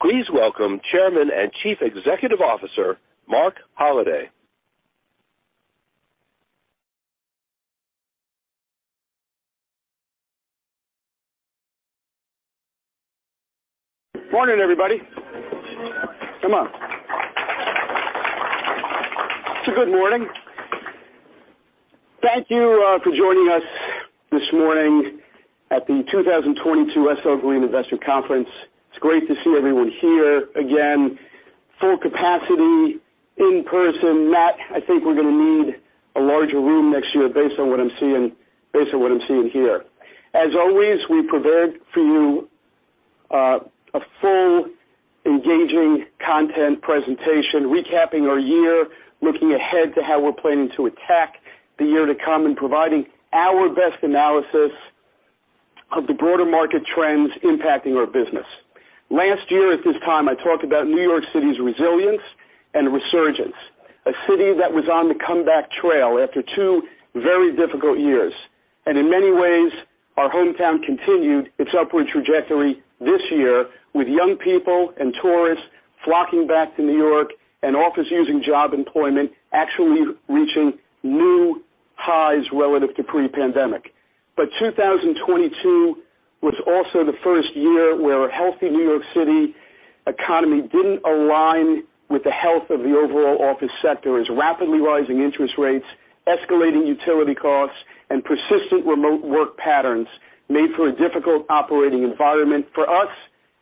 Please welcome Chairman and Chief Executive Officer, Marc Holliday. Morning, everybody. Come on. It's a good morning. Thank you for joining us this morning at the 2022 SL Green Investor Conference. It's great to see everyone here again, full capacity, in-person. Matt, I think we're gonna need a larger room next year based on what I'm seeing here. As always, we prepared for you a full engaging content presentation recapping our year, looking ahead to how we're planning to attack the year to come, and providing our best analysis of the broader market trends impacting our business. Last year, at this time, I talked about New York City's resilience and resurgence, a city that was on the comeback trail after two very difficult years. In many ways, our hometown continued its upward trajectory this year, with young people and tourists flocking back to New York and office using job employment actually reaching new highs relative to pre-pandemic. 2022 was also the first year where a healthy New York City economy didn't align with the health of the overall office sector, as rapidly rising interest rates, escalating utility costs, and persistent remote work patterns made for a difficult operating environment for us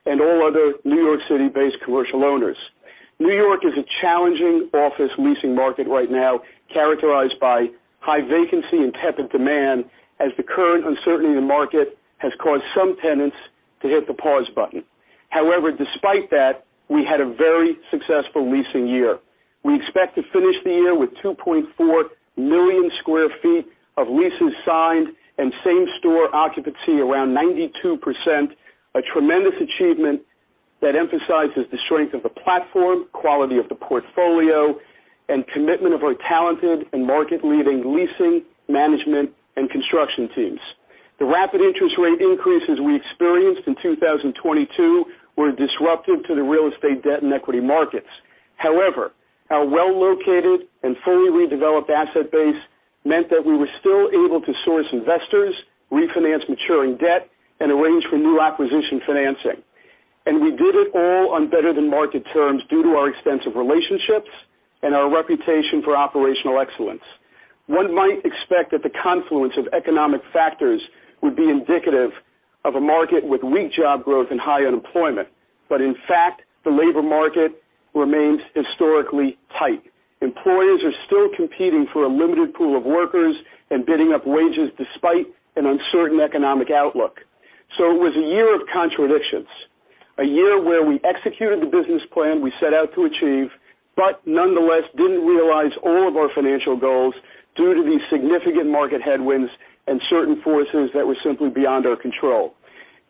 and all other New York City-based commercial owners. New York is a challenging office leasing market right now, characterized by high vacancy and tepid demand, as the current uncertainty in the market has caused some tenants to hit the pause button. However, despite that, we had a very successful leasing year. We expect to finish the year with 2.4 million sq ft of leases signed and same store occupancy around 92%, a tremendous achievement that emphasizes the strength of the platform, quality of the portfolio, and commitment of our talented and market-leading leasing, management, and construction teams. The rapid interest rate increases we experienced in 2022 were disruptive to the real estate debt and equity markets. However, our well-located and fully redeveloped asset base meant that we were still able to source investors, refinance maturing debt, and arrange for new acquisition financing. We did it all on better-than-market terms due to our extensive relationships and our reputation for operational excellence. One might expect that the confluence of economic factors would be indicative of a market with weak job growth and high unemployment. In fact, the labor market remains historically tight. Employers are still competing for a limited pool of workers and bidding up wages despite an uncertain economic outlook. It was a year of contradictions, a year where we executed the business plan we set out to achieve, but nonetheless didn't realize all of our financial goals due to these significant market headwinds and certain forces that were simply beyond our control.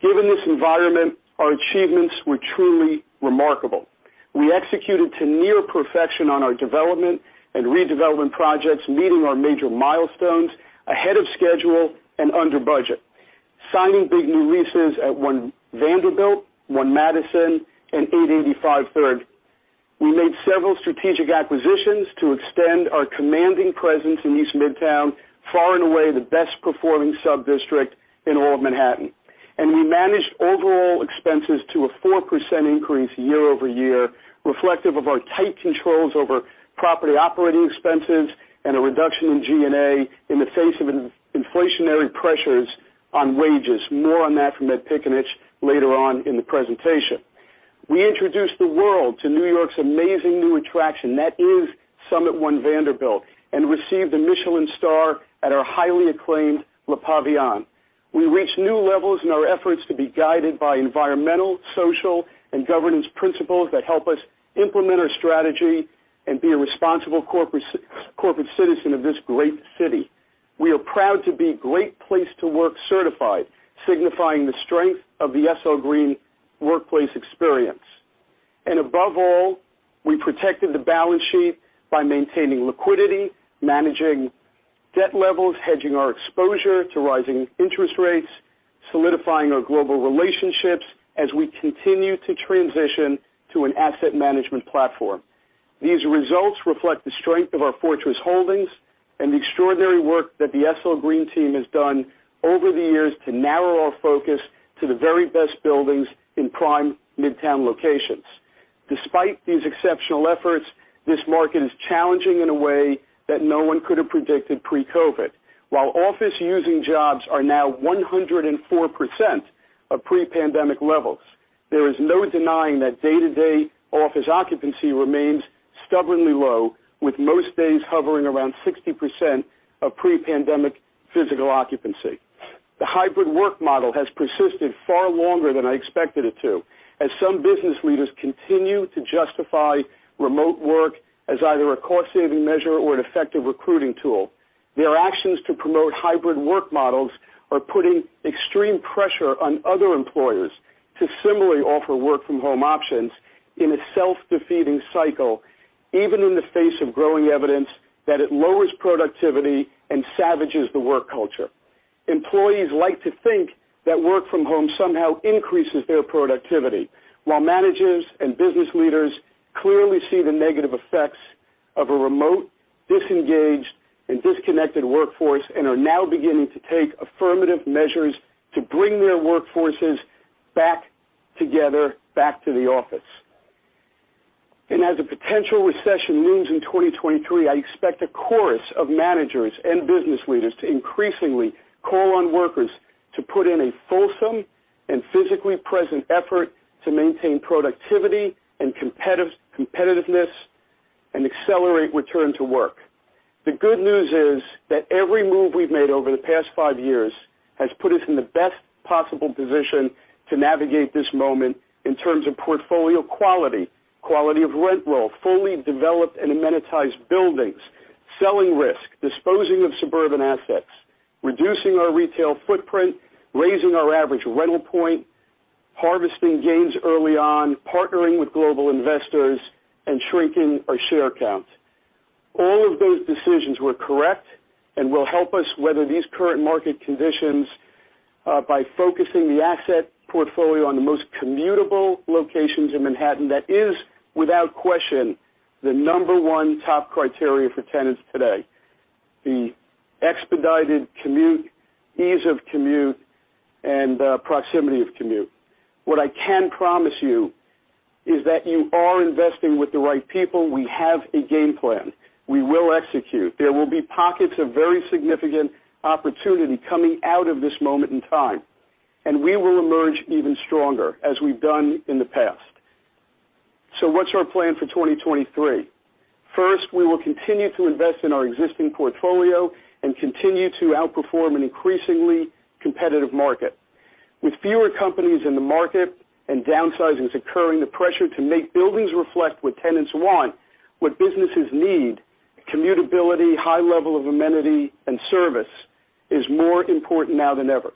Given this environment, our achievements were truly remarkable. We executed to near perfection on our development and redevelopment projects, meeting our major milestones ahead of schedule and under budget, signing big new leases at One Vanderbilt, One Madison, and 885 Third. We made several strategic acquisitions to extend our commanding presence in East Midtown, far and away the best performing subdistrict in all of Manhattan. We managed overall expenses to a 4% increase year-over-year, reflective of our tight controls over property operating expenses and a reduction in G&A in the face of inflationary pressures on wages. More on that from Ed Piccinich later on in the presentation. We introduced the world to New York's amazing new attraction, that is SUMMIT One Vanderbilt, and received a Michelin star at our highly acclaimed Le Pavillon. We reached new levels in our efforts to be guided by environmental, social, and governance principles that help us implement our strategy and be a responsible corporate citizen of this great city. We are proud to be Great Place to Work certified, signifying the strength of the SL Green workplace experience. Above all, we protected the balance sheet by maintaining liquidity, managing debt levels, hedging our exposure to rising interest rates, solidifying our global relationships as we continue to transition to an asset management platform. These results reflect the strength of our fortress holdings and the extraordinary work that the SL Green team has done over the years to narrow our focus to the very best buildings in prime Midtown locations. Despite these exceptional efforts, this market is challenging in a way that no one could have predicted pre-COVID. While office using jobs are now 104% of pre-pandemic levels, there is no denying that day-to-day office occupancy remains stubbornly low, with most days hovering around 60% of pre-pandemic physical occupancy. The hybrid work model has persisted far longer than I expected it to, as some business leaders continue to justify remote work as either a cost-saving measure or an effective recruiting tool. Their actions to promote hybrid work models are putting extreme pressure on other employers to similarly offer work from home options in a self-defeating cycle, even in the face of growing evidence that it lowers productivity and savages the work culture. Employees like to think that work from home somehow increases their productivity, while managers and business leaders clearly see the negative effects of a remote, disengaged, and disconnected workforce and are now beginning to take affirmative measures to bring their workforces back together, back to the office. As a potential recession looms in 2023, I expect a chorus of managers and business leaders to increasingly call on workers to put in a fulsome and physically present effort to maintain productivity and competitiveness and accelerate return to work. The good news is that every move we've made over the past 5 years has put us in the best possible position to navigate this moment in terms of portfolio quality of rent roll, fully developed and amenitized buildings, selling risk, disposing of suburban assets, reducing our retail footprint, raising our average rental point, harvesting gains early on, partnering with global investors, and shrinking our share count. All of those decisions were correct and will help us weather these current market conditions by focusing the asset portfolio on the most commutable locations in Manhattan. That is, without question, the number one top criteria for tenants today, the expedited commute, ease of commute, and proximity of commute. What I can promise you is that you are investing with the right people. We have a game plan. We will execute. There will be pockets of very significant opportunity coming out of this moment in time, and we will emerge even stronger, as we've done in the past. What's our plan for 2023? First, we will continue to invest in our existing portfolio and continue to outperform an increasingly competitive market. With fewer companies in the market and downsizings occurring, the pressure to make buildings reflect what tenants want, what businesses need, commutability, high level of amenity, and service is more important now than ever.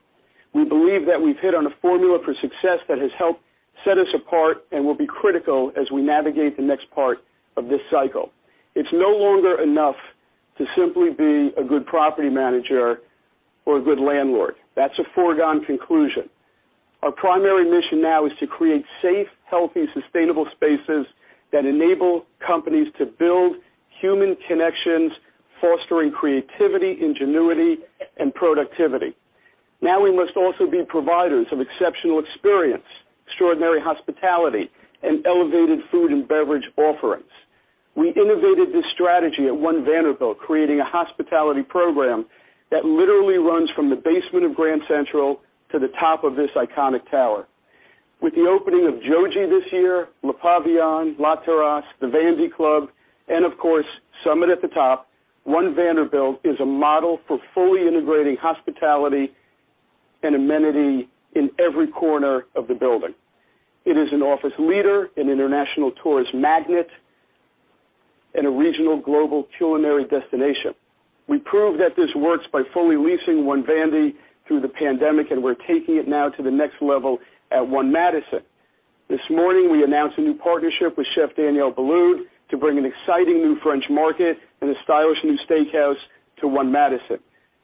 We believe that we've hit on a formula for success that has helped set us apart and will be critical as we navigate the next part of this cycle. It's no longer enough to simply be a good property manager or a good landlord. That's a foregone conclusion. Our primary mission now is to create safe, healthy, sustainable spaces that enable companies to build human connections, fostering creativity, ingenuity, and productivity. Now we must also be providers of exceptional experience, extraordinary hospitality, and elevated food and beverage offerings. We innovated this strategy at One Vanderbilt, creating a hospitality program that literally runs from the basement of Grand Central to the top of this iconic tower. With the opening of Jōji this year, Le Pavillon, La Terrasse, The Vandy Club, and of course, SUMMIT at the Top, One Vanderbilt is a model for fully integrating hospitality and amenity in every corner of the building. It is an office leader, an international tourist magnet, and a regional global culinary destination. We proved that this works by fully leasing One Vandy through the pandemic, we're taking it now to the next level at One Madison. This morning, we announced a new partnership with Chef Daniel Boulud to bring an exciting new French market and a stylish new steakhouse to One Madison.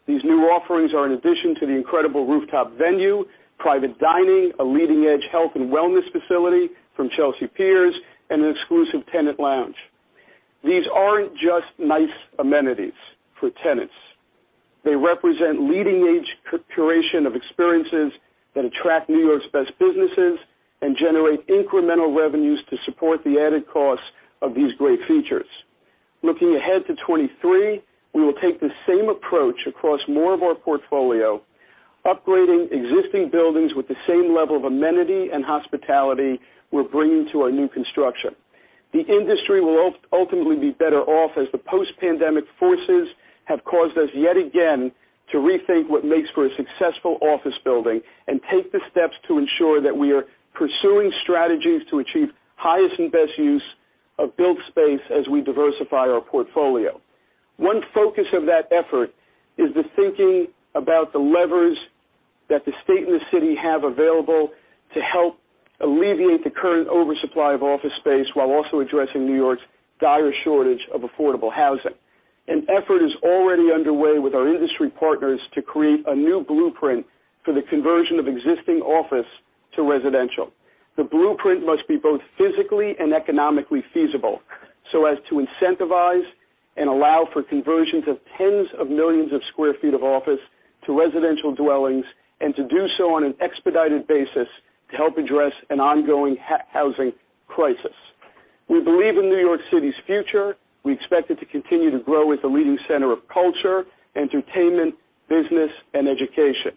These new offerings are in addition to the incredible rooftop venue, private dining, a leading edge health and wellness facility from Chelsea Piers, and an exclusive tenant lounge. These aren't just nice amenities for tenants. They represent leading edge curation of experiences that attract New York's best businesses and generate incremental revenues to support the added costs of these great features. Looking ahead to 23, we will take the same approach across more of our portfolio, upgrading existing buildings with the same level of amenity and hospitality we're bringing to our new construction. The industry will ultimately be better off as the post-pandemic forces have caused us yet again to rethink what makes for a successful office building and take the steps to ensure that we are pursuing strategies to achieve highest and best use of built space as we diversify our portfolio. One focus of that effort is the thinking about the levers that the state and the city have available to help alleviate the current oversupply of office space while also addressing New York's dire shortage of affordable housing. An effort is already underway with our industry partners to create a new blueprint for the conversion of existing office to residential. The blueprint must be both physically and economically feasible so as to incentivize and allow for conversions of tens of millions of square feet of office to residential dwellings, and to do so on an expedited basis to help address an ongoing housing crisis. We believe in New York City's future. We expect it to continue to grow as a leading center of culture, entertainment, business, and education.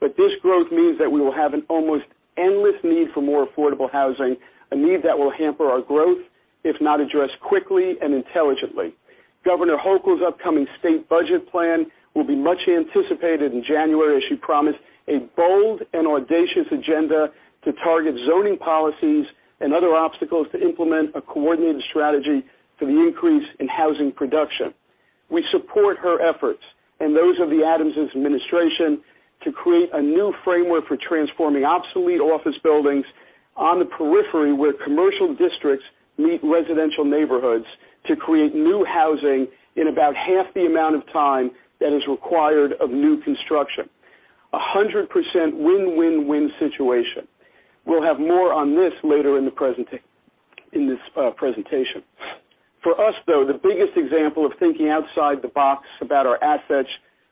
This growth means that we will have an almost endless need for more affordable housing, a need that will hamper our growth if not addressed quickly and intelligently. Governor Hochul's upcoming state budget plan will be much anticipated in January as she promised a bold and audacious agenda to target zoning policies and other obstacles to implement a coordinated strategy for the increase in housing production. We support her efforts and those of the Adams' administration. To create a new framework for transforming obsolete office buildings on the periphery where commercial districts meet residential neighborhoods to create new housing in about half the amount of time that is required of new construction. A 100% win-win-win situation. We'll have more on this later in this presentation. For us, though, the biggest example of thinking outside the box about our assets,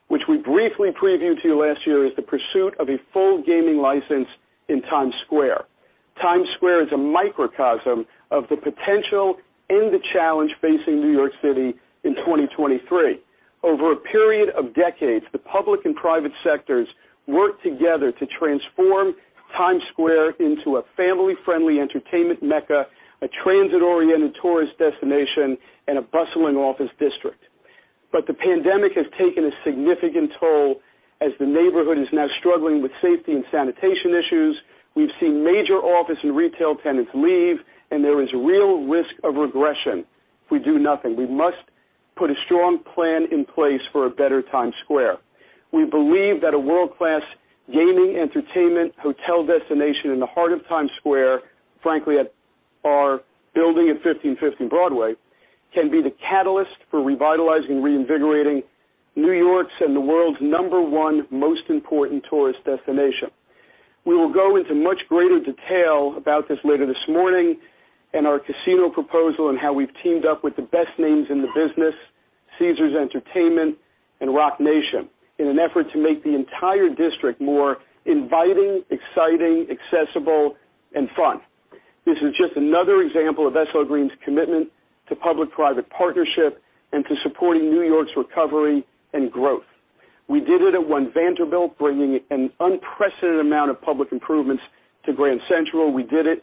which we briefly previewed to you last year, is the pursuit of a full gaming license in Times Square. Times Square is a microcosm of the potential and the challenge facing New York City in 2023. Over a period of decades, the public and private sectors worked together to transform Times Square into a family-friendly entertainment mecca, a transit-oriented tourist destination, and a bustling office district. The pandemic has taken a significant toll as the neighborhood is now struggling with safety and sanitation issues. We've seen major office and retail tenants leave, and there is real risk of regression if we do nothing. We must put a strong plan in place for a better Times Square. We believe that a world-class gaming, entertainment, hotel destination in the heart of Times Square, frankly at our building at 1515 Broadway, can be the catalyst for revitalizing and reinvigorating New York's and the world's number one most important tourist destination. We will go into much greater detail about this later this morning and our casino proposal and how we've teamed up with the best names in the business, Caesars Entertainment and Roc Nation, in an effort to make the entire district more inviting, exciting, accessible, and fun. This is just another example of SL Green's commitment to public-private partnership and to supporting New York's recovery and growth. We did it at One Vanderbilt, bringing an unprecedented amount of public improvements to Grand Central. We did it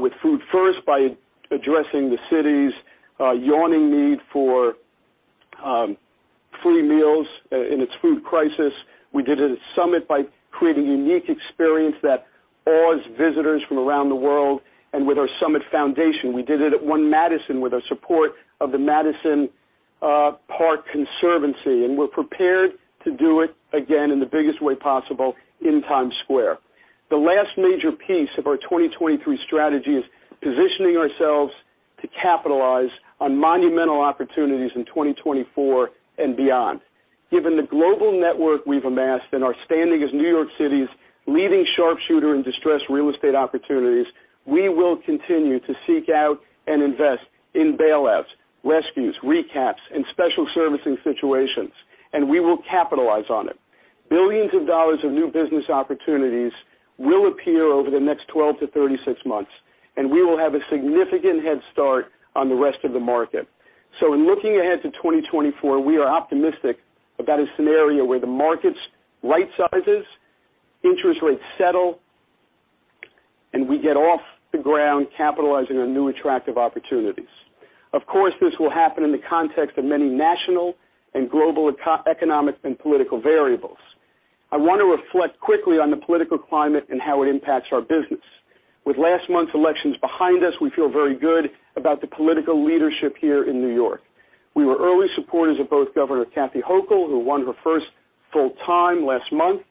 with Food1st by addressing the city's yawning need for free meals in its food crisis. We did it at Summit by creating a unique experience that awes visitors from around the world and with our SUMMIT Foundation. We did it at One Madison with the support of the Madison Park Conservancy. We're prepared to do it again in the biggest way possible in Times Square. The last major piece of our 2023 strategy is positioning ourselves to capitalize on monumental opportunities in 2024 and beyond. Given the global network we've amassed and our standing as New York City's leading sharpshooter in distressed real estate opportunities, we will continue to seek out and invest in bailouts, rescues, recaps, and special servicing situations, and we will capitalize on it. Billions of dollars of new business opportunities will appear over the next 12 to 36 months, and we will have a significant head start on the rest of the market. In looking ahead to 2024, we are optimistic about a scenario where the markets right sizes, interest rates settle, and we get off the ground capitalizing on new attractive opportunities. Of course, this will happen in the context of many national and global eco-economic and political variables. I want to reflect quickly on the political climate and how it impacts our business. With last month's elections behind us, we feel very good about the political leadership here in New York. We were early supporters of both Governor Kathy Hochul, who won her first full time last month,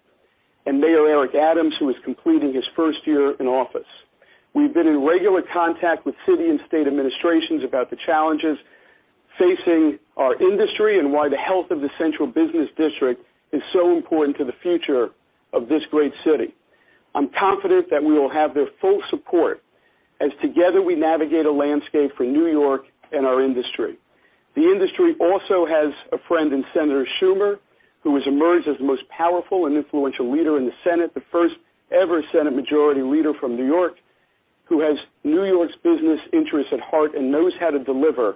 and Mayor Eric Adams, who is completing his first year in office. We've been in regular contact with city and state administrations about the challenges facing our industry and why the health of the central business district is so important to the future of this great city. I'm confident that we will have their full support as together we navigate a landscape for New York and our industry. The industry also has a friend in Senator Schumer, who has emerged as the most powerful and influential leader in the Senate, the first ever Senate majority leader from New York, who has New York's business interests at heart and knows how to deliver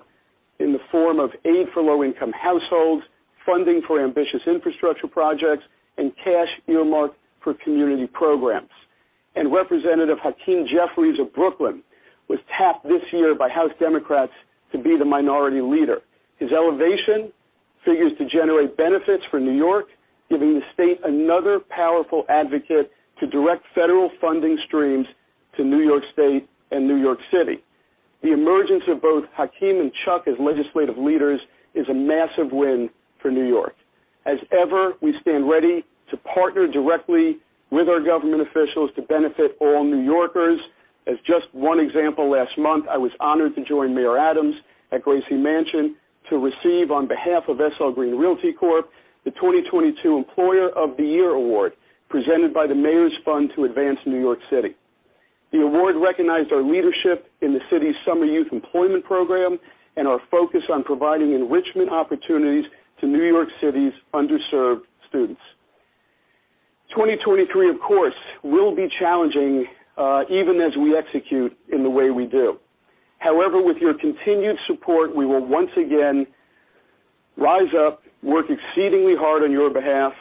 in the form of aid for low-income households, funding for ambitious infrastructure projects, and cash earmarked for community programs. Representative Hakeem Jeffries of Brooklyn was tapped this year by House Democrats to be the Minority Leader. His elevation figures to generate benefits for New York, giving the state another powerful advocate to direct federal funding streams to New York State and New York City. The emergence of both Hakeem and Chuck as legislative leaders is a massive win for New York. As ever, we stand ready to partner directly with our government officials to benefit all New Yorkers. As just one example, last month, I was honored to join Mayor Adams at Gracie Mansion to receive, on behalf of SL Green Realty Corp., the 2022 Employer of the Year award presented by the Mayor's Fund to Advance New York City. The award recognized our leadership in the city's summer youth employment program and our focus on providing enrichment opportunities to New York City's underserved students. 2023, of course, will be challenging, even as we execute in the way we do. However, with your continued support, we will once again rise up, work exceedingly hard on your behalf,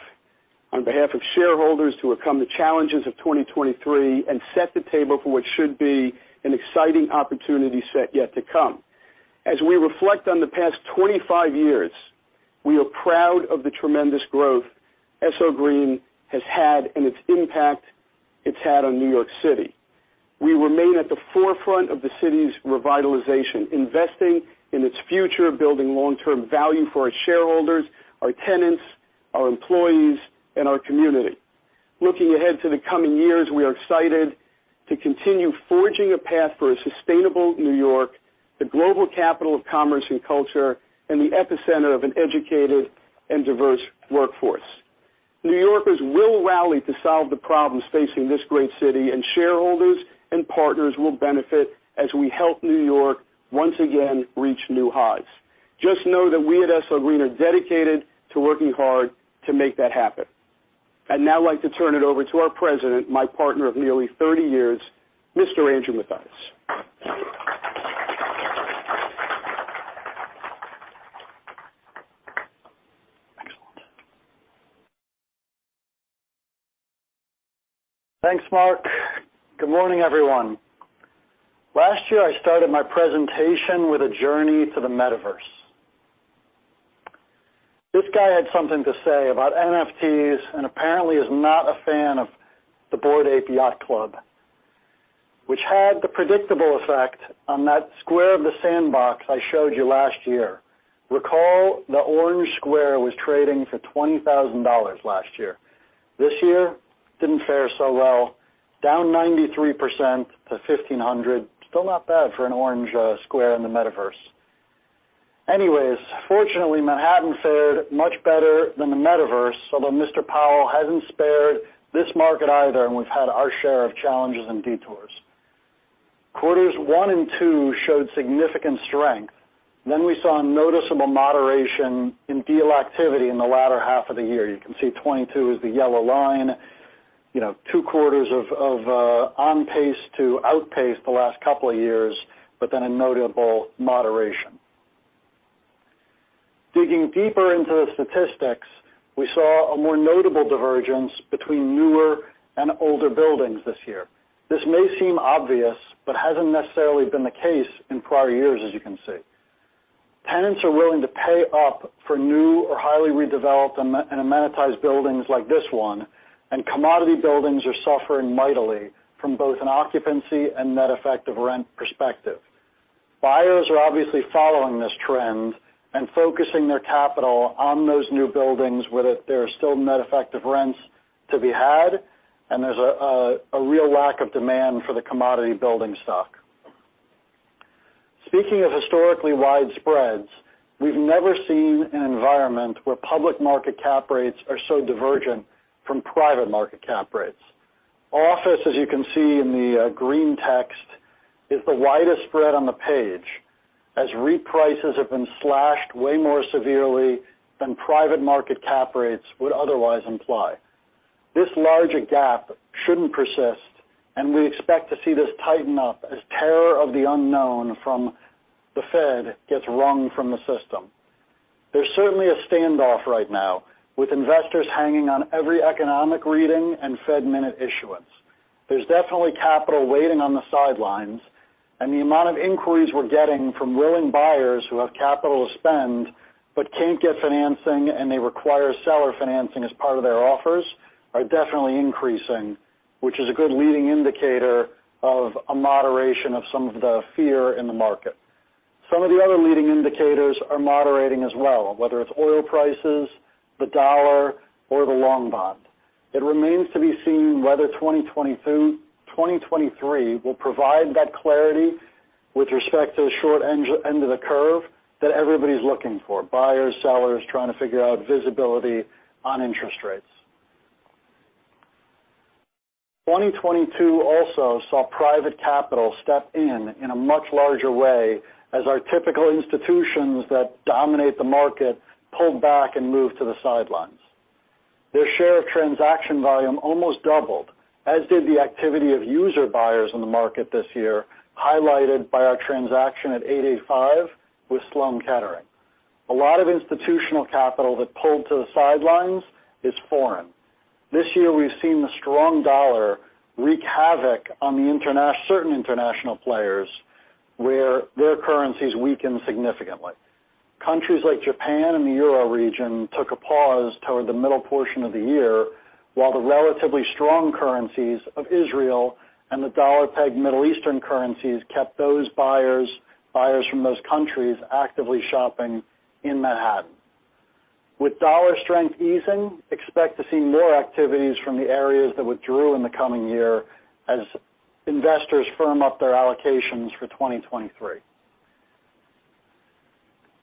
on behalf of shareholders to overcome the challenges of 2023, and set the table for what should be an exciting opportunity set yet to come. As we reflect on the past 25 years, we are proud of the tremendous growth SL Green has had and its impact it's had on New York City. We remain at the forefront of the city's revitalization, investing in its future, building long-term value for our shareholders, our tenants, our employees, and our community. Looking ahead to the coming years, we are excited to continue forging a path for a sustainable New York, the global capital of commerce and culture, and the epicenter of an educated and diverse workforce. New Yorkers will rally to solve the problems facing this great city, Shareholders and partners will benefit as we help New York, once again, reach new highs. Just know that we at SL Green are dedicated to working hard to make that happen. I'd now like to turn it over to our president, my partner of nearly 30 years, Mr. Andrew Mathias. Thanks, Mark. Good morning, everyone. Last year, I started my presentation with a journey to the Metaverse. This guy had something to say about NFTs, apparently is not a fan of the Bored Ape Yacht Club, which had the predictable effect on that square of the sandbox I showed you last year. Recall, the orange square was trading for $20,000 last year. This year, didn't fare so well, down 93% to $1,500. Still not bad for an orange square in the Metaverse. Fortunately, Manhattan fared much better than the Metaverse, although Mr. Powell hasn't spared this market either, and we've had our share of challenges and detours. Quarters one and two showed significant strength. We saw a noticeable moderation in deal activity in the latter half of the year. You can see '22 is the yellow line, you know, 2 quarters of on pace to outpace the last couple of years, but then a notable moderation. Digging deeper into the statistics, we saw a more notable divergence between newer and older buildings this year. This may seem obvious, but hasn't necessarily been the case in prior years, as you can see. Tenants are willing to pay up for new or highly redeveloped and amenitized buildings like this one, and commodity buildings are suffering mightily from both an occupancy and net effective rent perspective. Buyers are obviously following this trend and focusing their capital on those new buildings, whether there are still net effective rents to be had, and there's a real lack of demand for the commodity building stock. Speaking of historically wide spreads, we've never seen an environment where public market cap rates are so divergent from private market cap rates. Office, as you can see in the green text, is the widest spread on the page, as reprices have been slashed way more severely than private market cap rates would otherwise imply. This larger gap shouldn't persist, and we expect to see this tighten up as terror of the unknown from the Fed gets wrung from the system. There's certainly a standoff right now, with investors hanging on every economic reading and Fed minute issuance. There's definitely capital waiting on the sidelines, the amount of inquiries we're getting from willing buyers who have capital to spend but can't get financing, and they require seller financing as part of their offers, are definitely increasing, which is a good leading indicator of a moderation of some of the fear in the market. Some of the other leading indicators are moderating as well, whether it's oil prices, the dollar, or the long bond. It remains to be seen whether 2022, 2023 will provide that clarity with respect to the short end of the curve that everybody's looking for, buyers, sellers, trying to figure out visibility on interest rates. 2022 also saw private capital step in in a much larger way as our typical institutions that dominate the market pulled back and moved to the sidelines. Their share of transaction volume almost doubled, as did the activity of user buyers in the market this year, highlighted by our transaction at 885 with Sloan Kettering. A lot of institutional capital that pulled to the sidelines is foreign. This year, we've seen the strong dollar wreak havoc on certain international players where their currencies weakened significantly. Countries like Japan and the Euro region took a pause toward the middle portion of the year, while the relatively strong currencies of Israel and the dollar-pegged Middle Eastern currencies kept those buyers from those countries actively shopping in Manhattan. With dollar strength easing, expect to see more activities from the areas that withdrew in the coming year as investors firm up their allocations for 2023.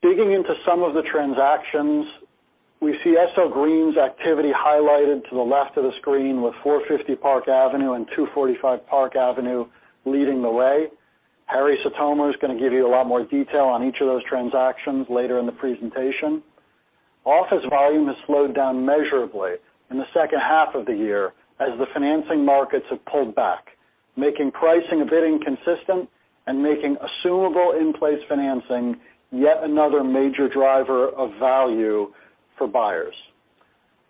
Digging into some of the transactions, we see SL Green's activity highlighted to the left of the screen with 450 Park Avenue and 245 Park Avenue leading the way. Harrison Sitomer is gonna give you a lot more detail on each of those transactions later in the presentation. Office volume has slowed down measurably in the second half of the year as the financing markets have pulled back, making pricing a bit inconsistent and making assumable in-place financing yet another major driver of value for buyers.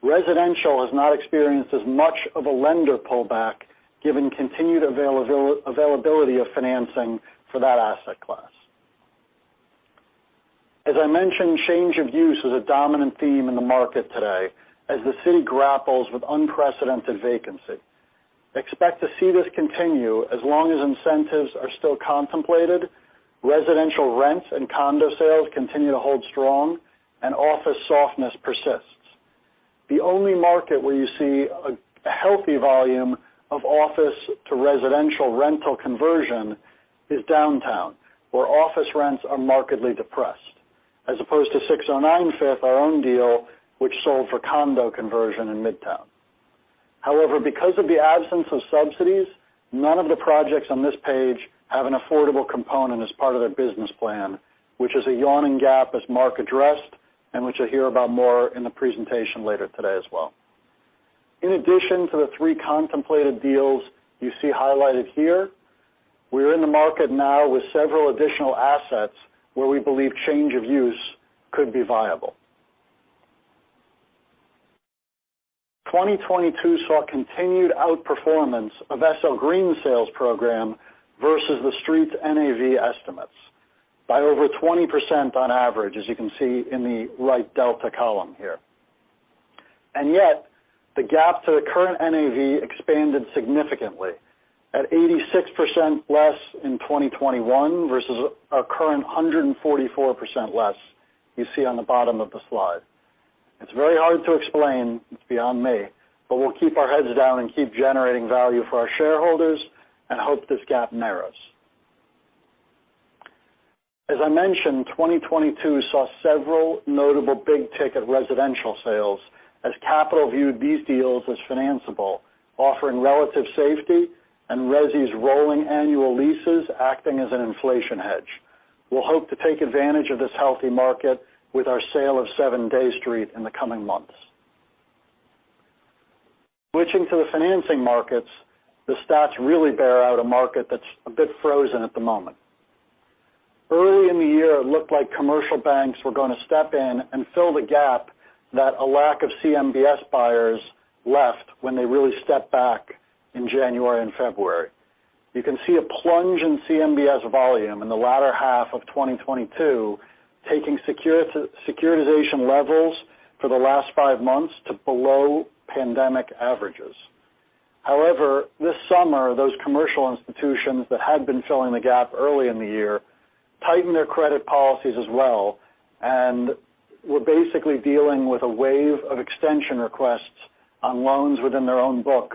Residential has not experienced as much of a lender pullback given continued availability of financing for that asset class. As I mentioned, change of use is a dominant theme in the market today as the city grapples with unprecedented vacancy. Expect to see this continue as long as incentives are still contemplated, residential rents and condo sales continue to hold strong, and office softness persists. The only market where you see a healthy volume of office to residential rental conversion is downtown, where office rents are markedly depressed, as opposed to 609 Fifth, our own deal, which sold for condo conversion in Midtown. Because of the absence of subsidies, none of the projects on this page have an affordable component as part of their business plan, which is a yawning gap as Marc addressed, and which you'll hear about more in the presentation later today as well. In addition to the 3 contemplated deals you see highlighted here, we're in the market now with several additional assets where we believe change of use could be viable. 2022 saw continued outperformance of SL Green sales program versus The Street's NAV estimates by over 20% on average, as you can see in the right delta column here. Yet, the gap to the current NAV expanded significantly at 86% less in 2021 versus a current 144% less you see on the bottom of the slide. It's very hard to explain, it's beyond me, but we'll keep our heads down and keep generating value for our shareholders and hope this gap narrows. As I mentioned, 2022 saw several notable big-ticket residential sales as capital viewed these deals as financiable, offering relative safety, and resi's rolling annual leases acting as an inflation hedge. We'll hope to take advantage of this healthy market with our sale of 7 Dey Street in the coming months. Switching to the financing markets, the stats really bear out a market that's a bit frozen at the moment. Early in the year, it looked like commercial banks were gonna step in and fill the gap that a lack of CMBS buyers left when they really stepped back in January and February. You can see a plunge in CMBS volume in the latter half of 2022, taking securitization levels for the last five months to below pandemic averages. This summer, those commercial institutions that had been filling the gap early in the year tightened their credit policies as well and were basically dealing with a wave of extension requests on loans within their own book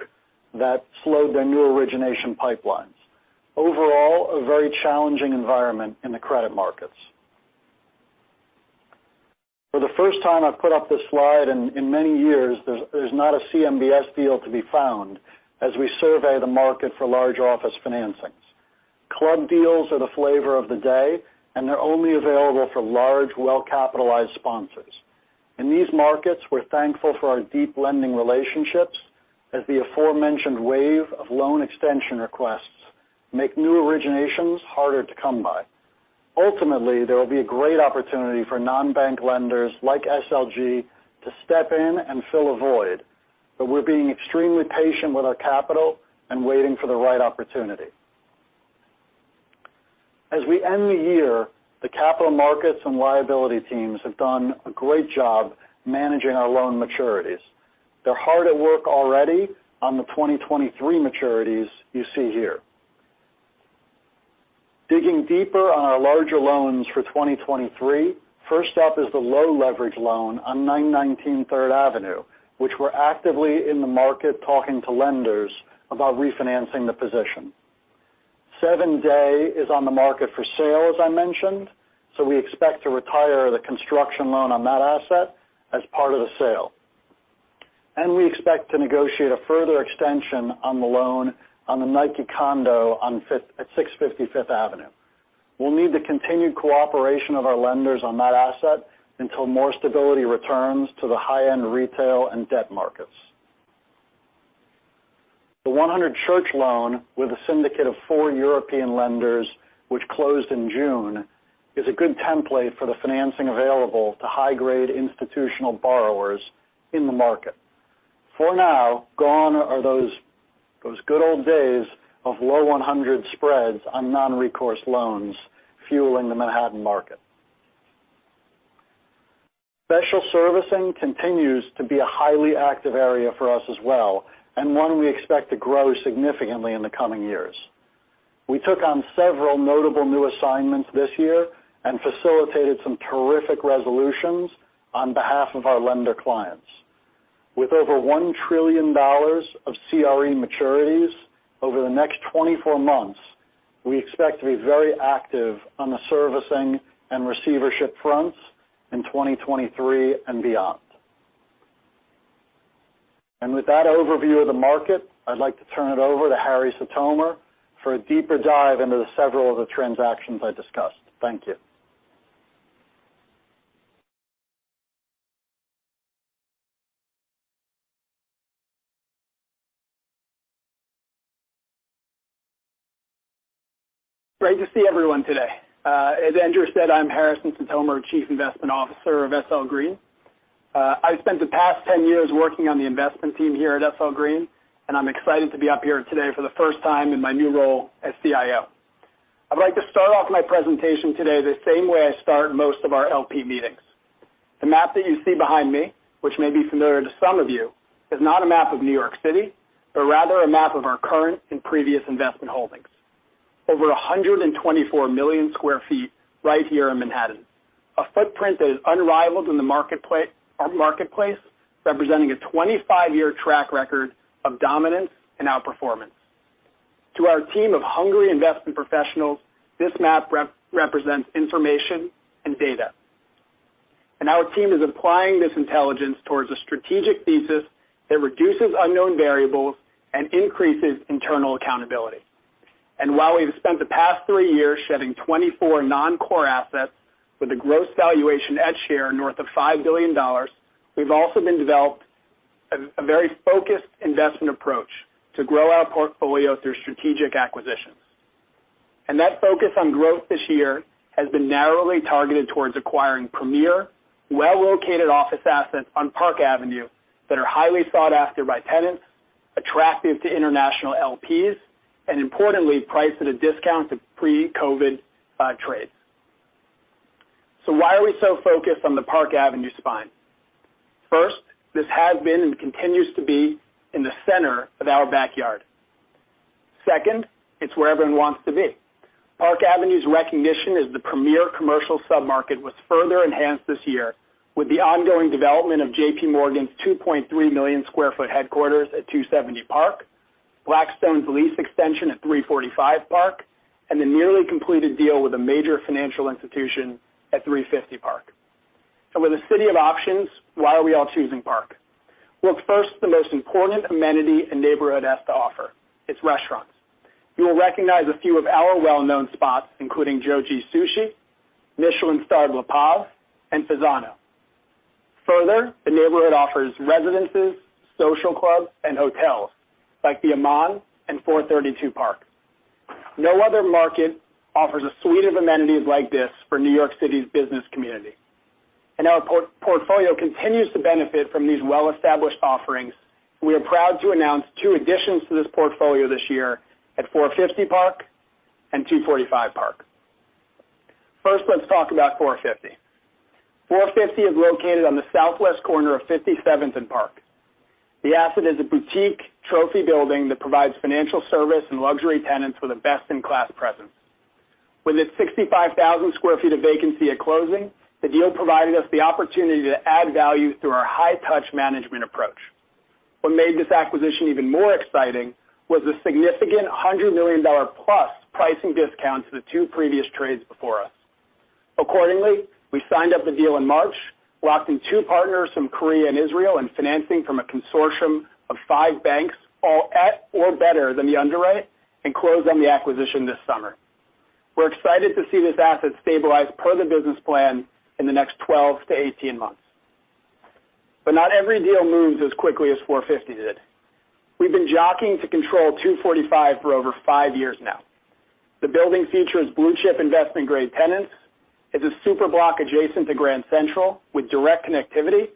that slowed their new origination pipelines. Overall, a very challenging environment in the credit markets. For the first time I've put up this slide in many years, there's not a CMBS deal to be found as we survey the market for large office financings. Club deals are the flavor of the day. They're only available for large, well-capitalized sponsors. In these markets, we're thankful for our deep lending relationships as the aforementioned wave of loan extension requests make new originations harder to come by. Ultimately, there will be a great opportunity for non-bank lenders like SLG to step in and fill a void. We're being extremely patient with our capital and waiting for the right opportunity. As we end the year, the capital markets and liability teams have done a great job managing our loan maturities. They're hard at work already on the 2023 maturities you see here. Digging deeper on our larger loans for 2023, first up is the low leverage loan on 919 Third Avenue, which we're actively in the market talking to lenders about refinancing the position. 7 Dey Street is on the market for sale, as I mentioned, we expect to retire the construction loan on that asset as part of the sale. We expect to negotiate a further extension on the loan on the Nike condo at 650 Fifth Avenue. We'll need the continued cooperation of our lenders on that asset until more stability returns to the high-end retail and debt markets. The 100 Church loan with a syndicate of 4 European lenders, which closed in June, is a good template for the financing available to high-grade institutional borrowers in the market. For now, gone are those good old days of low 100 spreads on non-recourse loans fueling the Manhattan market. Special servicing continues to be a highly active area for us as well, and one we expect to grow significantly in the coming years. We took on several notable new assignments this year and facilitated some terrific resolutions on behalf of our lender clients. With over $1 trillion of CRE maturities over the next 24 months, we expect to be very active on the servicing and receivership fronts in 2023 and beyond. With that overview of the market, I'd like to turn it over to Harry Sotomer for a deeper dive into the several of the transactions I discussed. Thank you. Great to see everyone today. As Andrew said, I'm Harrison Sitomer, Chief Investment Officer of SL Green. I've spent the past 10 years working on the investment team here at SL Green, and I'm excited to be up here today for the first time in my new role as CIO. I'd like to start off my presentation today the same way I start most of our LP meetings. The map that you see behind me, which may be familiar to some of you, is not a map of New York City, but rather a map of our current and previous investment holdings. Over 124 million sq ft right here in Manhattan. A footprint that is unrivaled in the marketplace, representing a 25-year track record of dominance and outperformance. To our team of hungry investment professionals, this map represents information and data. Our team is applying this intelligence towards a strategic thesis that reduces unknown variables and increases internal accountability. While we've spent the past three years shedding 24 non-core assets with a gross valuation at share north of $5 billion, we've also been developed a very focused investment approach to grow our portfolio through strategic acquisitions. That focus on growth this year has been narrowly targeted towards acquiring premier, well-located office assets on Park Avenue that are highly sought after by tenants, attractive to international LPs, and importantly, priced at a discount to pre-COVID trades. Why are we so focused on the Park Avenue spine? First, this has been and continues to be in the center of our backyard. Second, it's where everyone wants to be. Park Avenue's recognition as the premier commercial sub-market was further enhanced this year with the ongoing development of J.P. Morgan's $2.3 million square foot headquarters at 270 Park, Blackstone's lease extension at 345 Park, and the nearly completed deal with a major financial institution at 350 Park. With a city of options, why are we all choosing Park? Well, first, the most important amenity a neighborhood has to offer, it's restaurants. You will recognize a few of our well-known spots, including Jōji, Michelin-starred Le Pavillon, and Fasano. Further, the neighborhood offers residences, social clubs, and hotels like the Aman and 432 Park. No other market offers a suite of amenities like this for New York City's business community. Our portfolio continues to benefit from these well-established offerings. We are proud to announce two additions to this portfolio this year at 450 Park and 245 Park. First, let's talk about 450. 450 is located on the southwest corner of 57th and Park. The asset is a boutique trophy building that provides financial service and luxury tenants with a best-in-class presence. With its 65,000 sq ft of vacancy at closing, the deal provided us the opportunity to add value through our high touch management approach. What made this acquisition even more exciting was a significant $100 million-plus pricing discount to the two previous trades before us. Accordingly, we signed up the deal in March, locking two partners from Korea and Israel, and financing from a consortium of five banks, all at or better than the underwrite, and closed on the acquisition this summer. We're excited to see this asset stabilize per the business plan in the next 12 to 18 months. Not every deal moves as quickly as 450 did. We've been jockeying to control 245 for over 5 years now. The building features blue-chip investment-grade tenants. It's a superblock adjacent to Grand Central with direct connectivity.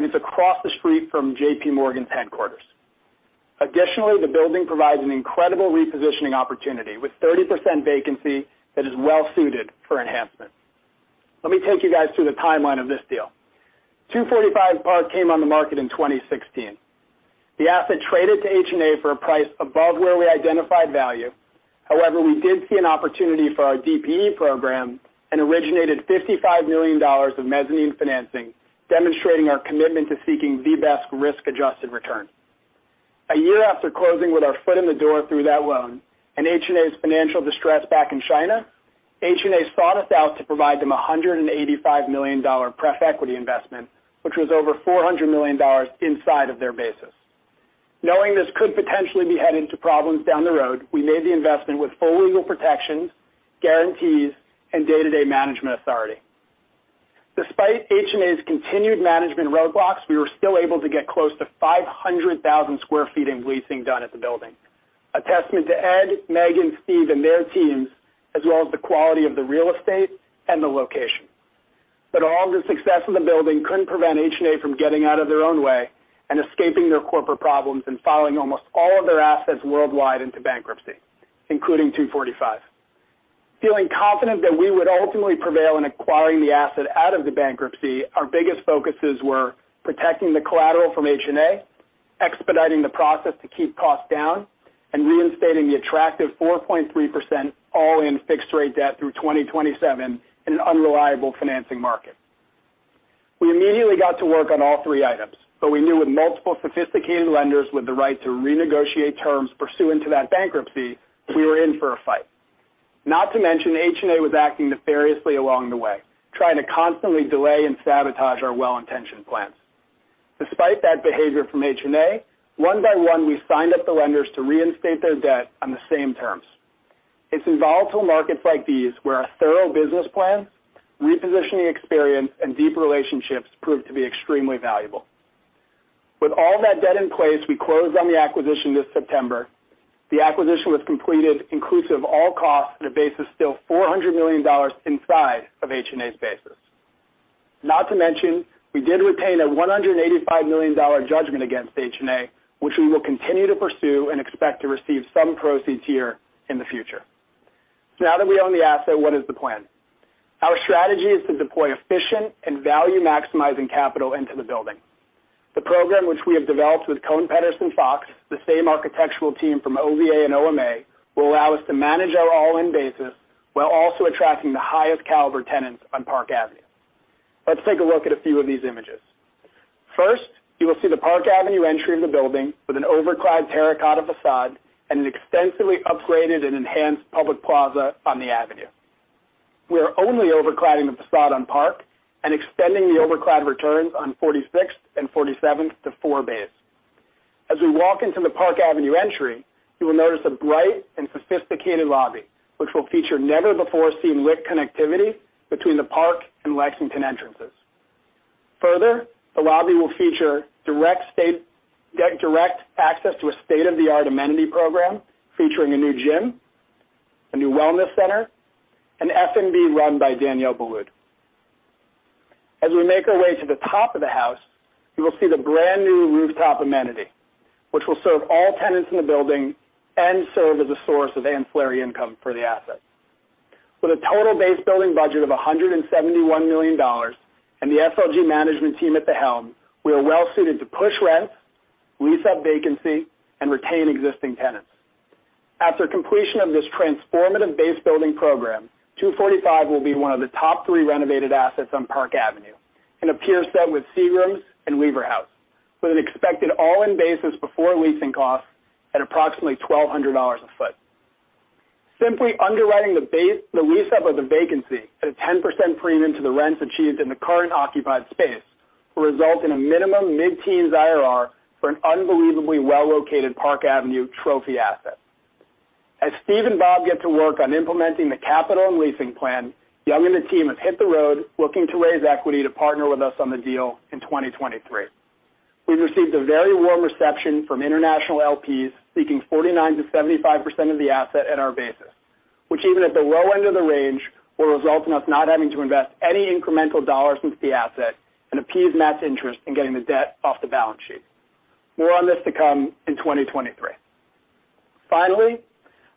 It's across the street from J.P. Morgan's headquarters. Additionally, the building provides an incredible repositioning opportunity with 30% vacancy that is well suited for enhancement. Let me take you guys through the timeline of this deal. 245 Park came on the market in 2016. The asset traded to HNA for a price above where we identified value. We did see an opportunity for our DPE program and originated $55 million of mezzanine financing, demonstrating our commitment to seeking the best risk-adjusted return. A year after closing with our foot in the door through that loan and HNA's financial distress back in China, HNA sought us out to provide them a $185 million pref equity investment, which was over $400 million inside of their basis. Knowing this could potentially be headed to problems down the road, we made the investment with full legal protections, guarantees, and day-to-day management authority. Despite HNA's continued management roadblocks, we were still able to get close to 500,000 sq ft in leasing done at the building. A testament to Ed, Meg, and Steve and their teams, as well as the quality of the real estate and the location. All the success in the building couldn't prevent HNA from getting out of their own way and escaping their corporate problems and filing almost all of their assets worldwide into bankruptcy, including 245. Feeling confident that we would ultimately prevail in acquiring the asset out of the bankruptcy, our biggest focuses were protecting the collateral from HNA, expediting the process to keep costs down, and reinstating the attractive 4.3% all-in fixed rate debt through 2027 in an unreliable financing market. We immediately got to work on all three items, but we knew with multiple sophisticated lenders with the right to renegotiate terms pursuant to that bankruptcy, we were in for a fight. Not to mention, HNA was acting nefariously along the way, trying to constantly delay and sabotage our well-intentioned plans. Despite that behavior from HNA, one by one, we signed up the lenders to reinstate their debt on the same terms. It's in volatile markets like these where our thorough business plan, repositioning experience, and deep relationships prove to be extremely valuable. With all that debt in place, we closed on the acquisition this September. The acquisition was completed inclusive of all costs on a basis still $400 million inside of HNA's basis. Not to mention, we did retain a $185 million judgment against HNA, which we will continue to pursue and expect to receive some proceeds here in the future. Now that we own the asset, what is the plan? Our strategy is to deploy efficient and value-maximizing capital into the building. The program which we have developed with Kohn Pedersen Fox, the same architectural team from OVA and OMA, will allow us to manage our all-in basis while also attracting the highest caliber tenants on Park Avenue. Let's take a look at a few of these images. First, you will see the Park Avenue entry of the building with an overclad terracotta facade and an extensively upgraded and enhanced public plaza on the avenue. We are only overcladding the facade on Park and extending the overclad returns on 46th and 47th to four bays. As we walk into the Park Avenue entry, you will notice a bright and sophisticated lobby, which will feature never-before-seen wick connectivity between the Park and Lexington entrances. The lobby will feature direct access to a state-of-the-art amenity program featuring a new gym, a new wellness center, and F&B run by Daniel Boulud. As we make our way to the top of the house, you will see the brand-new rooftop amenity, which will serve all tenants in the building and serve as a source of ancillary income for the asset. With a total base building budget of $171 million and the SLG management team at the helm, we are well suited to push rents, lease up vacancy, and retain existing tenants. After completion of this transformative base building program, 245 will be one of the top three renovated assets on Park Avenue and a peer set with Crown and Lever House, with an expected all-in basis before leasing costs at approximately $1,200 a foot. Simply underwriting the lease up of the vacancy at a 10% premium to the rents achieved in the current occupied space will result in a minimum mid-teens IRR for an unbelievably well-located Park Avenue trophy asset. As Steve and Bob get to work on implementing the capital and leasing plan, Young and the team have hit the road looking to raise equity to partner with us on the deal in 2023. We've received a very warm reception from international LPs seeking 49%-75% of the asset at our basis, which even at the low end of the range, will result in us not having to invest any incremental dollars into the asset and appease Matt's interest in getting the debt off the balance sheet. More on this to come in 2023. Finally,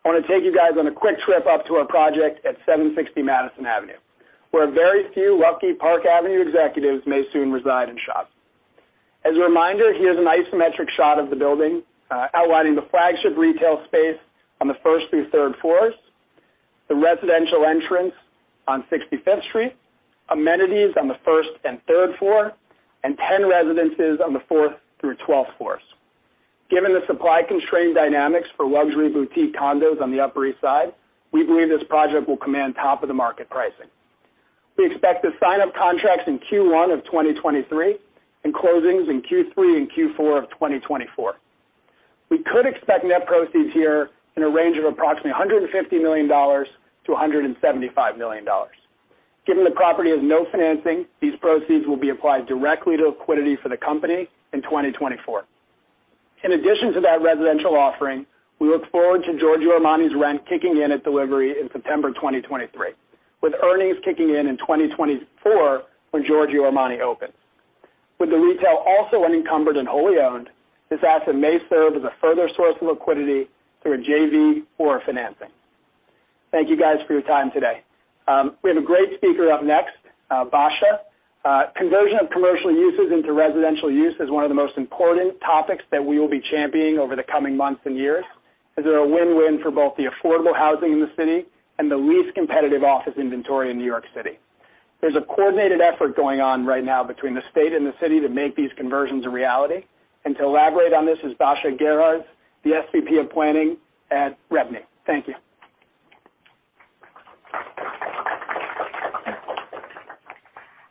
I want to take you guys on a quick trip up to our project at 760 Madison Avenue, where a very few lucky Park Avenue executives may soon reside and shop. As a reminder, here's an isometric shot of the building, outlining the flagship retail space on the 1st through 3rd floors, the residential entrance on 65th Street, amenities on the 1st and 3rd floor, and 10 residences on the 4th through 12th floors. Given the supply-constrained dynamics for luxury boutique condos on the Upper East Side, we believe this project will command top of the market pricing. We expect to sign up contracts in Q1 of 2023 and closings in Q3 and Q4 of 2024. We could expect net proceeds here in a range of approximately $150 million-$175 million. Given the property has no financing, these proceeds will be applied directly to liquidity for the company in 2024. In addition to that residential offering, we look forward to Giorgio Armani's rent kicking in at delivery in September 2023, with earnings kicking in in 2024 when Giorgio Armani opens. With the retail also unencumbered and wholly owned, this asset may serve as a further source of liquidity through a JV or a financing. Thank you guys for your time today. We have a great speaker up next, Basha Gerhards. Conversion of commercial uses into residential use is one of the most important topics that we will be championing over the coming months and years as they're a win-win for both the affordable housing in the city and the least competitive office inventory in New York City. There's a coordinated effort going on right now between the state and the city to make these conversions a reality. To elaborate on this is Basha Gerhards Gerhards, the SVP of Planning at REBNY. Thank you.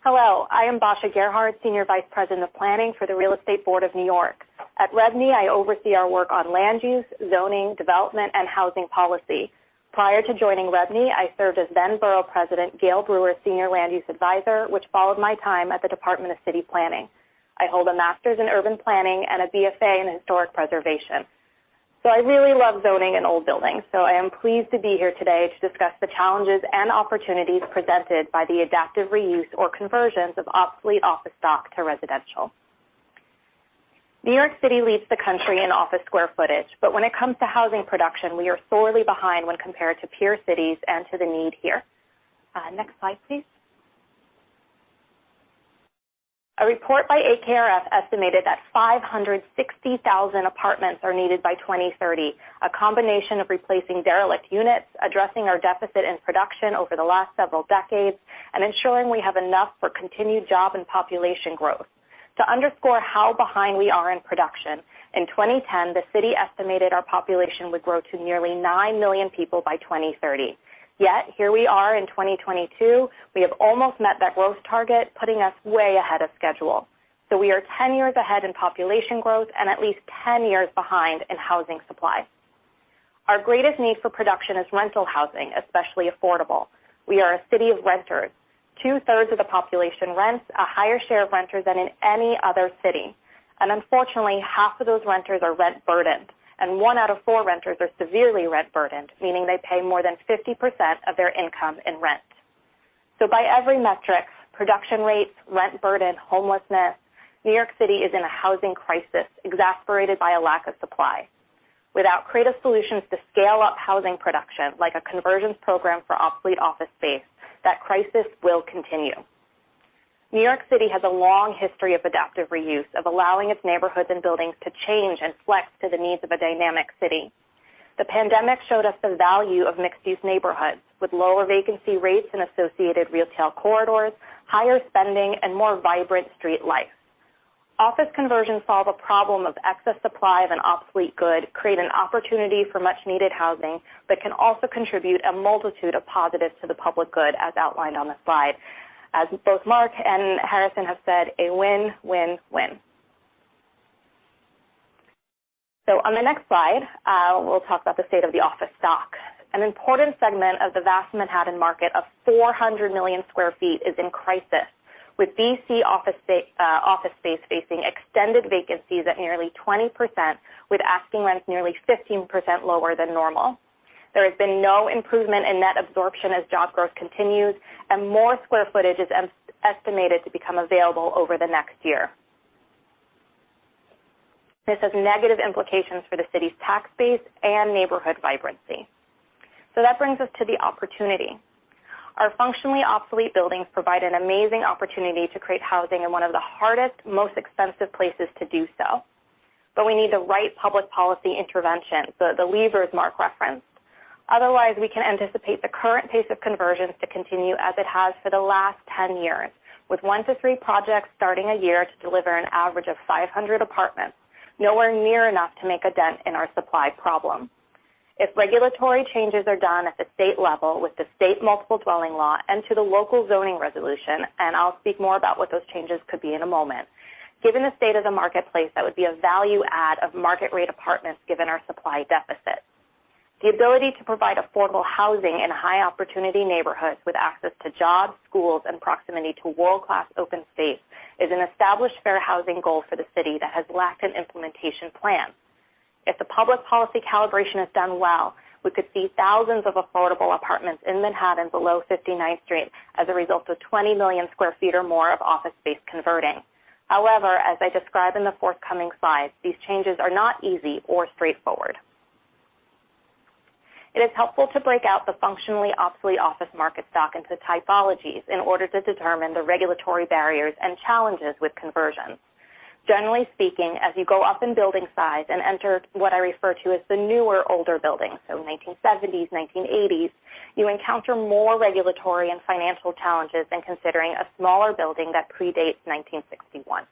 Hello, I am Basha Gerhards Gerhardt, Senior Vice President of Planning for the Real Estate Board of New York. At REBNY, I oversee our work on land use, zoning, development, and housing policy. Prior to joining REBNY, I served as then Borough President Gail Brewer, Senior Land Use Advisor, which followed my time at the Department of City Planning. I hold a master's in urban planning and a BFA in historic preservation. I really love zoning an old building, so I am pleased to be here today to discuss the challenges and opportunities presented by the adaptive reuse or conversions of obsolete office stock to residential. New York City leads the country in office square footage, but when it comes to housing production, we are sorely behind when compared to peer cities and to the need here. Next slide, please. A report by AKRF estimated that 560,000 apartments are needed by 2030. A combination of replacing derelict units, addressing our deficit in production over the last several decades, and ensuring we have enough for continued job and population growth. To underscore how behind we are in production, in 2010, the city estimated our population would grow to nearly 9 million people by 2030. Here we are in 2022, we have almost met that growth target, putting us way ahead of schedule. We are 10 years ahead in population growth and at least 10 years behind in housing supply. Our greatest need for production is rental housing, especially affordable. We are a city of renters. Two-thirds of the population rents, a higher share of renters than in any other city. Unfortunately, half of those renters are rent-burdened, and one out of four renters are severely rent-burdened, meaning they pay more than 50% of their income in rent. By every metric, production rates, rent burden, homelessness, New York City is in a housing crisis exacerbated by a lack of supply. Without creative solutions to scale up housing production, like a conversions program for obsolete office space, that crisis will continue. New York City has a long history of adaptive reuse, of allowing its neighborhoods and buildings to change and flex to the needs of a dynamic city. The pandemic showed us the value of mixed-use neighborhoods with lower vacancy rates and associated retail corridors, higher spending, and more vibrant street life. Office conversions solve a problem of excess supply of an obsolete good, create an opportunity for much-needed housing, but can also contribute a multitude of positives to the public good, as outlined on the slide. As both Marc Holliday and Harrison Sitomer have said, a win-win-win. On the next slide, we'll talk about the state of the office stock. An important segment of the vast Manhattan market of 400 million sq ft is in crisis, with BC office space facing extended vacancies at nearly 20%, with asking rents nearly 15% lower than normal. There has been no improvement in net absorption as job growth continues, and more square footage is estimated to become available over the next year. This has negative implications for the city's tax base and neighborhood vibrancy. That brings us to the opportunity. Our functionally obsolete buildings provide an amazing opportunity to create housing in one of the hardest, most expensive places to do so. We need the right public policy intervention, so the levers Marc Holliday referenced. Otherwise, we can anticipate the current pace of conversions to continue as it has for the last 10 years, with 1 to 3 projects starting a year to deliver an average of 500 apartments, nowhere near enough to make a dent in our supply problem. If regulatory changes are done at the state level with the state Multiple Dwelling Law and to the local zoning resolution, and I'll speak more about what those changes could be in a moment, given the state of the marketplace, that would be a value add of market-rate apartments given our supply deficit. The ability to provide affordable housing in high-opportunity neighborhoods with access to jobs, schools, and proximity to world-class open space is an established fair housing goal for the city that has lacked an implementation plan. If the public policy calibration is done well, we could see thousands of affordable apartments in Manhattan below 59th Street as a result of 20 million sq ft or more of office space converting. However, as I describe in the forthcoming slides, these changes are not easy or straightforward. It is helpful to break out the functionally obsolete office market stock into typologies in order to determine the regulatory barriers and challenges with conversions. Generally speaking, as you go up in building size and enter what I refer to as the newer older buildings, so 1970s, 1980s, you encounter more regulatory and financial challenges than considering a smaller building that predates 1961.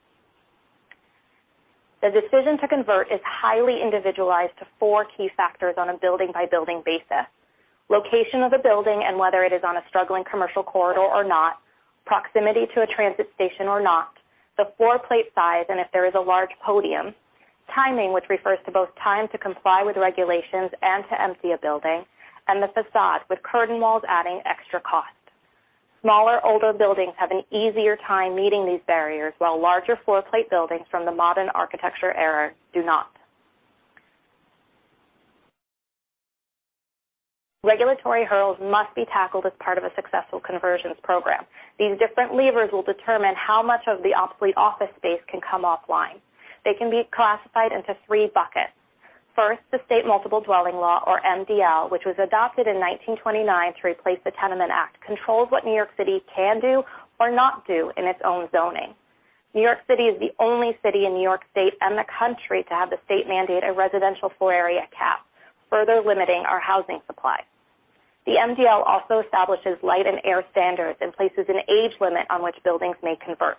The decision to convert is highly individualized to four key factors on a building-by-building basis: location of the building and whether it is on a struggling commercial corridor or not, proximity to a transit station or not, the floor plate size and if there is a large podium, timing, which refers to both time to comply with regulations and to empty a building, and the façade, with curtain walls adding extra cost. Smaller, older buildings have an easier time meeting these barriers, while larger floor plate buildings from the modern architecture era do not. Regulatory hurdles must be tackled as part of a successful conversions program. These different levers will determine how much of the obsolete office space can come offline. They can be classified into three buckets. First, the State Multiple Dwelling Law, or MDL, which was adopted in 1929 to replace the Tenement Act, controls what New York City can do or not do in its own zoning. New York City is the only city in New York State and the country to have the state mandate a residential floor area cap, further limiting our housing supply. The MDL also establishes light and air standards and places an age limit on which buildings may convert.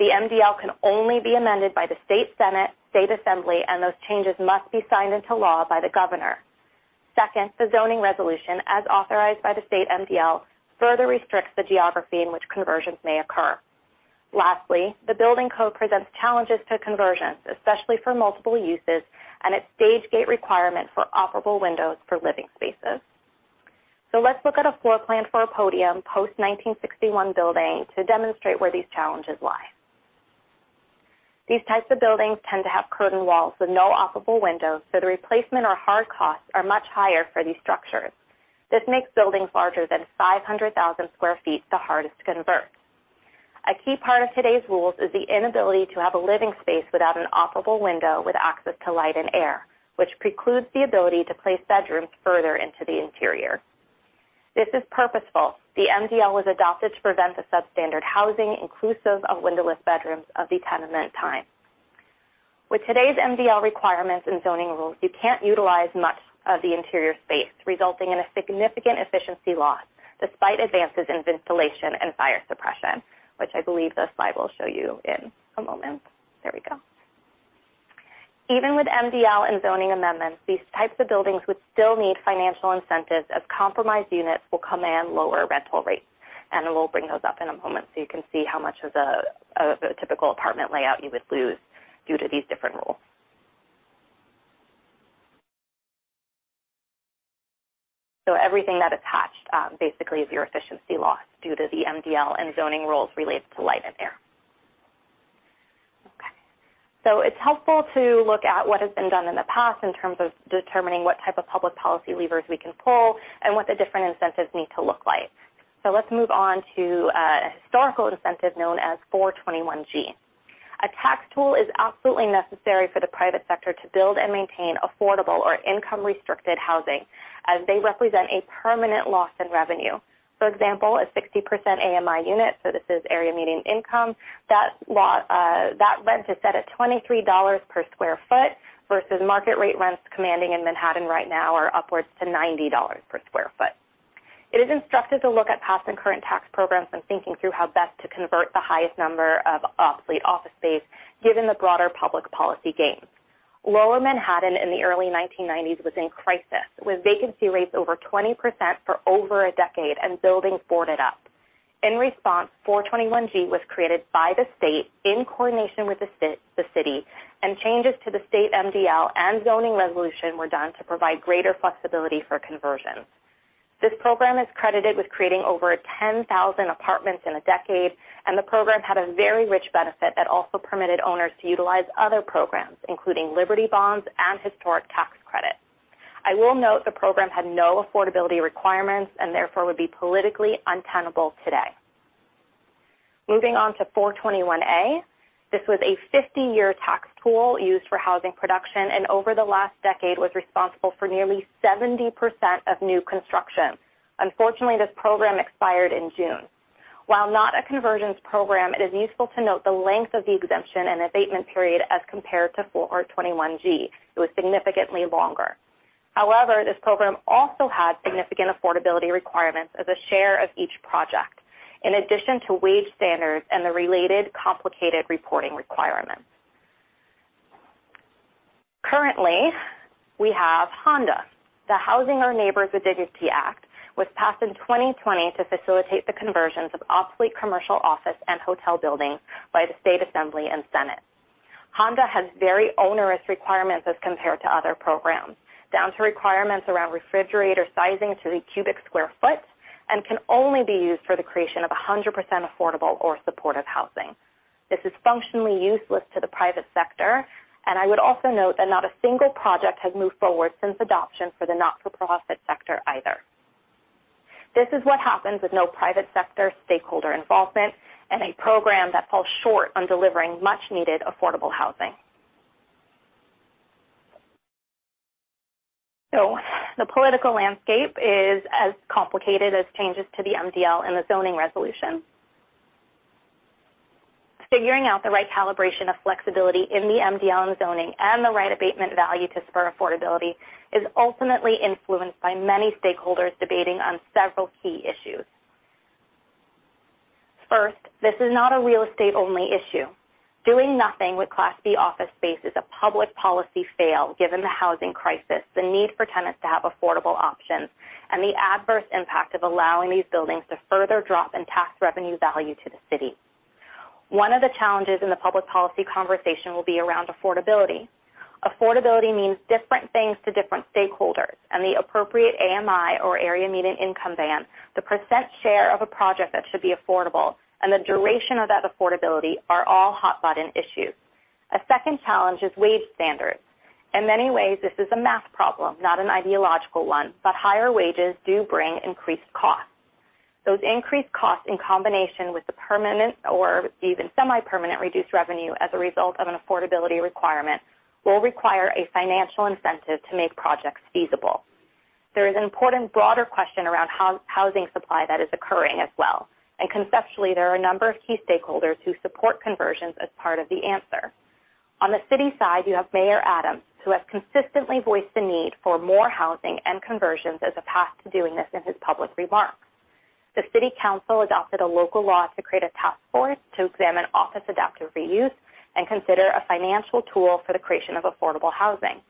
The MDL can only be amended by the state senate, state assembly. Those changes must be signed into law by the governor. Second, the zoning resolution, as authorized by the state MDL, further restricts the geography in which conversions may occur. Lastly, the building code presents challenges to conversions, especially for multiple uses and its stage gate requirement for operable windows for living spaces. Let's look at a floor plan for a podium post 1961 building to demonstrate where these challenges lie. These types of buildings tend to have curtain walls with no operable windows, so the replacement or hard costs are much higher for these structures. This makes buildings larger than 500,000 sq ft the hardest to convert. A key part of today's rules is the inability to have a living space without an operable window with access to light and air, which precludes the ability to place bedrooms further into the interior. This is purposeful. The MDL was adopted to prevent the substandard housing inclusive of windowless bedrooms of the tenement time. With today's MDL requirements and zoning rules, you can't utilize much of the interior space, resulting in a significant efficiency loss despite advances in insulation and fire suppression, which I believe this slide will show you in a moment. There we go. Even with MDL and zoning amendments, these types of buildings would still need financial incentives as compromised units will command lower rental rates. We'll bring those up in a moment so you can see how much of a typical apartment layout you would lose due to these different rules. Everything that attached basically is your efficiency loss due to the MDL and zoning rules related to light and air. Okay. It's helpful to look at what has been done in the past in terms of determining what type of public policy levers we can pull and what the different incentives need to look like. Let's move on to a historical incentive known as 421-g. A tax tool is absolutely necessary for the private sector to build and maintain affordable or income restricted housing as they represent a permanent loss in revenue. For example, a 60% AMI unit, this is area median income, that rent is set at $23 per square foot versus market rate rents commanding in Manhattan right now are upwards to $90 per square foot. It is instructed to look at past and current tax programs when thinking through how best to convert the highest number of obsolete office space given the broader public policy gains. Lower Manhattan in the early 1990s was in crisis, with vacancy rates over 20% for over a decade and buildings boarded up. In response, 421-g was created by the state in coordination with the city, and changes to the state MDL and zoning resolution were done to provide greater flexibility for conversions. This program is credited with creating over 10,000 apartments in a decade, and the program had a very rich benefit that also permitted owners to utilize other programs, including Liberty Bonds and historic tax credits. I will note the program had no affordability requirements and therefore would be politically untenable today. Moving on to 421-a. This was a 50-year tax tool used for housing production, and over the last decade was responsible for nearly 70% of new construction. Unfortunately, this program expired in June. While not a conversions program, it is useful to note the length of the exemption and abatement period as compared to 421-g. It was significantly longer. This program also had significant affordability requirements as a share of each project, in addition to wage standards and the related complicated reporting requirements. Currently, we have HONDA. The Housing Our Neighbors with Dignity Act was passed in 2020 to facilitate the conversions of obsolete commercial office and hotel buildings by the State Assembly and Senate. HONDA has very onerous requirements as compared to other programs, down to requirements around refrigerator sizing to the cubic square foot, and can only be used for the creation of 100% affordable or supportive housing. This is functionally useless to the private sector, I would also note that not a single project has moved forward since adoption for the not-for-profit sector either. This is what happens with no private sector stakeholder involvement and a program that falls short on delivering much needed affordable housing. The political landscape is as complicated as changes to the MDL and the zoning resolution. Figuring out the right calibration of flexibility in the MDL and zoning and the right abatement value to spur affordability is ultimately influenced by many stakeholders debating on several key issues. First, this is not a real estate only issue. Doing nothing with Class B office space is a public policy fail given the housing crisis, the need for tenants to have affordable options, and the adverse impact of allowing these buildings to further drop in tax revenue value to the city. One of the challenges in the public policy conversation will be around affordability. Affordability means different things to different stakeholders, and the appropriate AMI or area median income band, the % share of a project that should be affordable, and the duration of that affordability are all hot button issues. A second challenge is wage standards. In many ways, this is a math problem, not an ideological one, but higher wages do bring increased costs. Those increased costs in combination with the permanent or even semi-permanent reduced revenue as a result of an affordability requirement will require a financial incentive to make projects feasible. There is an important broader question around housing supply that is occurring as well. Conceptually, there are a number of key stakeholders who support conversions as part of the answer. On the city side, you have Mayor Adams, who has consistently voiced the need for more housing and conversions as a path to doing this in his public remarks. The City Council adopted a local law to create a task force to examine office adaptive reuse and consider a financial tool for the creation of affordable housing.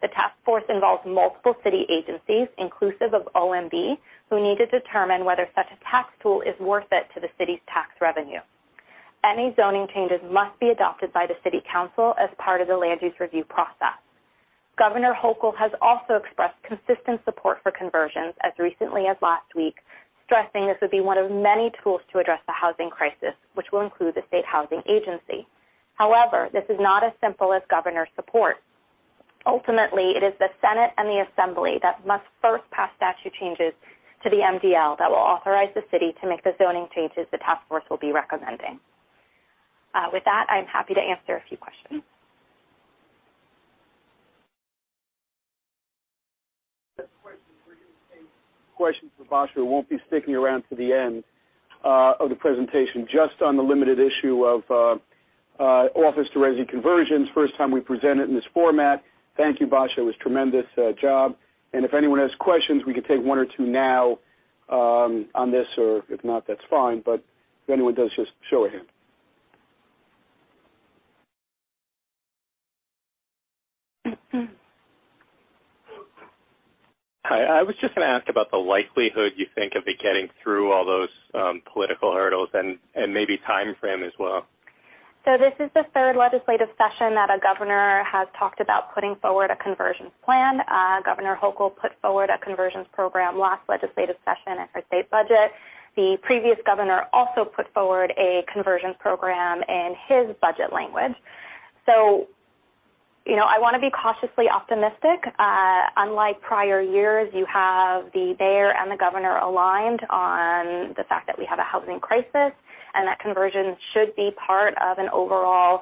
The task force involves multiple city agencies, inclusive of OMB, who need to determine whether such a tax tool is worth it to the city's tax revenue. Any zoning changes must be adopted by the City Council as part of the land use review process. Governor Hochul has also expressed consistent support for conversions as recently as last week, stressing this would be one of many tools to address the housing crisis, which will include the State Housing Agency. This is not as simple as governor support. Ultimately, it is the Senate and the Assembly that must first pass statute changes to the MDL that will authorize the city to make the zoning changes the task force will be recommending. With that, I'm happy to answer a few questions. Questions for Basha Gerhards won't be sticking around to the end of the presentation, just on the limited issue of office-to-resi conversions. First time we present it in this format. Thank you, Basha Gerhards. It was tremendous job. If anyone has questions, we could take one or two now on this, or if not, that's fine. If anyone does, just show of hand. Hi. I was just going to ask about the likelihood you think of it getting through all those political hurdles and maybe timeframe as well? This is the third legislative session that a governor has talked about putting forward a conversions plan. Governor Hochul put forward a conversions program last legislative session in her state budget. The previous governor also put forward a conversions program in his budget language. You know, I want to be cautiously optimistic. Unlike prior years, you have the mayor and the governor aligned on the fact that we have a housing crisis and that conversions should be part of an overall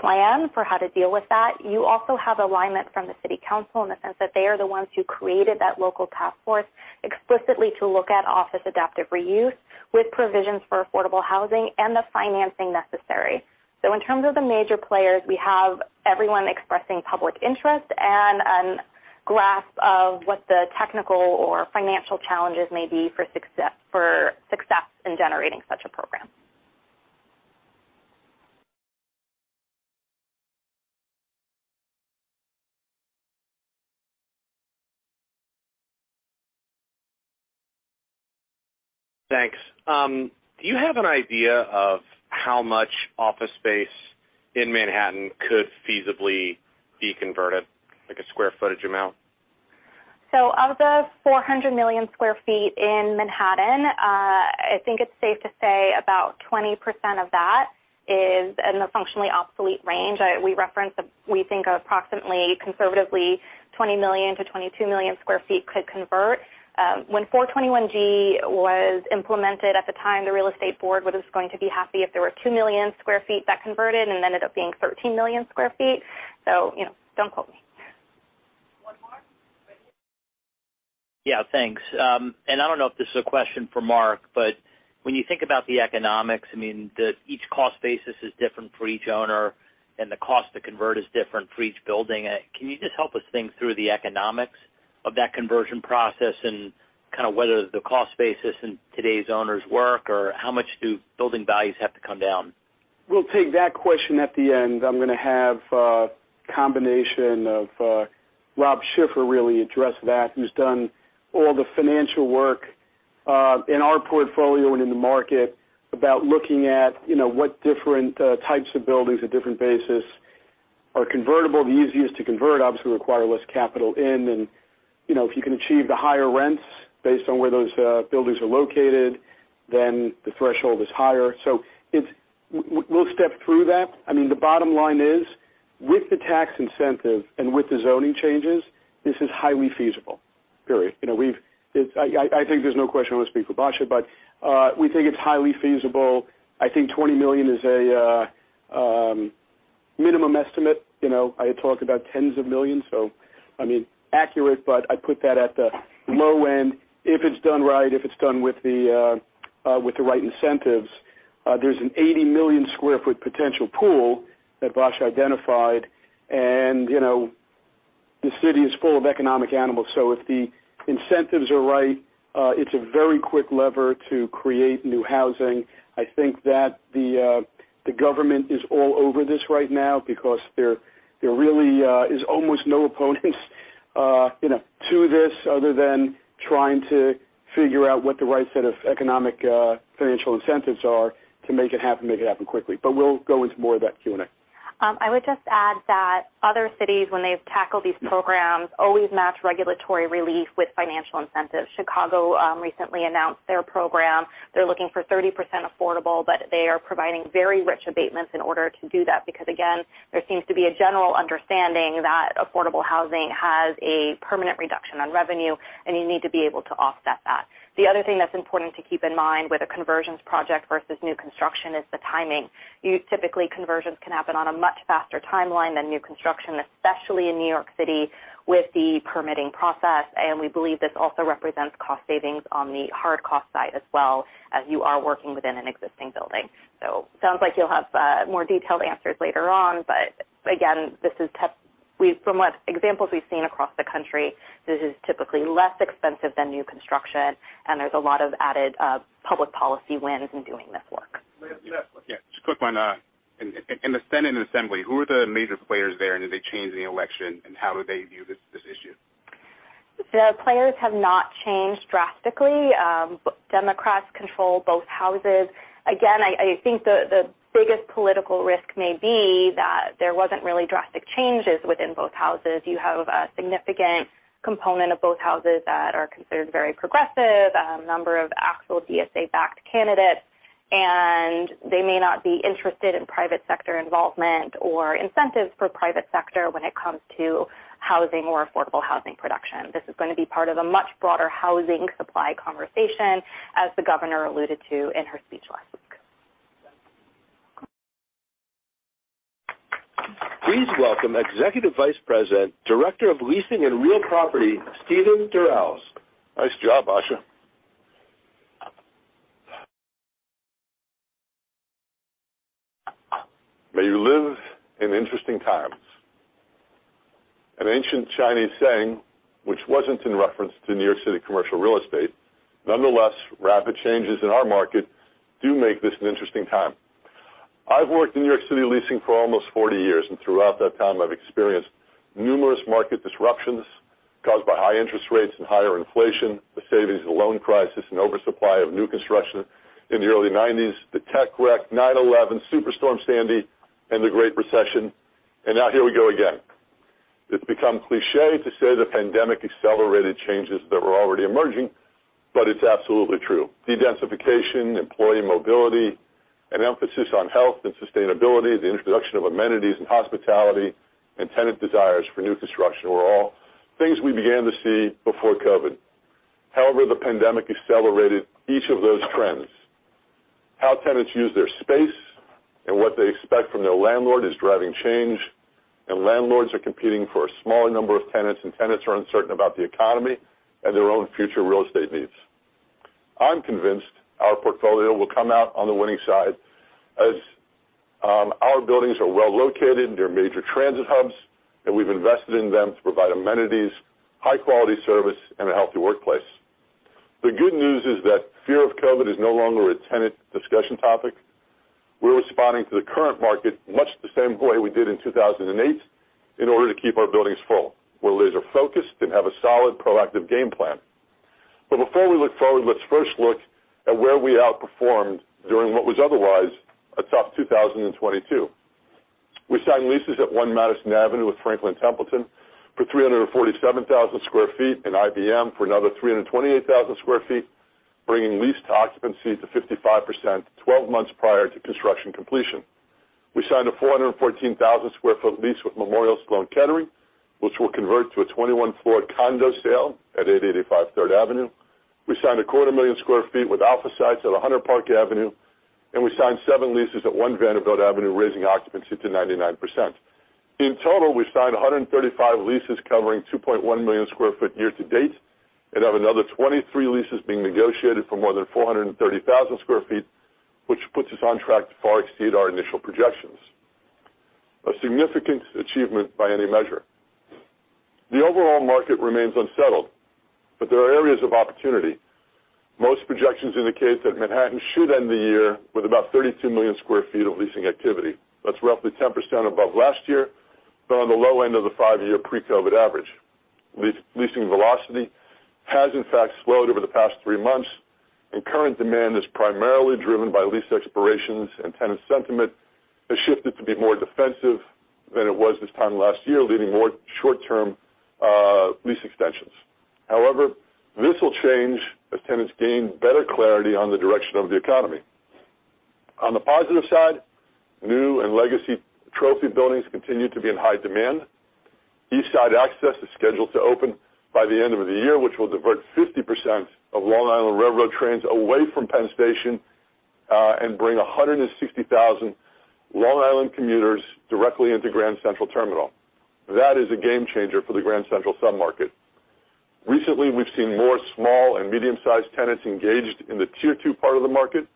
plan for how to deal with that. You also have alignment from the city council in the sense that they are the ones who created that local task force explicitly to look at office adaptive reuse with provisions for affordable housing and the financing necessary. In terms of the major players, we have everyone expressing public interest and a grasp of what the technical or financial challenges may be for success in generating such a program. Thanks. Do you have an idea of how much office space in Manhattan could feasibly be converted, like a square footage amount? Of the 400 million square feet in Manhattan, I think it's safe to say about 20% of that is in the functionally obsolete range. We think approximately conservatively, 20 million-22 million square feet could convert. When 421-g was implemented at the time, the Real Estate Board was going to be happy if there were 2 million square feet that converted and ended up being 13 million square feet. You know, don't quote me. One more? Yeah, thanks. I don't know if this is a question for Mark, but when you think about the economics, I mean, each cost basis is different for each owner, and the cost to convert is different for each building. Can you just help us think through the economics of that conversion process and kind of whether the cost basis in today's owners work or how much do building values have to come down? We'll take that question at the end. I'm going to have a combination of Rob Schiffer really address that, who's done all the financial work in our portfolio and in the market about looking at, you know, what different types of buildings at different basis are convertible. The easiest to convert obviously require less capital in. You know, if you can achieve the higher rents based on where those buildings are located, then the threshold is higher. We'll step through that. I mean, the bottom line is, with the tax incentive and with the zoning changes, this is highly feasible, period. You know, I think there's no question I want to speak with Basha Gerhards, but we think it's highly feasible. I think $20 million is a minimum estimate. You know, I talk about tens of millions, so I mean, accurate, but I put that at the low end. If it's done right, if it's done with the right incentives, there's an 80 million sq ft potential pool that Basha Gerhards identified. You know, the city is full of economic animals. If the incentives are right, it's a very quick lever to create new housing. I think that the government is all over this right now because there really is almost no opponents, you know, to this other than trying to figure out what the right set of economic, financial incentives are to make it happen, make it happen quickly. We'll go into more of that Q&A. I would just add that other cities, when they've tackled these programs, always match regulatory relief with financial incentives. Chicago recently announced their program. They're looking for 30% affordable, but they are providing very rich abatements in order to do that. Because, again, there seems to be a general understanding that affordable housing has a permanent reduction on revenue, and you need to be able to offset that. The other thing that's important to keep in mind with a conversions project versus new construction is the timing. Typically, conversions can happen on a much faster timeline than new construction, especially in New York City, with the permitting process. We believe this also represents cost savings on the hard cost side as well as you are working within an existing building. Sounds like you'll have more detailed answers later on, but again, From what examples we've seen across the country, this is typically less expensive than new construction, and there's a lot of added public policy wins in doing this work. Yeah, just a quick one. In the Senate and Assembly, who are the major players there, and did they change in the election, and how do they view this issue? The players have not changed drastically. Democrats control both houses. Again, I think the biggest political risk may be that there wasn't really drastic changes within both houses. You have a significant component of both houses that are considered very progressive, a number of actual DSA-backed candidates, and they may not be interested in private sector involvement or incentives for private sector when it comes to housing or affordable housing production. This is going to be part of a much broader housing supply conversation, as the Governor alluded to in her speech last week. Please welcome Executive Vice President, Director of Leasing and Real Property, Steven Durels. Nice job, Basha Gerhards. May you live in interesting times. An ancient Chinese saying, which wasn't in reference to New York City commercial real estate. Nonetheless, rapid changes in our market do make this an interesting time. I've worked in New York City leasing for almost 40 years, and throughout that time, I've experienced numerous market disruptions caused by high interest rates and higher inflation, the savings and loan crisis, and oversupply of new construction in the early 90s, the tech wreck, 9/11, Superstorm Sandy, and the Great Recession. Now here we go again. It's become cliche to say the pandemic accelerated changes that were already emerging, but it's absolutely true. Dedensification, employee mobility, an emphasis on health and sustainability, the introduction of amenities and hospitality, and tenant desires for new construction were all things we began to see before COVID. However, the pandemic accelerated each of those trends. How tenants use their space and what they expect from their landlord is driving change. Landlords are competing for a smaller number of tenants. Tenants are uncertain about the economy and their own future real estate needs. I'm convinced our portfolio will come out on the winning side as our buildings are well located near major transit hubs, and we've invested in them to provide amenities, high quality service, and a healthy workplace. The good news is that fear of COVID is no longer a tenant discussion topic. We're responding to the current market much the same way we did in 2008 in order to keep our buildings full. We're laser focused and have a solid, proactive game plan. Before we look forward, let's first look at where we outperformed during what was otherwise a tough 2022. We signed leases at One Madison Avenue with Franklin Templeton for 347,000 sq ft and IBM for another 328,000 sq ft, bringing leased occupancy to 55%, 12 months prior to construction completion. We signed a 414,000 sq ft lease with Memorial Sloan Kettering, which will convert to a 21-floor condo sale at 885 Third Avenue. We signed a quarter million square feet with AlphaSights at 100 Park Avenue. We signed 7 leases at One Vanderbilt Avenue, raising occupancy to 99%. In total, we signed 135 leases covering 2.1 million sq ft year to date and have another 23 leases being negotiated for more than 430,000 sq ft, which puts us on track to far exceed our initial projections. A significant achievement by any measure. The overall market remains unsettled, but there are areas of opportunity. Most projections indicate that Manhattan should end the year with about 32 million square feet of leasing activity. That's roughly 10% above last year, but on the low end of the 5-year pre-COVID average. Leasing velocity has in fact slowed over the past 3 months, and current demand is primarily driven by lease expirations, and tenant sentiment has shifted to be more defensive than it was this time last year, leading more short-term lease extensions. However, this will change as tenants gain better clarity on the direction of the economy. On the positive side, new and legacy trophy buildings continue to be in high demand. East Side Access is scheduled to open by the end of the year, which will divert 50% of Long Island Rail Road trains away from Penn Station and bring 160,000 Long Island commuters directly into Grand Central Terminal. That is a game changer for the Grand Central submarket. Recently, we've seen more small and medium-sized tenants engaged in the tier 2 part of the market.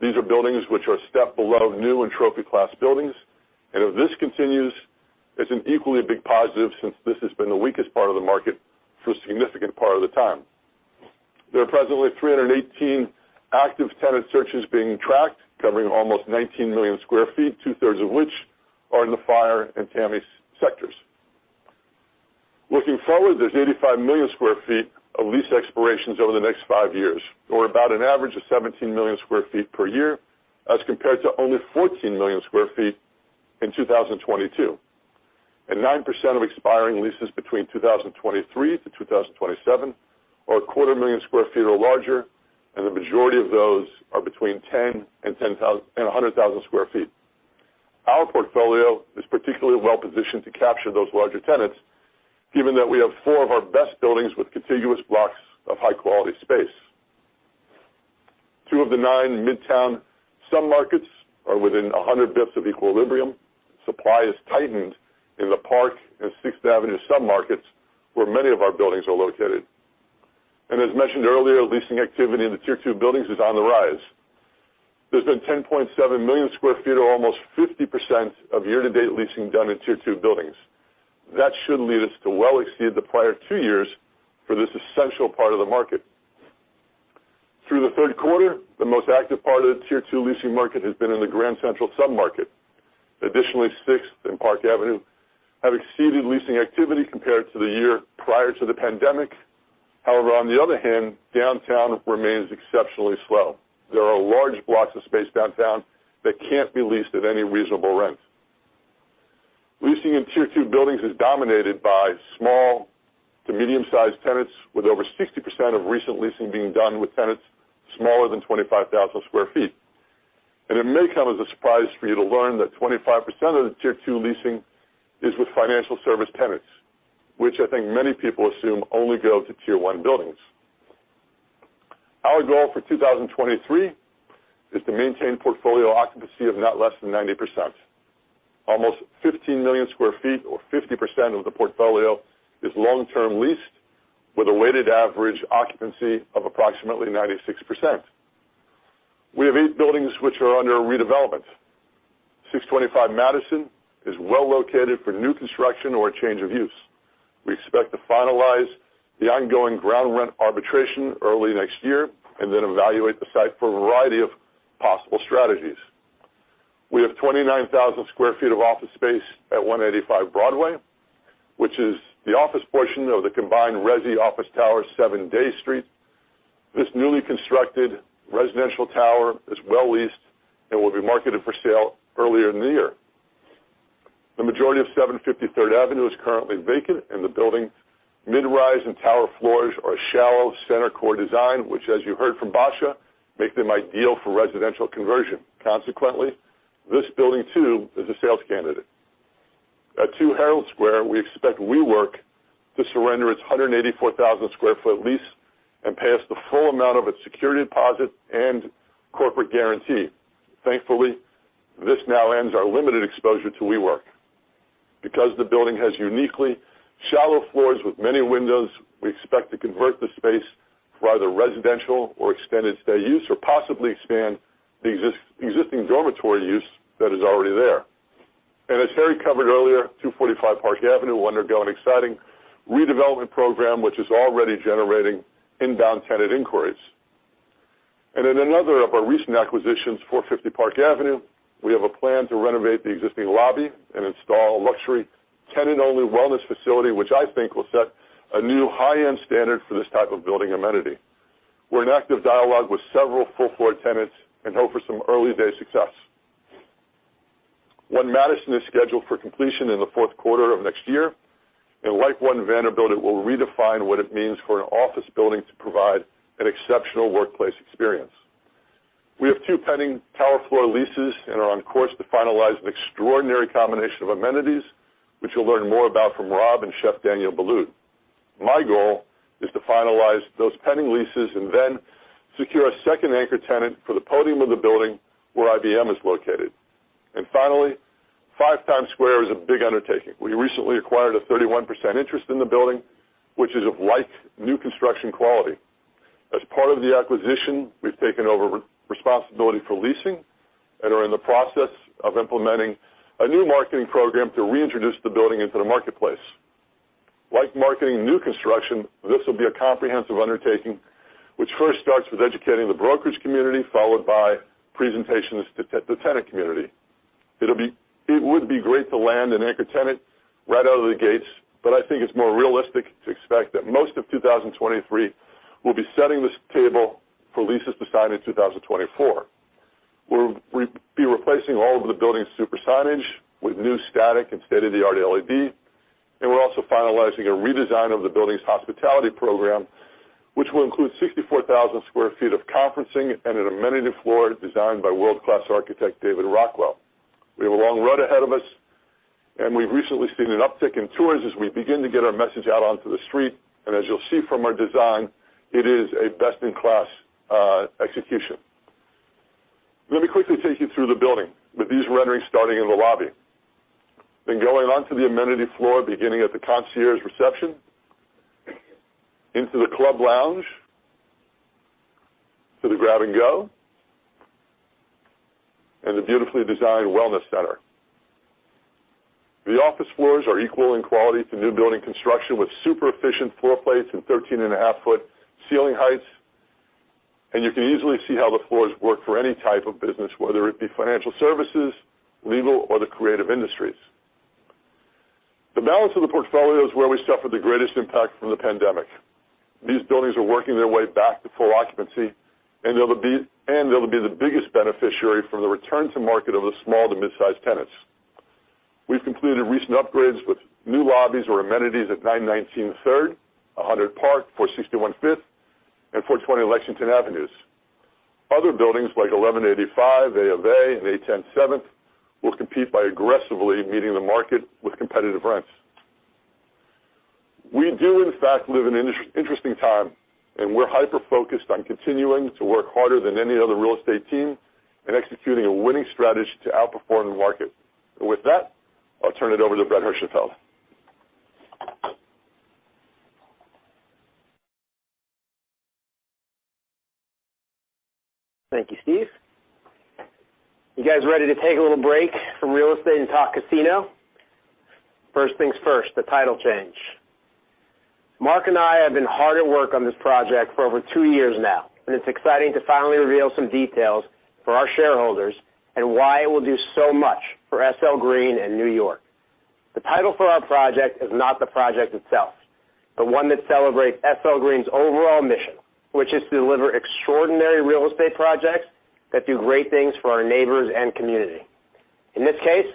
These are buildings which are a step below new and trophy class buildings. If this continues, it's an equally big positive since this has been the weakest part of the market for a significant part of the time. There are presently 318 active tenant searches being tracked, covering almost 19 million sq ft, 2/3 of which are in the FIRE and TAMI sectors. Looking forward, there's 85 million sq ft of lease expirations over the next 5 years, or about an average of 17 million sq ft per year, as compared to only 14 million sq ft in 2022. 9% of expiring leases between 2023-2027 are a quarter million sq ft or larger, and the majority of those are between 10,000 and 100,000 sq ft. Our portfolio is particularly well positioned to capture those larger tenants, given that we have 4 of our best buildings with contiguous blocks of high quality space. 2 of the 9 Midtown submarkets are within 100 basis points of equilibrium. Supply has tightened in the Park and Sixth Avenue submarkets, where many of our buildings are located. As mentioned earlier, leasing activity in the tier two buildings is on the rise. There's been 10.7 million sq ft or almost 50% of year-to-date leasing done in tier two buildings. That should lead us to well exceed the prior two years for this essential part of the market. Through the third quarter, the most active part of the tier two leasing market has been in the Grand Central submarket. Sixth and Park Avenue have exceeded leasing activity compared to the year prior to the pandemic. On the other hand, downtown remains exceptionally slow. There are large blocks of space downtown that can't be leased at any reasonable rent. Leasing in tier two buildings is dominated by small to medium-sized tenants with over 60% of recent leasing being done with tenants smaller than 25,000 sq ft. It may come as a surprise for you to learn that 25% of the Tier 2 leasing is with financial service tenants, which I think many people assume only go to Tier 1 buildings. Our goal for 2023 is to maintain portfolio occupancy of not less than 90%. Almost 15 million sq ft or 50% of the portfolio is long-term leased with a weighted average occupancy of approximately 96%. We have eight buildings which are under redevelopment. 625 Madison is well located for new construction or a change of use. We expect to finalize the ongoing ground rent arbitration early next year and then evaluate the site for a variety of possible strategies. We have 29,000 sq ft of office space at 185 Broadway, which is the office portion of the combined resi office tower 7 Dey Street. This newly constructed residential tower is well leased and will be marketed for sale earlier in the year. The majority of 750 Third Avenue is currently vacant and the building mid-rise and tower floors are a shallow center core design, which as you heard from Basha Gerhards, make them ideal for residential conversion. This building, too, is a sales candidate. At 2 Herald Square, we expect WeWork to surrender its 184,000 sq ft lease and pay us the full amount of its security deposit and corporate guarantee. This now ends our limited exposure to WeWork. The building has uniquely shallow floors with many windows, we expect to convert the space for either residential or extended stay use, or possibly expand the existing dormitory use that is already there. As Harry covered earlier, 245 Park Avenue will undergo an exciting redevelopment program, which is already generating inbound tenant inquiries. In another of our recent acquisitions, 450 Park Avenue, we have a plan to renovate the existing lobby and install luxury tenant-only wellness facility, which I think will set a new high-end standard for this type of building amenity. We're in active dialogue with several full floor tenants and hope for some early day success. One Madison is scheduled for completion in the fourth quarter of next year, and like One Vanderbilt, it will redefine what it means for an office building to provide an exceptional workplace experience. We have two pending tower floor leases and are on course to finalize an extraordinary combination of amenities, which you'll learn more about from Rob and Chef Daniel Boulud. My goal is to finalize those pending leases and then secure a second anchor tenant for the podium of the building where IBM is located. Finally, Five Times Square is a big undertaking. We recently acquired a 31% interest in the building, which is of light new construction quality. As part of the acquisition, we've taken over responsibility for leasing and are in the process of implementing a new marketing program to reintroduce the building into the marketplace. Like marketing new construction, this will be a comprehensive undertaking, which first starts with educating the brokerage community, followed by presentations to the tenant community. It would be great to land an anchor tenant right out of the gates, but I think it's more realistic to expect that most of 2023, we'll be setting this table for leases to sign in 2024. We'll be replacing all of the building's super signage with new static and state-of-the-art LED, and we're also finalizing a redesign of the building's hospitality program, which will include 64,000 sq ft of conferencing and an amenity floor designed by world-class architect David Rockwell. We have a long run ahead of us, and we've recently seen an uptick in tours as we begin to get our message out onto the street. As you'll see from our design, it is a best-in-class execution. Let me quickly take you through the building with these renderings starting in the lobby. Going onto the amenity floor, beginning at the concierge reception, into the club lounge, to the grab and go, and the beautifully designed wellness center. The office floors are equal in quality to new building construction with super efficient floor plates and 13 and a half foot ceiling heights. You can easily see how the floors work for any type of business, whether it be financial services, legal, or the creative industries. The balance of the portfolio is where we suffer the greatest impact from the pandemic. These buildings are working their way back to full occupancy, and they'll be the biggest beneficiary from the return to market of the small to mid-sized tenants. We've concluded recent upgrades with new lobbies or amenities at 919 Third, 100 Park, 461 Fifth, and 420 Lexington Avenues. Other buildings, like 1185, A of A, and 810 Seventh, will compete by aggressively meeting the market with competitive rents. We do, in fact, live an interesting time, and we're hyper-focused on continuing to work harder than any other real estate team and executing a winning strategy to outperform the market. With that, I'll turn it over to Brett Herschenfeld. Thank you, Steve. You guys ready to take a little break from real estate and talk casino? First things first, the title change. Marc and I have been hard at work on this project for over two years now, it's exciting to finally reveal some details for our shareholders and why it will do so much for SL Green and New York. The title for our project is not the project itself, but one that celebrates SL Green's overall mission, which is to deliver extraordinary real estate projects that do great things for our neighbors and community. In this case,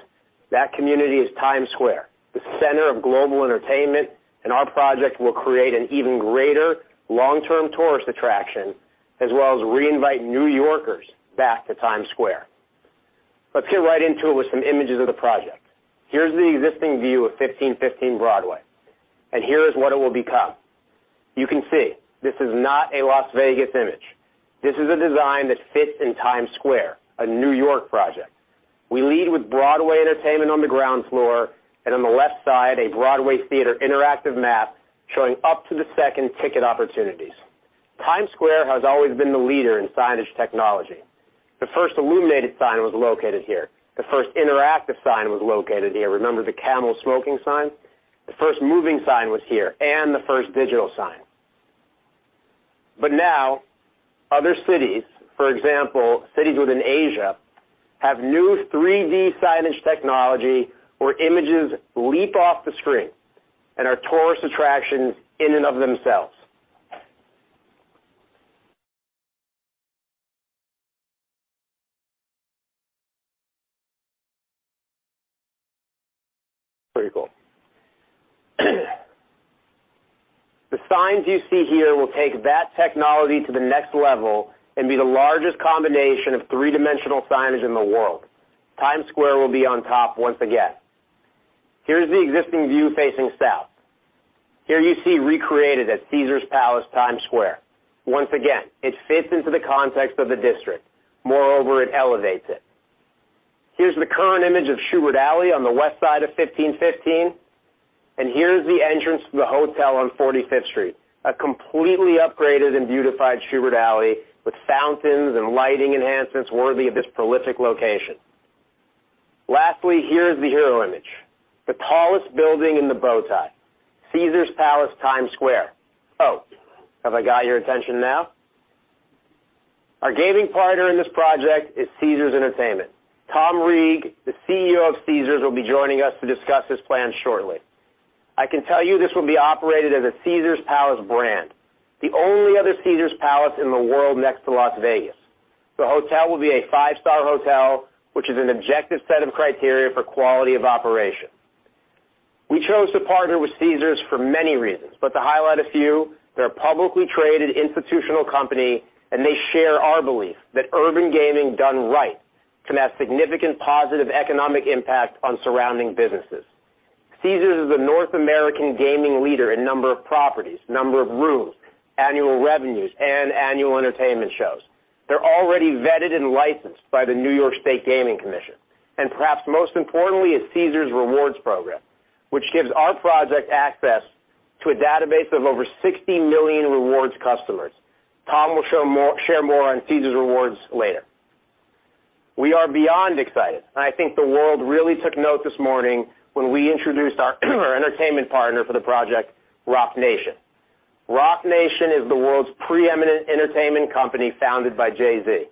that community is Times Square, the center of global entertainment, our project will create an even greater long-term tourist attraction, as well as re-invite New Yorkers back to Times Square. Let's get right into it with some images of the project. Here's the existing view of 1515 Broadway, and here is what it will become. You can see this is not a Las Vegas image. This is a design that fits in Times Square, a New York project. We lead with Broadway Entertainment on the ground floor and on the left side, a Broadway theater interactive map showing up to the second ticket opportunities. Times Square has always been the leader in signage technology. The first illuminated sign was located here. The first interactive sign was located here. Remember the camel smoking sign? The first moving sign was here and the first digital sign. Now other cities, for example, cities within Asia, have new 3D signage technology where images leap off the screen and are tourist attractions in and of themselves. Pretty cool. The signs you see here will take that technology to the next level and be the largest combination of three-dimensional signage in the world. Times Square will be on top once again. Here's the existing view facing south. Here you see recreated at Caesars Palace Times Square. Once again, it fits into the context of the district. It elevates it. Here's the current image of Shubert Alley on the west side of 1515. Here's the entrance to the hotel on 45th Street, a completely upgraded and beautified Shubert Alley with fountains and lighting enhancements worthy of this prolific location. Lastly, here is the hero image, the tallest building in the Bow Tie, Caesars Palace Times Square. Oh, have I got your attention now? Our gaming partner in this project is Caesars Entertainment. Tom Reeg, the CEO of Caesars, will be joining us to discuss this plan shortly. I can tell you this will be operated as a Caesars Palace brand, the only other Caesars Palace in the world next to Las Vegas. The hotel will be a five-star hotel, which is an objective set of criteria for quality of operation. We chose to partner with Caesars for many reasons, but to highlight a few, they're a publicly traded institutional company, and they share our belief that urban gaming done right can have significant positive economic impact on surrounding businesses. Caesars is a North American gaming leader in number of properties, number of rooms, annual revenues, and annual entertainment shows. They're already vetted and licensed by the New York State Gaming Commission. And perhaps most importantly, is Caesars Rewards program, which gives our project access to a database of over 60 million rewards customers. Tom will share more on Caesars Rewards later. We are beyond excited. I think the world really took note this morning when we introduced our entertainment partner for the project, Roc Nation. Roc Nation is the world's preeminent entertainment company founded by Jay-Z.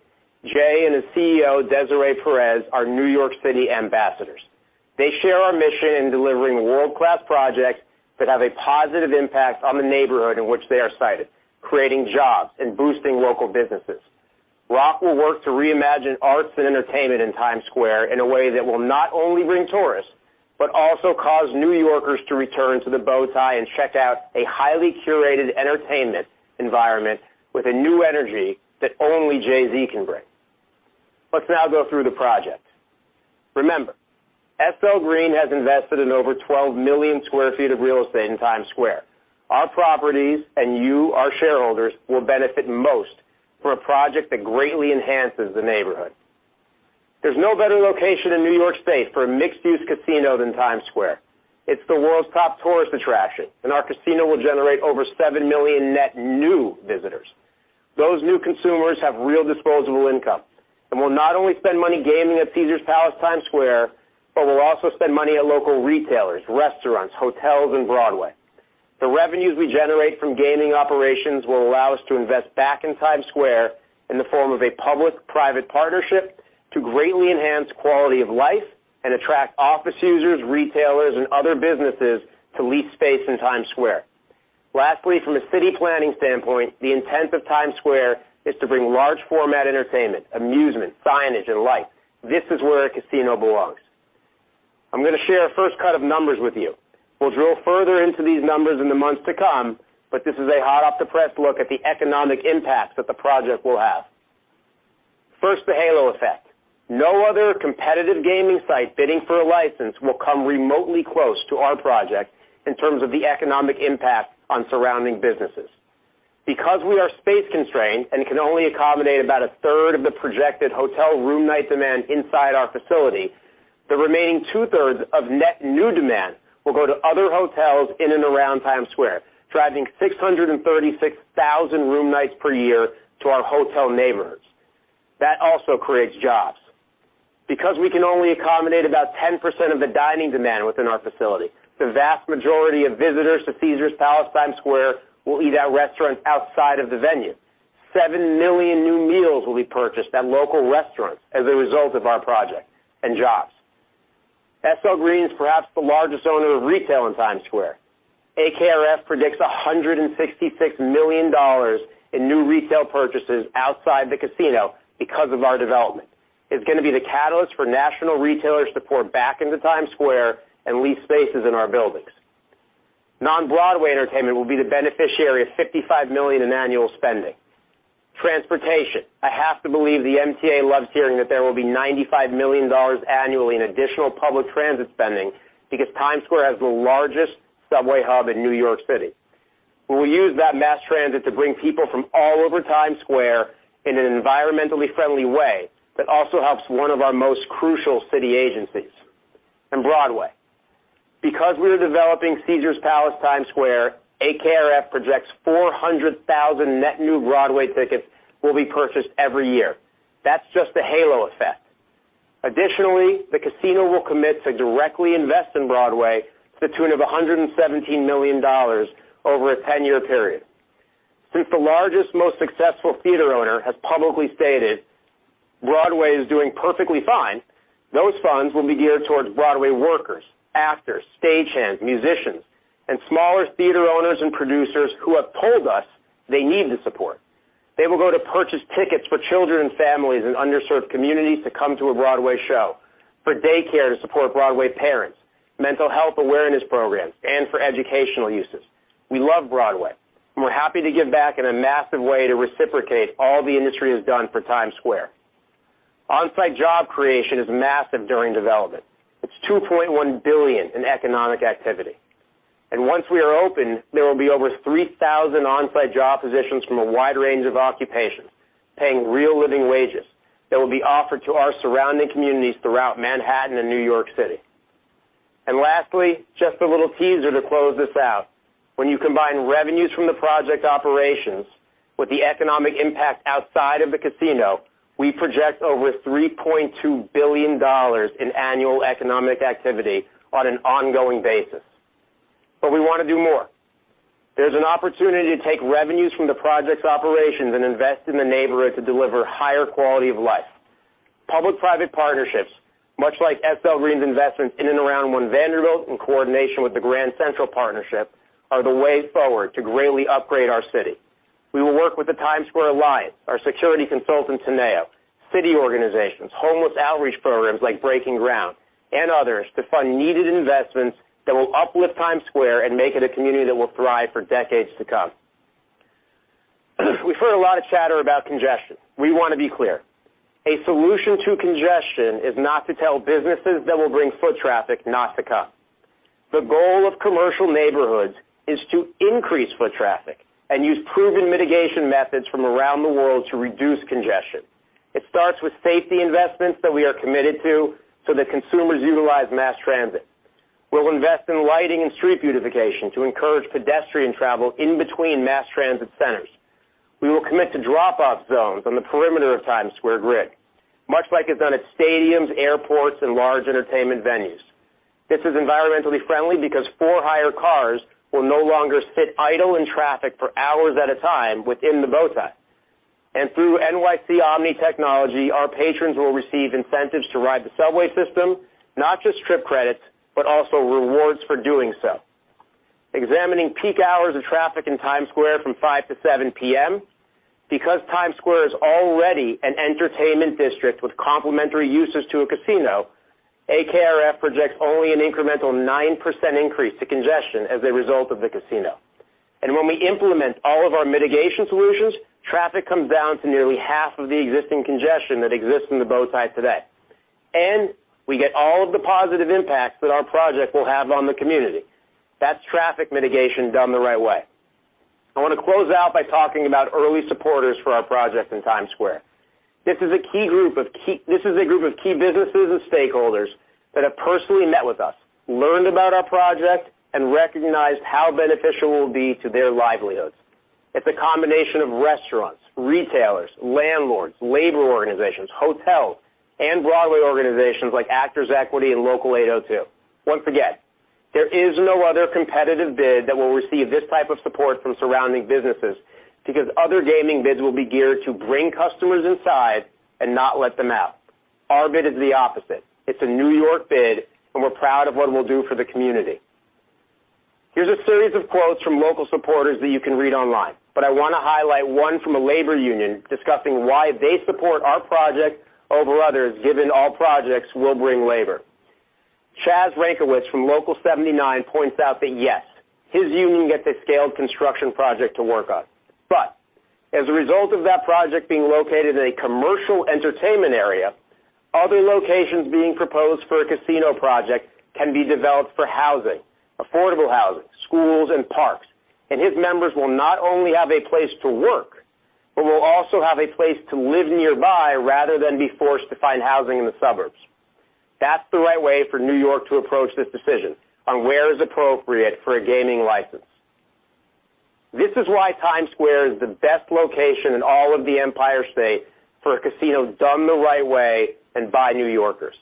Jay and his CEO, Desiree Perez, are New York City ambassadors. They share our mission in delivering world-class projects that have a positive impact on the neighborhood in which they are cited, creating jobs and boosting local businesses. Roc will work to reimagine arts and entertainment in Times Square in a way that will not only bring tourists, but also cause New Yorkers to return to the Bow Tie and check out a highly curated entertainment environment with a new energy that only Jay-Z can bring. Let's now go through the project. Remember, SL Green has invested in over 12 million sq ft of real estate in Times Square. Our properties, and you, our shareholders, will benefit most for a project that greatly enhances the neighborhood. There's no better location in New York State for a mixed-use casino than Times Square. It's the world's top tourist attraction. Our casino will generate over 7 million net new visitors. Those new consumers have real disposable income and will not only spend money gaming at Caesars Palace Times Square, but will also spend money at local retailers, restaurants, hotels, and Broadway. The revenues we generate from gaming operations will allow us to invest back in Times Square in the form of a public-private partnership to greatly enhance quality of life and attract office users, retailers, and other businesses to lease space in Times Square. From a city planning standpoint, the intent of Times Square is to bring large format entertainment, amusement, signage, and light. This is where a casino belongs. I'm gonna share a first cut of numbers with you. We'll drill further into these numbers in the months to come, but this is a hot off the press look at the economic impact that the project will have. First, the halo effect. No other competitive gaming site bidding for a license will come remotely close to our project in terms of the economic impact on surrounding businesses. Because we are space-constrained and can only accommodate about a third of the projected hotel room night demand inside our facility, the remaining two-thirds of net new demand will go to other hotels in and around Times Square, driving 636,000 room nights per year to our hotel neighbors. That also creates jobs. We can only accommodate about 10% of the dining demand within our facility, the vast majority of visitors to Caesars Palace Times Square will eat at restaurants outside of the venue. 7 million new meals will be purchased at local restaurants as a result of our project, and jobs. SL Green is perhaps the largest owner of retail in Times Square. AKRF predicts $166 million in new retail purchases outside the casino because of our development. It's gonna be the catalyst for national retailers to pour back into Times Square and lease spaces in our buildings. Non-Broadway entertainment will be the beneficiary of $55 million in annual spending. Transportation. I have to believe the MTA loves hearing that there will be $95 million annually in additional public transit spending because Times Square has the largest subway hub in New York City, where we use that mass transit to bring people from all over Times Square in an environmentally friendly way that also helps one of our most crucial city agencies. Broadway. Because we are developing Caesars Palace Times Square, AKRF projects 400,000 net new Broadway tickets will be purchased every year. That's just the halo effect. Additionally, the casino will commit to directly invest in Broadway to the tune of $117 million over a 10-year period. Since the largest, most successful theater owner has publicly stated Broadway is doing perfectly fine, those funds will be geared towards Broadway workers, actors, stagehands, musicians, and smaller theater owners and producers who have told us they need the support. They will go to purchase tickets for children and families in underserved communities to come to a Broadway show, for daycare to support Broadway parents, mental health awareness programs, and for educational uses. We love Broadway, and we're happy to give back in a massive way to reciprocate all the industry has done for Times Square. On-site job creation is massive during development. It's $2.1 billion in economic activity. Once we are open, there will be over 3,000 on-site job positions from a wide range of occupations, paying real living wages that will be offered to our surrounding communities throughout Manhattan and New York City. Lastly, just a little teaser to close this out. When you combine revenues from the project operations with the economic impact outside of the casino, we project over $3.2 billion in annual economic activity on an ongoing basis. We want to do more. There's an opportunity to take revenues from the project's operations and invest in the neighborhood to deliver higher quality of life. Public-private partnerships, much like SL Green's investment in and around One Vanderbilt in coordination with the Grand Central Partnership, are the way forward to greatly upgrade our city. We will work with the Times Square Alliance, our security consultant, Teneo, city organizations, homeless outreach programs like Breaking Ground, and others to fund needed investments that will uplift Times Square and make it a community that will thrive for decades to come. We've heard a lot of chatter about congestion. We want to be clear. A solution to congestion is not to tell businesses that will bring foot traffic not to come. The goal of commercial neighborhoods is to increase foot traffic and use proven mitigation methods from around the world to reduce congestion. It starts with safety investments that we are committed to so that consumers utilize mass transit. We'll invest in lighting and street beautification to encourage pedestrian travel in between mass transit centers. We will commit to drop-off zones on the perimeter of Times Square Grid, much like it's done at stadiums, airports, and large entertainment venues. This is environmentally friendly because for-hire cars will no longer sit idle in traffic for hours at a time within the Bowtie. Through NYC OMNY technology, our patrons will receive incentives to ride the subway system, not just trip credits, but also rewards for doing so. Examining peak hours of traffic in Times Square from 5:00 P.M. to 7:00 P.M., because Times Square is already an entertainment district with complementary uses to a casino, AKRF projects only an incremental 9% increase to congestion as a result of the casino. When we implement all of our mitigation solutions, traffic comes down to nearly half of the existing congestion that exists in the Bowtie today. We get all of the positive impacts that our project will have on the community. That's traffic mitigation done the right way. I want to close out by talking about early supporters for our project in Times Square. This is a group of key businesses and stakeholders that have personally met with us, learned about our project, and recognized how beneficial it will be to their livelihoods. It's a combination of restaurants, retailers, landlords, labor organizations, hotels, and Broadway organizations like Actors' Equity and Local 802. Once again, there is no other competitive bid that will receive this type of support from surrounding businesses because other gaming bids will be geared to bring customers inside and not let them out. Our bid is the opposite. It's a New York bid, and we're proud of what it will do for the community. Here's a series of quotes from local supporters that you can read online, but I want to highlight one from a labor union discussing why they support our project over others, given all projects will bring labor. Chaz Rynkiewicz from Local 79 points out that, yes, his union gets a scaled construction project to work on. As a result of that project being located in a commercial entertainment area, other locations being proposed for a casino project can be developed for housing, affordable housing, schools, and parks. His members will not only have a place to work, but will also have a place to live nearby rather than be forced to find housing in the suburbs. That's the right way for New York to approach this decision on where is appropriate for a gaming license. This is why Times Square is the best location in all of the Empire State for a casino done the right way and by New Yorkers.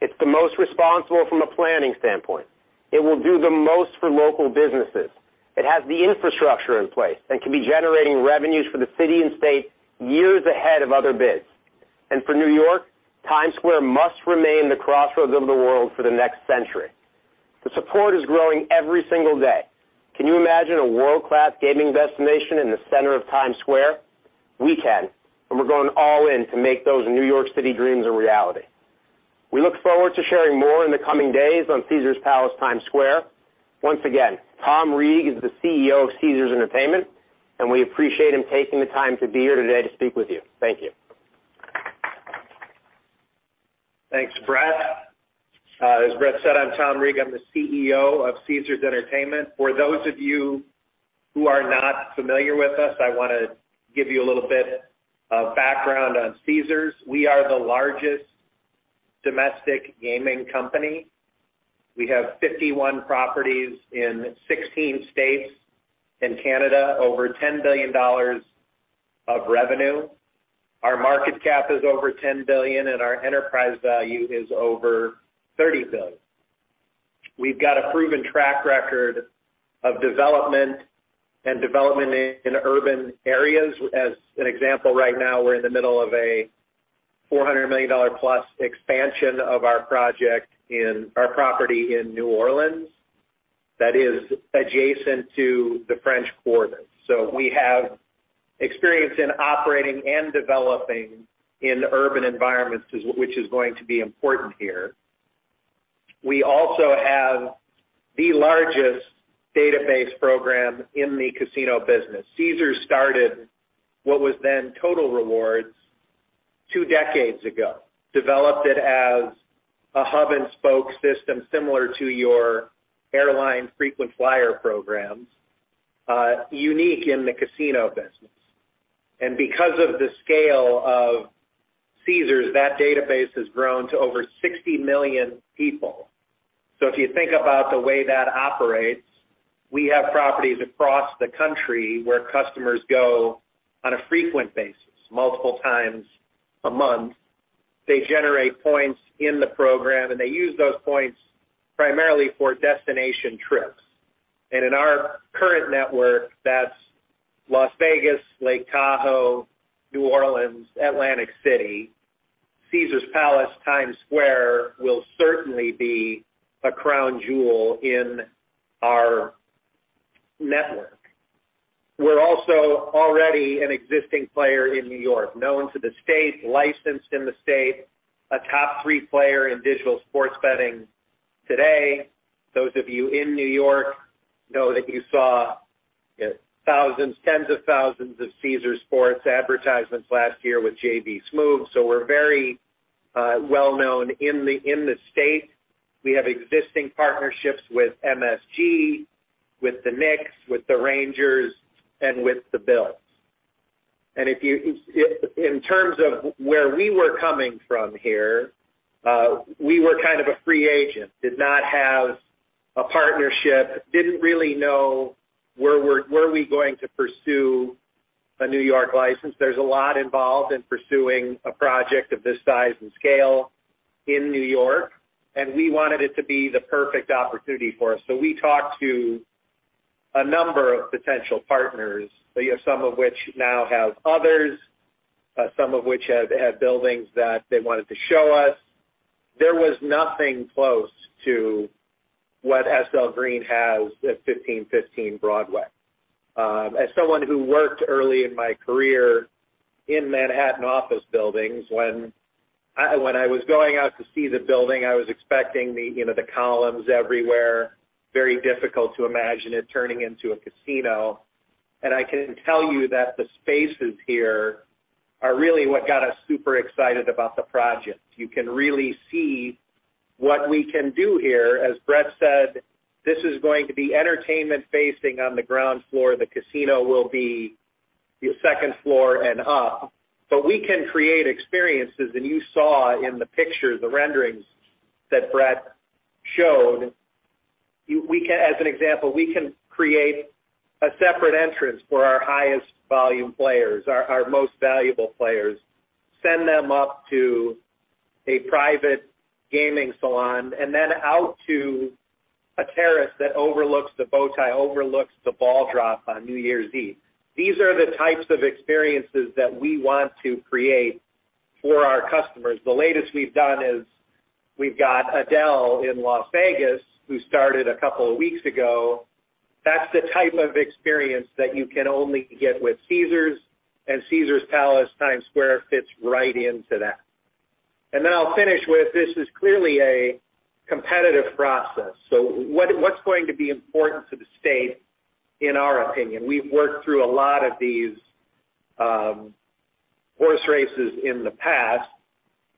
It's the most responsible from a planning standpoint. It will do the most for local businesses. It has the infrastructure in place and can be generating revenues for the city and state years ahead of other bids. For New York, Times Square must remain the crossroads of the world for the next century. The support is growing every single day. Can you imagine a world-class gaming destination in the center of Times Square? We can, and we're going all in to make those New York City dreams a reality. We look forward to sharing more in the coming days on Caesars Palace Times Square. Once again, Tom Reeg is the CEO of Caesars Entertainment, and we appreciate him taking the time to be here today to speak with you. Thank you. Thanks, Brett. As Brett said, I'm Tom Reeg. I'm the CEO of Caesars Entertainment. For those of you who are not familiar with us, I wanna give you a little bit of background on Caesars. We are the largest domestic gaming company. We have 51 properties in 16 states and Canada, over $10 billion of revenue. Our market cap is over $10 billion, and our enterprise value is over $30 billion. We've got a proven track record of development and development in urban areas. As an example, right now we're in the middle of a $400 million plus expansion of our property in New Orleans that is adjacent to the French Quarter. We have experience in operating and developing in urban environments, which is going to be important here. We also have the largest database program in the casino business. Caesars started what was then Total Rewards two decades ago, developed it as a hub and spoke system similar to your airline frequent flyer programs, unique in the casino business. Because of the scale of Caesars, that database has grown to over 60 million people. If you think about the way that operates, we have properties across the country where customers go on a frequent basis, multiple times a month. They generate points in the program, and they use those points primarily for destination trips. In our current network, that's Las Vegas, Lake Tahoe, New Orleans, Atlantic City. Caesars Palace Times Square will certainly be a crown jewel in our network. We're also already an existing player in New York, known to the state, licensed in the state, a top three player in digital sports betting today. Those of you in New York know that you saw thousands, tens of thousands of Caesars sports advertisements last year with J.B. Smoove. We're very well known in the state. We have existing partnerships with MSG, with the Knicks, with the Rangers, and with the Bills. In terms of where we were coming from here, we were kind of a free agent, did not have a partnership, didn't really know where we are going to pursue a New York license. There's a lot involved in pursuing a project of this size and scale in New York, and we wanted it to be the perfect opportunity for us. We talked to a number of potential partners, you know, some of which now have others, some of which had buildings that they wanted to show us. There was nothing close to what SL Green has at 1515 Broadway. As someone who worked early in my career in Manhattan office buildings, when I was going out to see the building, I was expecting the, you know, the columns everywhere, very difficult to imagine it turning into a casino. I can tell you that the spaces here are really what got us super excited about the project. You can really see what we can do here. As Brett said, this is going to be entertainment facing on the ground floor. The casino will be the second floor and up. We can create experiences, and you saw in the pictures, the renderings that Brett showed, we can as an example, we can create a separate entrance for our highest volume players, our most valuable players, send them up to a private gaming salon and then out to a terrace that overlooks the bowtie, overlooks the ball drop on New Year's Eve. These are the types of experiences that we want to create for our customers. The latest we've done is we've got Adele in Las Vegas, who started 2 weeks ago. That's the type of experience that you can only get with Caesars, and Caesars Palace Times Square fits right into that. I'll finish with this is clearly a competitive process. What, what's going to be important to the state in our opinion? We've worked through a lot of these horse races in the past.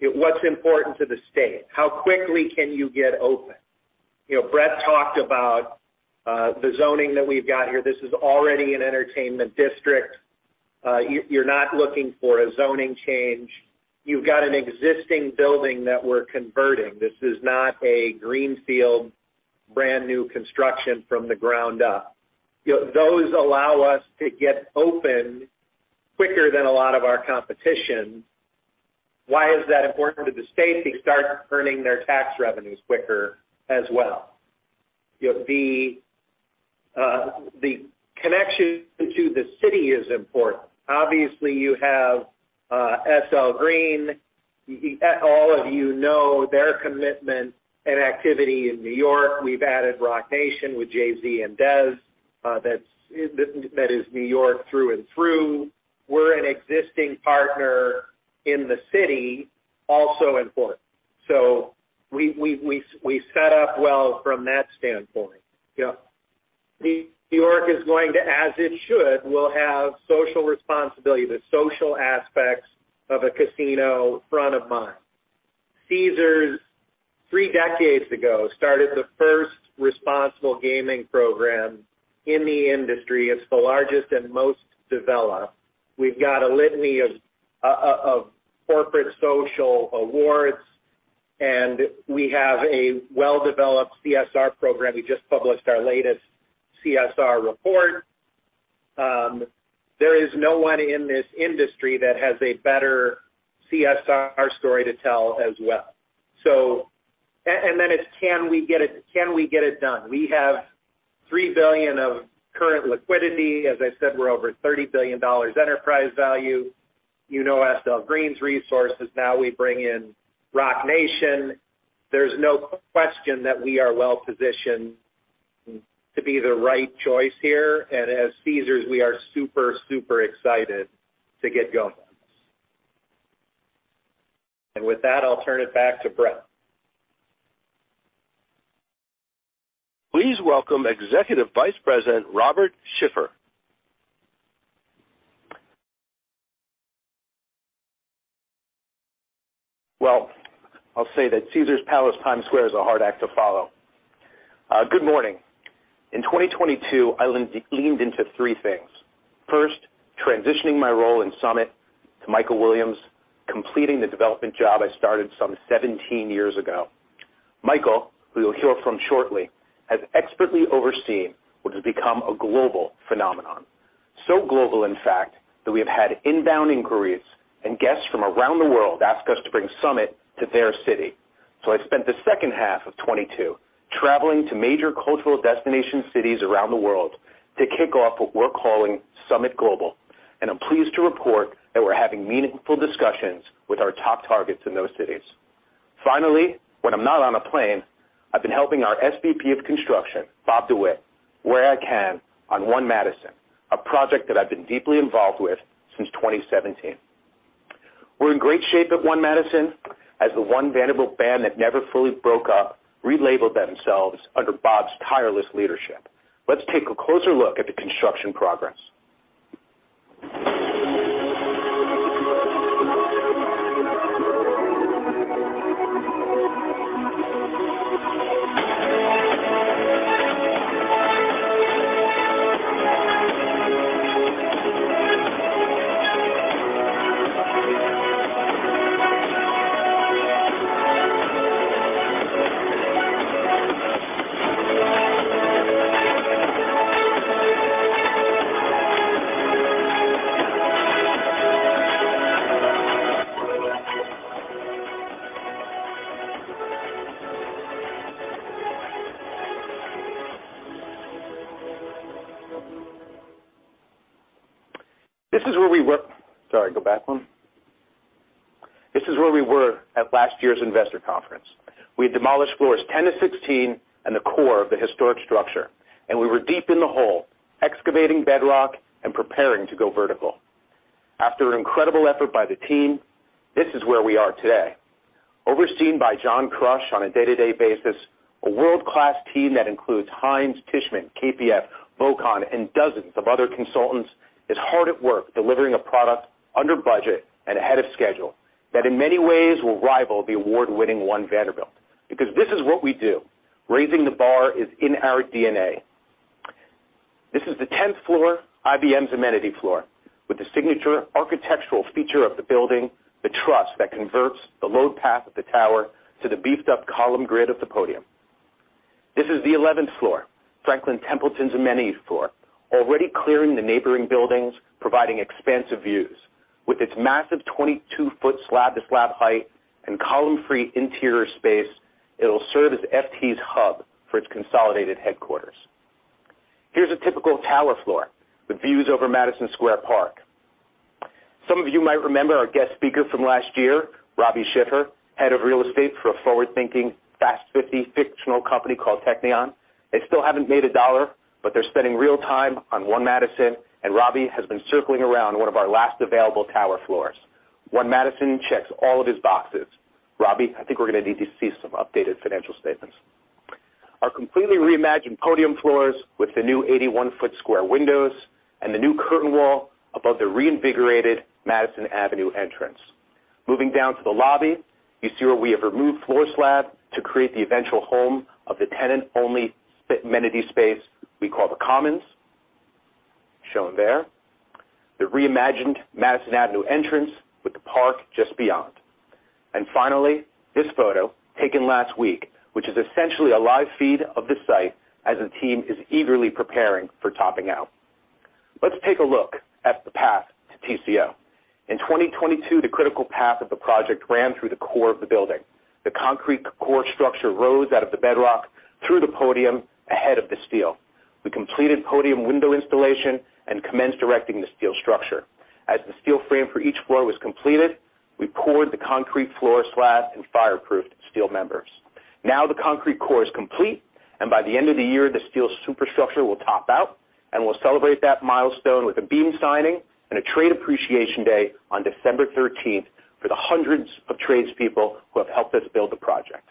What's important to the state? How quickly can you get open? You know, Brett talked about the zoning that we've got here. This is already an entertainment district. You're not looking for a zoning change. You've got an existing building that we're converting. This is not a greenfield brand new construction from the ground up. You know, those allow us to get open quicker than a lot of our competition. Why is that important to the state? They start earning their tax revenues quicker as well. You know, the connection to the city is important. Obviously, you have SL Green. All of you know their commitment and activity in New York. We've added Roc Nation with Jay-Z and Dez. That is New York through and through. We're an existing partner in the city, also important. We set up well from that standpoint. You know, New York is going to, as it should, will have social responsibility, the social aspects of a casino front of mind. Caesars, 3 decades ago, started the first responsible gaming program in the industry. It's the largest and most developed. We've got a litany of corporate social awards, and we have a well-developed CSR program. We just published our latest CSR report. There is no one in this industry that has a better CSR story to tell as well. And then it's can we get it done? We have $3 billion of current liquidity. As I said, we're over $30 billion enterprise value. You know SL Green's resources. Now we bring in Roc Nation. There's no question that we are well-positioned to be the right choice here. As Caesars, we are super excited to get going. With that, I'll turn it back to Brett. Please welcome Executive Vice President, Robert Schiffer. Well, I'll say that Caesars Palace Times Square is a hard act to follow. Good morning. In 2022, I leaned into 3 things. First, transitioning my role in SUMMIT to Michael Williams, completing the development job I started some 17 years ago. Michael, who you'll hear from shortly, has expertly overseen what has become a global phenomenon. Global, in fact, that we have had inbound inquiries and guests from around the world ask us to bring SUMMIT to their city. I spent the second half of 22 traveling to major cultural destination cities around the world to kick off what we're calling SUMMIT Global. I'm pleased to report that we're having meaningful discussions with our top targets in those cities. Finally, when I'm not on a plane, I've been helping our SVP of construction, Bob DeWitt, where I can on One Madison Avenue, a project that I've been deeply involved with since 2017. We're in great shape at One Madison Avenue as the One Vanderbilt band that never fully broke up, relabeled themselves under Bob's tireless leadership. Let's take a closer look at the construction progress. This is where we were. Sorry, go back 1. This is where we were at last year's investor conference. We demolished floors 10 to 16 and the core of the historic structure, and we were deep in the hole, excavating bedrock and preparing to go vertical. After an incredible effort by the team, this is where we are today. Overseen by John Crish on a day-to-day basis, a world-class team that includes Hines, Tishman, KPF, uncertain, and dozens of other consultants, is hard at work delivering a product under budget and ahead of schedule that in many ways will rival the award-winning One Vanderbilt. Because this is what we do. Raising the bar is in our DNA. This is the 10th floor, IBM's amenity floor, with the signature architectural feature of the building, the truss that converts the load path of the tower to the beefed up column grid of the podium. This is the 11th floor, Franklin Templeton's amenities floor, already clearing the neighboring buildings, providing expansive views. With its massive 22 foot slab to slab height and column-free interior space, it'll serve as FT's hub for its consolidated headquarters. Here's a typical tower floor with views over Madison Square Park. Some of you might remember our guest speaker from last year, Robbie Schiffer, head of real estate for a forward-thinking Fast 50 fictional company called Technion. They still haven't made $1, but they're spending real time on One Madison, and Robbie has been circling around one of our last available tower floors. One Madison checks all of his boxes. Robbie, I think we're gonna need to see some updated financial statements. Our completely reimagined podium floors with the new 81-foot square windows and the new curtain wall above the reinvigorated Madison Avenue entrance. Moving down to the lobby, you see where we have removed floor slab to create the eventual home of the tenant-only amenity space we call The Commons, shown there. The reimagined Madison Avenue entrance with the park just beyond. Finally, this photo taken last week, which is essentially a live feed of the site as the team is eagerly preparing for topping out. Let's take a look at the path to TCO. In 2022, the critical path of the project ran through the core of the building. The concrete core structure rose out of the bedrock through the podium ahead of the steel. We completed podium window installation and commenced directing the steel structure. As the steel frame for each floor was completed, we poured the concrete floor slab and fireproofed steel members. Now the concrete core is complete, and by the end of the year, the steel superstructure will top out, and we'll celebrate that milestone with a beam signing and a trade appreciation day on December 13th for the hundreds of trades people who have helped us build the project.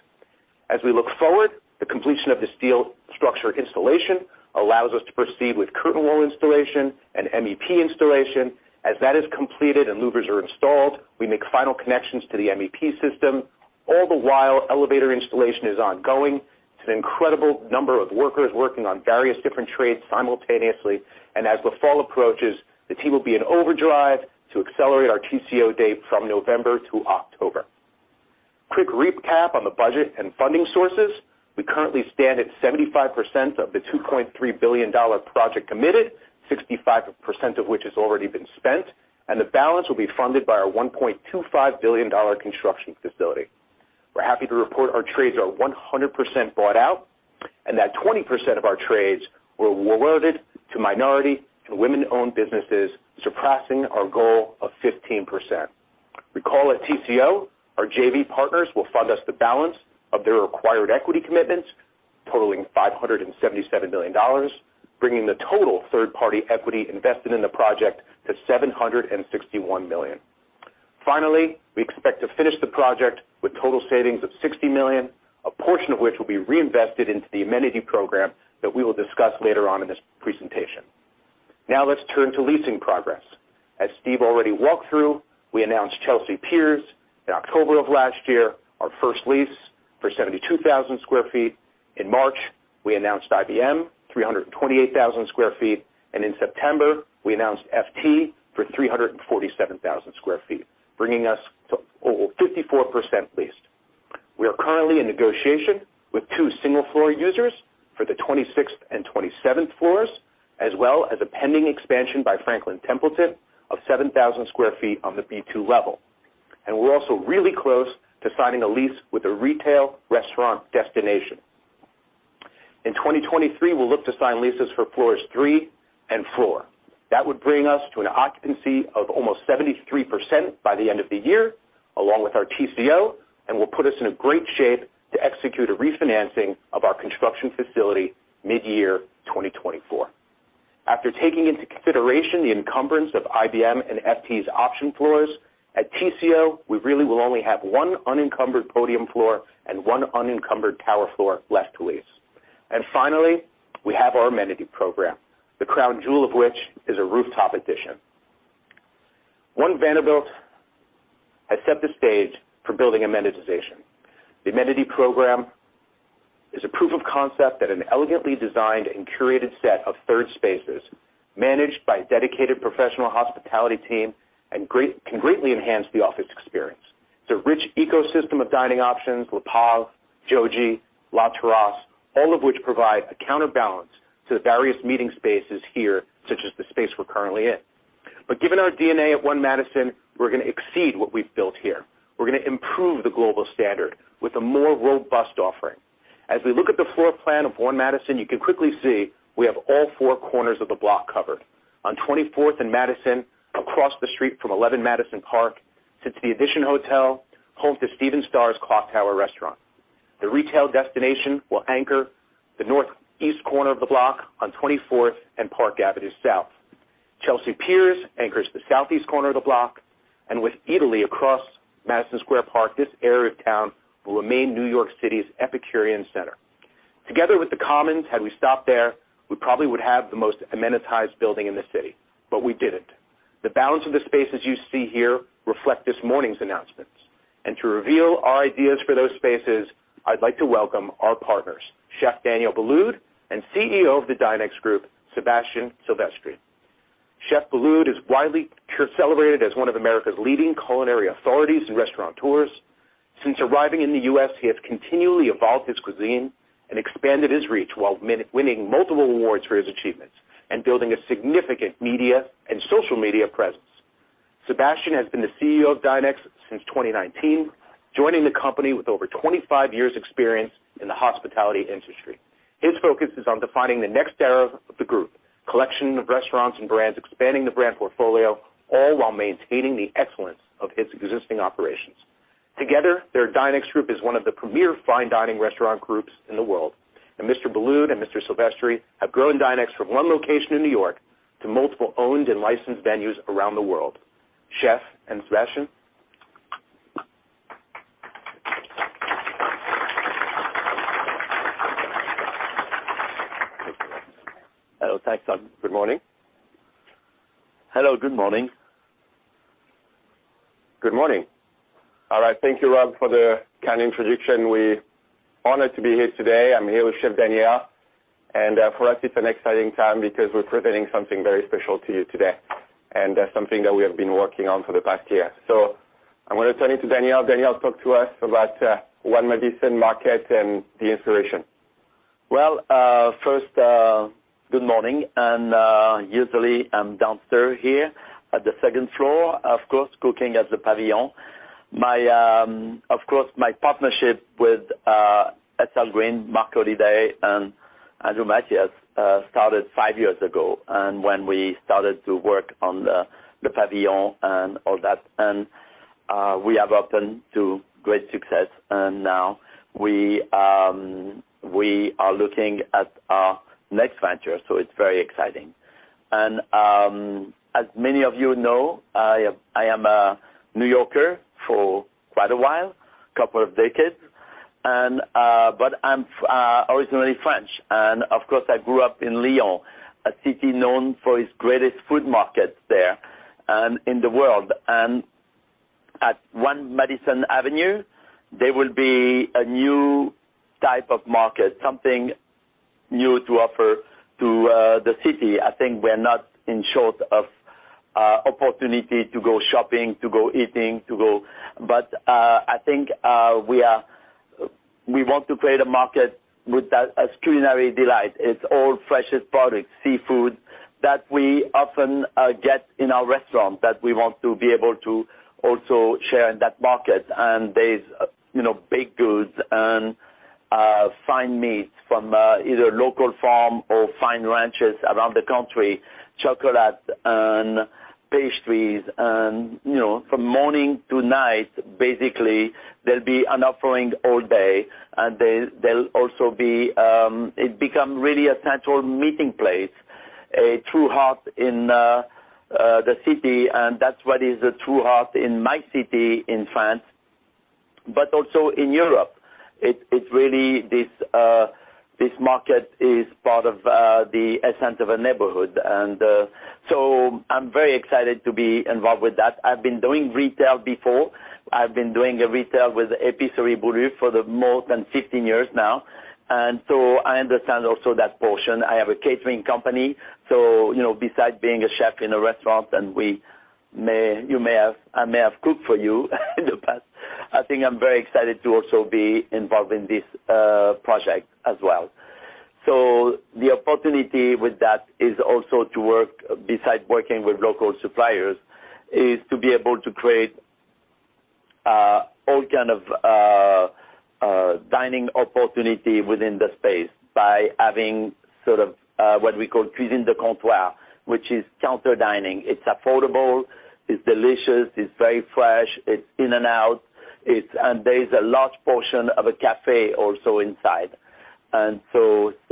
As we look forward, the completion of the steel structure installation allows us to proceed with curtain wall installation and MEP installation. As that is completed and louvers are installed, we make final connections to the MEP system. All the while, elevator installation is ongoing. It's an incredible number of workers working on various different trades simultaneously. As the fall approaches, the team will be in overdrive to accelerate our TCO date from November to October. Quick recap on the budget and funding sources. We currently stand at 75% of the $2.3 billion project committed, 65% of which has already been spent, the balance will be funded by our $1.25 billion construction facility. We're happy to report our trades are 100% bought out, that 20% of our trades were awarded to minority and women-owned businesses, surpassing our goal of 15%. Recall at TCO, our JV partners will fund us the balance of their required equity commitments, totaling $577 million, bringing the total third-party equity invested in the project to $761 million. Finally, we expect to finish the project with total savings of $60 million, a portion of which will be reinvested into the amenity program that we will discuss later on in this presentation. Let's turn to leasing progress. As Steve already walked through, we announced Chelsea Piers in October of last year, our first lease for 72,000 sq ft. In March, we announced IBM, 328,000 sq ft. In September, we announced FT for 347,000 sq ft, bringing us to over 54% leased. We are currently in negotiation with 2 single floor users for the 26th and 27th floors, as well as a pending expansion by Franklin Templeton of 7,000 sq ft on the B2 level. We're also really close to signing a lease with a retail restaurant destination. In 2023, we'll look to sign leases for floors 3 and 4. That would bring us to an occupancy of almost 73% by the end of the year, along with our TCO, will put us in a great shape to execute a refinancing of our construction facility mid-year 2024. After taking into consideration the encumbrance of IBM and FT's option floors, at TCO, we really will only have one unencumbered podium floor and one unencumbered tower floor left to lease. Finally, we have our amenity program, the crown jewel of which is a rooftop addition. One Vanderbilt has set the stage for building amenitization. The amenity program is a proof of concept that an elegantly designed and curated set of third spaces, managed by a dedicated professional hospitality team, can greatly enhance the office experience. It's a rich ecosystem of dining options, Le Pavillon, Jōji, La Terrasse, all of which provide a counterbalance to the various meeting spaces here, such as the space we're currently in. Given our DNA at One Madison Avenue, we're gonna exceed what we've built here. We're gonna improve the global standard with a more robust offering. As we look at the floor plan of One Madison Avenue, you can quickly see we have all four corners of the block covered. On Twenty-fourth and Madison Avenue, across the street from Eleven Madison Park, sits The New York EDITION, home to Stephen Starr's The Clocktower restaurant. The retail destination will anchor the northeast corner of the block on Twenty-fourth and Park Avenue South. Chelsea Piers anchors the southeast corner of the block. With Eataly across Madison Square Park, this area of town will remain New York City's epicurean center. Together with The Commons, had we stopped there, we probably would have the most amenitized building in the city, but we didn't. The balance of the spaces you see here reflect this morning's announcements. To reveal our ideas for those spaces, I'd like to welcome our partners, Chef Daniel Boulud and CEO of The Dinex Group, Sébastien Silvestri. Chef Boulud is widely celebrated as one of America's leading culinary authorities and restaurateurs. Since arriving in the U.S., he has continually evolved his cuisine and expanded his reach while winning multiple awards for his achievements and building a significant media and social media presence. Sébastien has been the CEO of Dinex since 2019, joining the company with over 25 years experience in the hospitality industry. His focus is on defining the next era of the group, collection of restaurants and brands, expanding the brand portfolio, all while maintaining the excellence of his existing operations. Together, their Dinex Group is one of the premier fine dining restaurant groups in the world. Mr. Boulud and Mr. Silvestri have grown Dinex from 1 location in New York to multiple owned and licensed venues around the world. Chef and Sébastien? Hello. Thanks, Rob. Good morning. Hello, good morning. Good morning. All right. Thank you, Rob, for the kind introduction. We honored to be here today. I'm here with Chef Daniel. For us it's an exciting time because we're presenting something very special to you today, and that's something that we have been working on for the past year. I'm gonna turn it to Daniel. Daniel, talk to us about One Madison Market and the inspiration. Well, first, good morning. Usually I'm downstairs here at the second floor, of course, cooking at Le Pavillon. My, of course, my partnership with Eytan Sugarman, Marc Holliday, and Andrew Mathias started five years ago, and when we started to work on the Pavilion and all that. We have opened to great success. Now we are looking at our next venture, so it's very exciting. As many of you know, I am a New Yorker for quite a while, couple of decades. I'm originally French, and of course I grew up in Lyon, a city known for its greatest food market there, and in the world. At One Madison Avenue, there will be a new type of market, something new to offer to the city. I think we're not in short of opportunity to go shopping, to go eating, to go... I think we want to create a market with a culinary delight. It's all freshest products, seafood that we often get in our restaurant that we want to be able to also share in that market. There's, you know, baked goods and fine meats from either local farm or fine ranches around the country, chocolate and pastries. You know, from morning to night, basically, there'll be an offering all day. There, there'll also be. It become really a central meeting place, a true heart in the city, and that's what is a true heart in my city in France, but also in Europe. It's really this market is part of the essence of a neighborhood. I'm very excited to be involved with that. I've been doing retail before. I've been doing retail with Épicerie Boulud for more than 15 years now. I understand also that portion. I have a catering company. You know, besides being a chef in a restaurant, and I may have cooked for you in the past. I think I'm very excited to also be involved in this project as well. The opportunity with that is also to work, besides working with local suppliers, is to be able to create all kind of dining opportunity within the space by having sort of what we call cuisine de comptoir, which is counter dining. It's affordable, it's delicious, it's very fresh, it's in and out. And there's a large portion of a café also inside. Sebastien,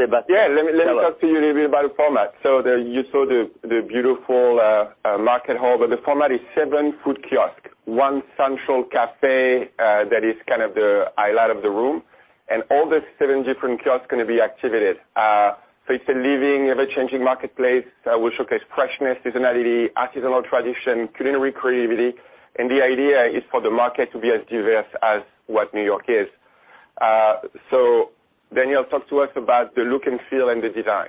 tell us. Yeah. Let me talk to you a little bit about the format. You saw the beautiful market hall, but the format is seven food kiosks, one central cafe that is kind of the highlight of the room. All the seven different kiosks are gonna be activated. It's a living, ever-changing marketplace that will showcase freshness, seasonality, artisanal tradition, culinary creativity. The idea is for the market to be as diverse as what New York is. Daniel, talk to us about the look and feel and the design.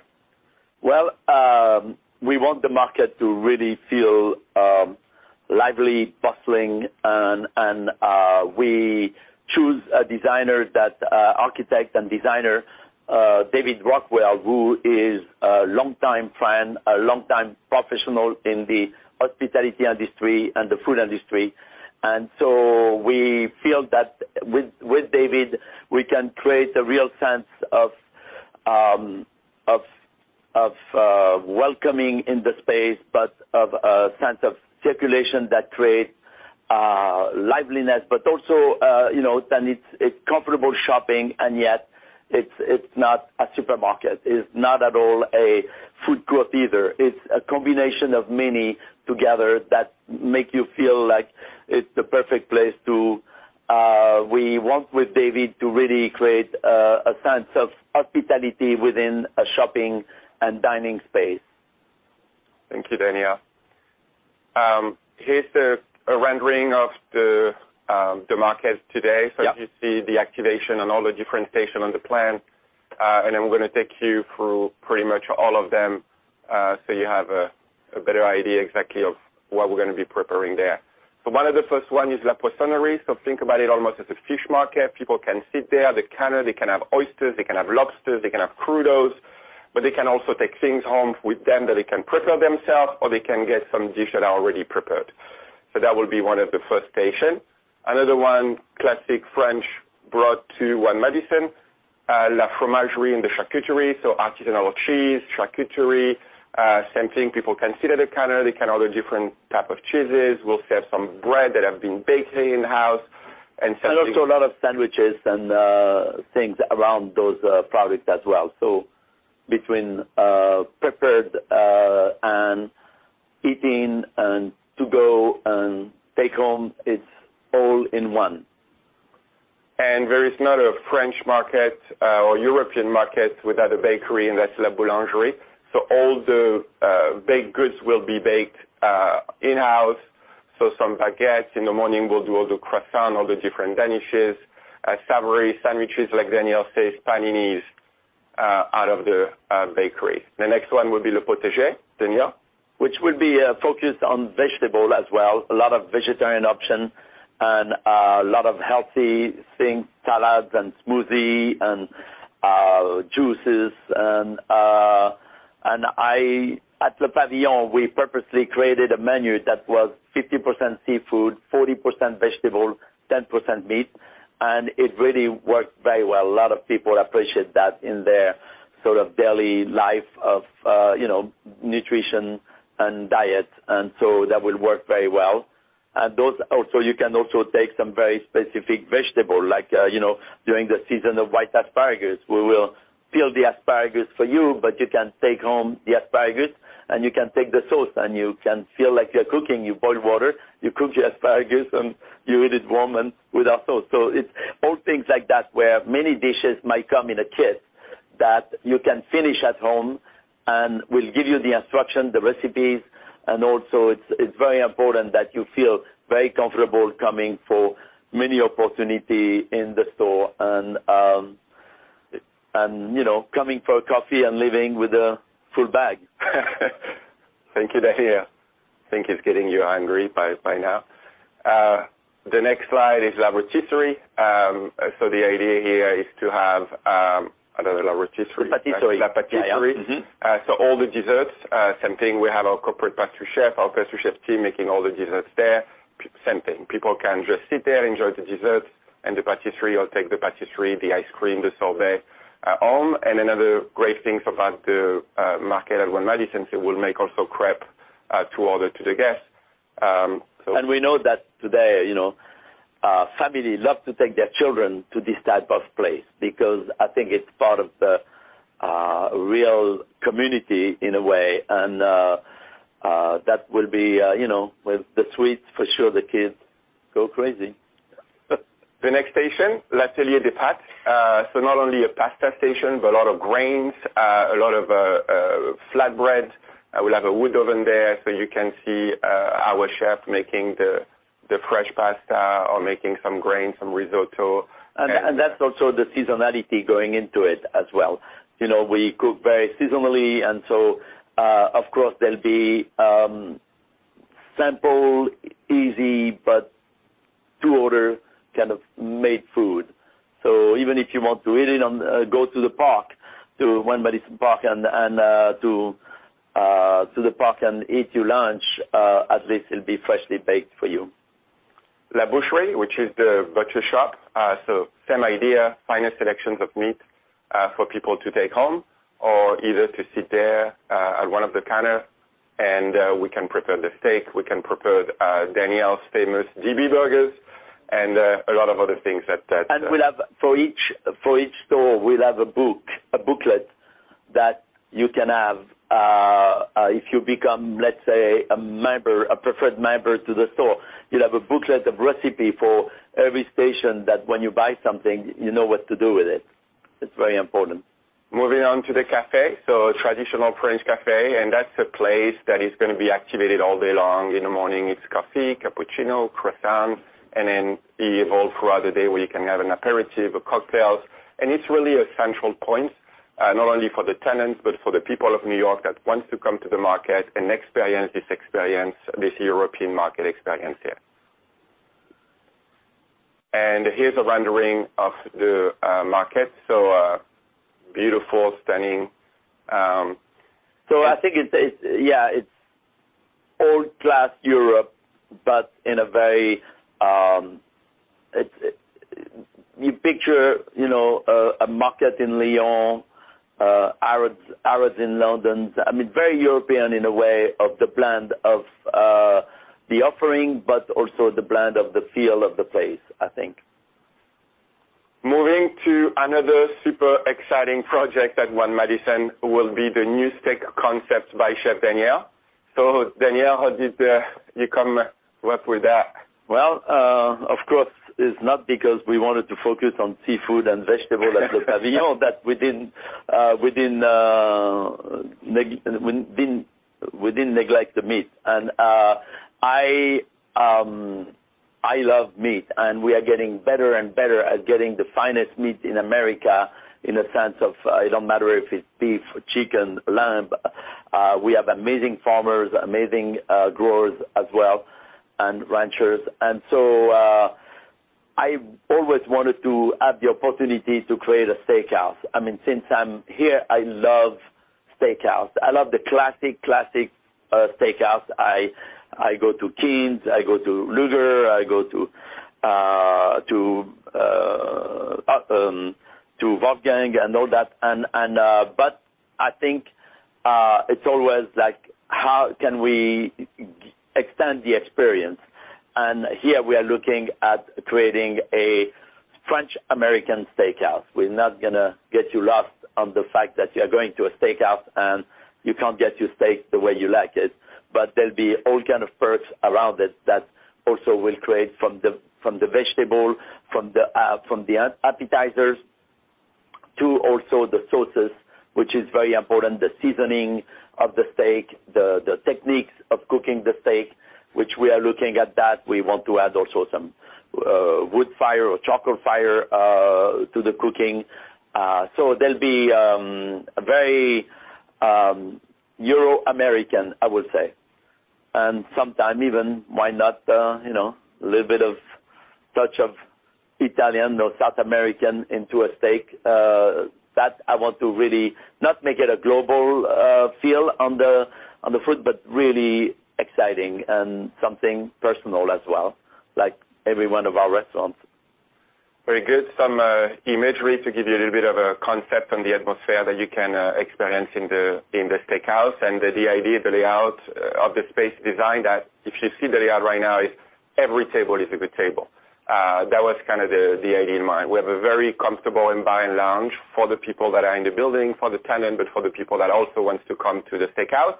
We want the market to really feel lively, bustling. We choose a designer that architect and designer David Rockwell, who is a longtime friend, a longtime professional in the hospitality industry and the food industry. We feel that with David, we can create a real sense of welcoming in the space, but of a sense of circulation that creates liveliness. Also, you know, it's comfortable shopping, and yet it's not a supermarket. It's not at all a food court either. It's a combination of many together that make you feel like it's the perfect place to. We want with David to really create a sense of hospitality within a shopping and dining space. Thank you, Daniel. Here's a rendering of the market today. Yeah. You see the activation and all the different station on the plan. I'm gonna take you through pretty much all of them, so you have a better idea exactly of what we're gonna be preparing there. One of the first one is La Poissonnerie. Think about it almost as a fish market. People can sit there. They can have oysters, they can have lobsters, they can have crudos, but they can also take things home with them that they can prepare themselves, or they can get some dish that are already prepared. That will be one of the first station. Another one, classic French brought to One Madison, La Fromagerie and the Charcuterie. Artisanal cheese, charcuterie, same thing. People can sit at a counter. They can order different type of cheeses. We'll serve some bread that have been baked in-house and. Also a lot of sandwiches and things around those products as well. Between prepared and eat-in and to-go and take-home, it's all in one. There is not a French market or European market without a bakery, and that's La Boulangerie. All the baked goods will be baked in-house. Some baguettes in the morning. We'll do all the croissant, all the different danishes, savory sandwiches, like Daniel says, paninis, out of the bakery. The next one will be Le Potager. Daniel. Which will be focused on vegetable as well. A lot of vegetarian option and lot of healthy things, salads and smoothie and juices. At Le Pavillon, we purposely created a menu that was 50% seafood, 40% vegetable, 10% meat, and it really worked very well. A lot of people appreciate that in their sort of daily life of, you know, nutrition and diet, that will work very well. Those also, you can also take some very specific vegetable like, you know, during the season of white asparagus, we will peel the asparagus for you, but you can take home the asparagus, and you can take the sauce, and you can feel like you're cooking. You boil water, you cook the asparagus, and you eat it warm and with our sauce. It's all things like that, where many dishes might come in a kit that you can finish at home, and we'll give you the instructions, the recipes, and also it's very important that you feel very comfortable coming for many opportunity in the store and, you know, coming for coffee and leaving with a full bag. Thank you. To hear. I think it's getting you hungry by now. The next slide is Le Pavillon. The idea here is to have another Le Pavillon. La Patisserie. La Patisserie. Yeah, yeah. Mm-hmm. All the desserts, same thing. We have our corporate pastry chef, our pastry chef team making all the desserts there. Same thing. People can just sit there, enjoy the desserts and the pastry, or take the pastry, the ice cream, the sorbet home. Another great things about the market at One Madison is it will make also crêpe to order to the guests. We know that today, you know, family love to take their children to this type of place because I think it's part of the real community in a way. That will be, you know, with the sweets for sure, the kids go crazy. The next station, L'Atelier des Pâtes. Not only a pasta station, but a lot of grains, a lot of flatbread. We'll have a wood oven there, so you can see our chef making the fresh pasta or making some grains, some risotto. That's also the seasonality going into it as well. You know, we cook very seasonally and so, of course, there'll be sample easy, but to order kind of made food. Even if you want to eat it on, go to the park, to One Madison Park, and, to the park and eat your lunch, at least it'll be freshly baked for you. La Boucherie, which is the butcher shop. Same idea, finest selections of meat for people to take home or either to sit there at one of the counter. We can prepare the steak. We can prepare Daniel's famous DB Burger. A lot of other things that. We'll have For each store, we'll have a book, a booklet that you can have, if you become, let's say, a member, a preferred member to the store. You'll have a booklet of recipe for every station. That when you buy something, you know what to do with it. It's very important. Moving on to the café. traditional French café, and that's a place that is gonna be activated all day long. In the morning, it's coffee, cappuccino, croissant, and then evolve throughout the day where you can have an aperitif, a cocktail. It's really a central point, not only for the tenants, but for the people of New York that want to come to the market and experience this European market experience here. Here's a rendering of the market. Beautiful, stunning. I think it's, yeah, it's old class Europe, but in a very, You picture, you know, a market in Lyon, Harrods in London. I mean, very European in a way of the brand of the offering, but also the brand of the feel of the place, I think. Moving to another super exciting project at One Madison will be the new steak concept by Chef Daniel. Daniel, how did you come up with that? Of course, it's not because we wanted to focus on seafood and vegetable at Le Pavillon that we didn't neglect the meat. I love meat, and we are getting better and better at getting the finest meat in America in a sense of, it don't matter if it's beef, chicken, lamb. We have amazing farmers, amazing growers as well, and ranchers. I always wanted to have the opportunity to create a steakhouse. I mean, since I'm here, I love steakhouse. I love the classic steakhouse. I go to Keens, I go to Peter Luger, I go to Wolfgang and all that. I think it's always like, how can we extend the experience? Here we are looking at creating a French American steakhouse. We're not gonna get you lost on the fact that you are going to a steakhouse and you can't get your steak the way you like it, there'll be all kind of perks around it that also will create from the vegetable, from the appetizers to also the sauces, which is very important. The seasoning of the steak, the techniques of cooking the steak, which we are looking at that. We want to add also some wood fire or charcoal fire to the cooking. There'll be a very Euro-American, I would say. Sometime even why not, you know, little bit of touch of Italian or South American into a steak, that I want to really not make it a global feel on the food, but really exciting and something personal as well, like every one of our restaurants. Very good. Some imagery to give you a little bit of a concept on the atmosphere that you can experience in the steakhouse and the idea, the layout of the space design that if you see the layout right now, is every table is a good table. That was kind of the idea in mind. We have a very comfortable environment lounge for the people that are in the building, for the tenant, but for the people that also wants to come to the steakhouse.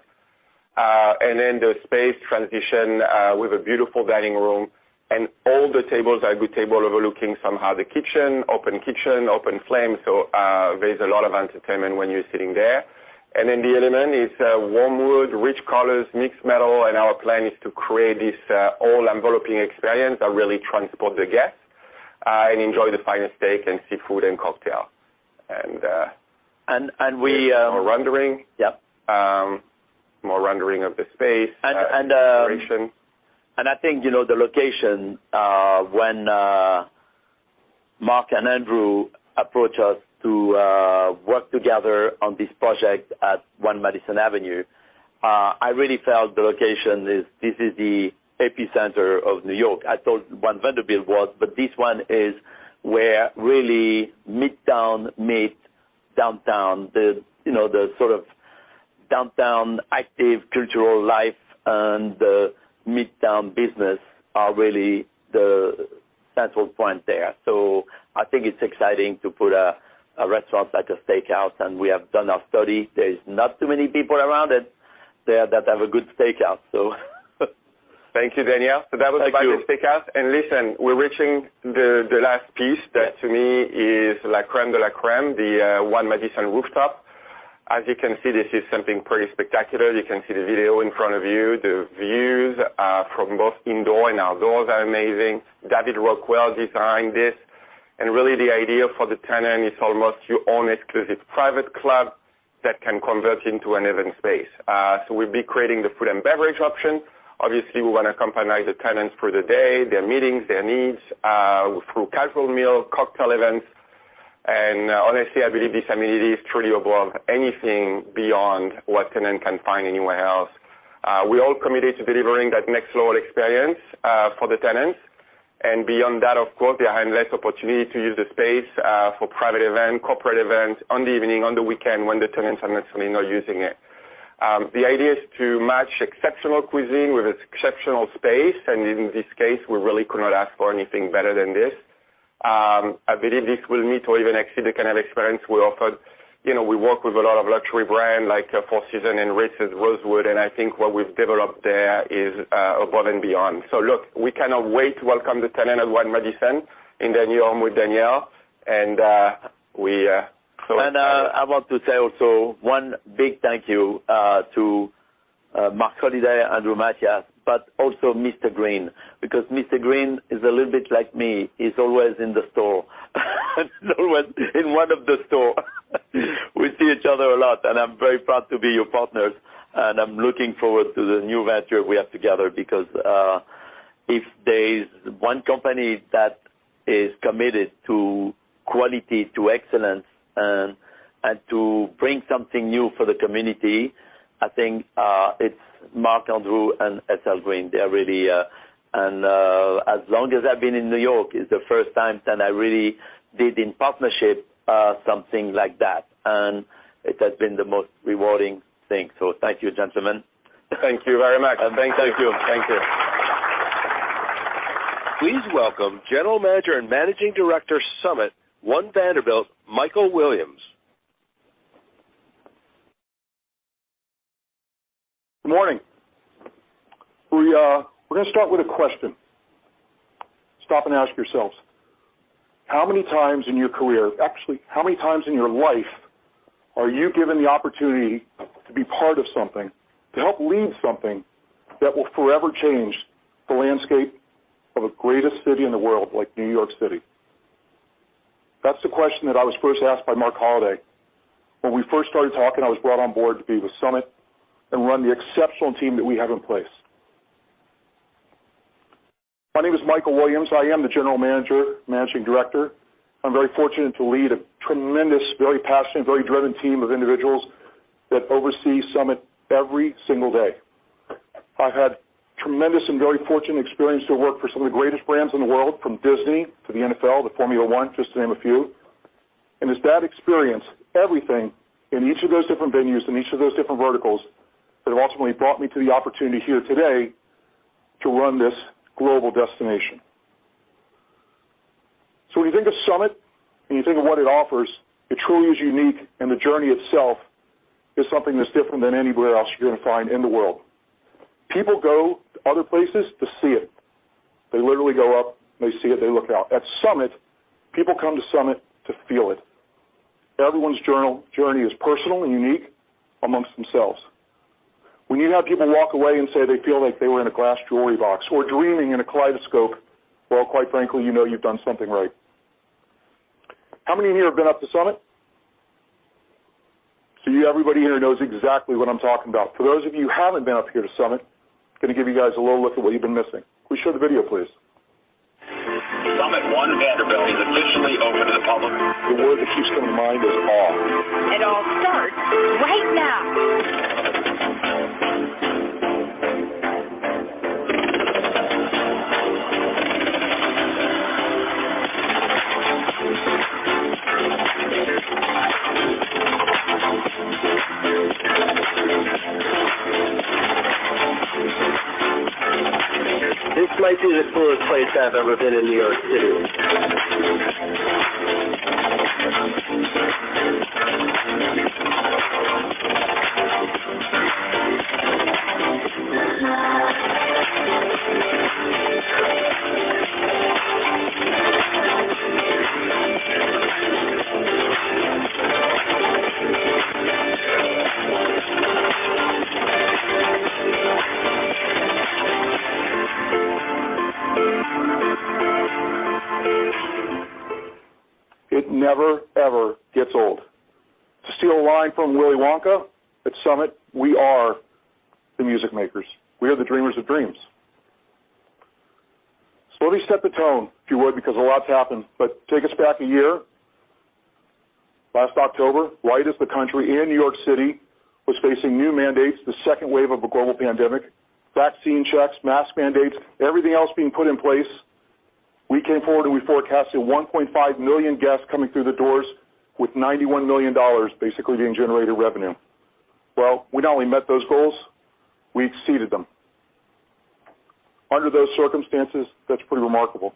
The space transition with a beautiful dining room and all the tables are good table, overlooking somehow the kitchen, open kitchen, open flame. There's a lot of entertainment when you're sitting there. The element is warm wood, rich colors, mixed metal. Our plan is to create this all-enveloping experience that really transport the guest and enjoy the finest steak and seafood and cocktail. We. More rendering. Yep. More rendering of the space. And, and, um- Operation. I think, you know, the location, when Marc Holliday and Andrew Mathias approached us to work together on this project at One Madison Avenue, I really felt the location is this is the epicenter of New York. I thought One Vanderbilt was, but this one is where really Midtown meet Downtown. The, you know, the sort of Downtown active cultural life and the Midtown business are really the central point there. I think it's exciting to put a restaurant like a Steakhouse, and we have done our study. There is not too many people around it there that have a good Steakhouse. So Thank you, Daniel. Thank you. That was about the Steakhouse. Listen, we're reaching the last piece that to me is la crème de la crème, the One Madison rooftop. As you can see, this is something pretty spectacular. You can see the video in front of you. The views from both indoor and outdoors are amazing. David Rockwell designed this, and really the idea for the tenant is almost your own exclusive private club that can convert into an event space. We'll be creating the food and beverage option. Obviously, we wanna accompany the tenants for the day, their meetings, their needs, through casual meal, cocktail events. Honestly, I believe this amenity is truly above anything beyond what tenant can find anywhere else. We all committed to delivering that next level experience for the tenants. Beyond that, of course, behind less opportunity to use the space for private event, corporate events in the evening, on the weekend when the tenants are necessarily not using it. The idea is to match exceptional cuisine with exceptional space, and in this case, we really could not ask for anything better than this. I believe this will meet or even exceed the kind of experience we offered. You know, we work with a lot of luxury brand like Four Seasons and Ritz-Carlton, Rosewood, and I think what we've developed there is above and beyond. Look, we cannot wait to welcome the tenant at One Madison in their new home with Daniel. I want to say also one big thank you to Marc Holliday, Andrew Mathias, but also Mr. Green, because Mr. Green is a little bit like me. He's always in the store. In one of the store. We see each other a lot, and I'm very proud to be your partners, and I'm looking forward to the new venture we have together because if there's one company that is committed to quality, to excellence, and to bring something new for the community, I think it's Marc, Andrew and SL Green. They are really. As long as I've been in New York, it's the first time that I really did in partnership something like that, and it has been the most rewarding thing. Thank you, gentlemen. Thank you very much. Thank you. Thank you. Thank you. Please welcome General Manager and Managing Director SUMMIT One Vanderbilt, Michael Williams. Good morning. We're gonna start with a question. Stop and ask yourselves, how many times in your career, actually, how many times in your life are you given the opportunity to be part of something, to help lead something that will forever change the landscape of the greatest city in the world like New York City? That's the question that I was first asked by Marc Holliday. When we first started talking, I was brought on board to be with SUMMIT and run the exceptional team that we have in place. My name is Michael Williams. I am the general manager, managing director. I'm very fortunate to lead a tremendous, very passionate, very driven team of individuals that oversee SUMMIT every single day. I've had tremendous and very fortunate experience to work for some of the greatest brands in the world, from Disney to the NFL to Formula One, just to name a few. It's that experience, everything in each of those different venues, in each of those different verticals, that have ultimately brought me to the opportunity here today to run this global destination. When you think of SUMMIT and you think of what it offers, it truly is unique, and the journey itself is something that's different than anywhere else you're gonna find in the world. People go to other places to see it. They literally go up, they see it, they look out. At SUMMIT, people come to SUMMIT to feel it. Everyone's journey is personal and unique amongst themselves. When you have people walk away and say they feel like they were in a glass jewelry box or dreaming in a kaleidoscope, well, quite frankly, you know you've done something right. How many of you here have been up to SUMMIT? See, everybody here knows exactly what I'm talking about. For those of you who haven't been up here to SUMMIT, gonna give you guys a little look at what you've been missing. Can we show the video, please? SUMMIT One Vanderbilt is officially open to the public. The word that keeps coming to mind is awe. This might be the coolest place I've ever been in New York City. It never, ever gets old. To steal a line from Willy Wonka, at SUMMIT, we are the music makers. We are the dreamers of dreams. Let me set the tone, if you would, because a lot's happened, but take us back a year. Last October, right as the country and New York City was facing new mandates, the second wave of a global pandemic, vaccine checks, mask mandates, everything else being put in place, we came forward and we forecasted 1.5 million guests coming through the doors with $91 million basically being generated revenue. We not only met those goals, we exceeded them. Under those circumstances, that's pretty remarkable.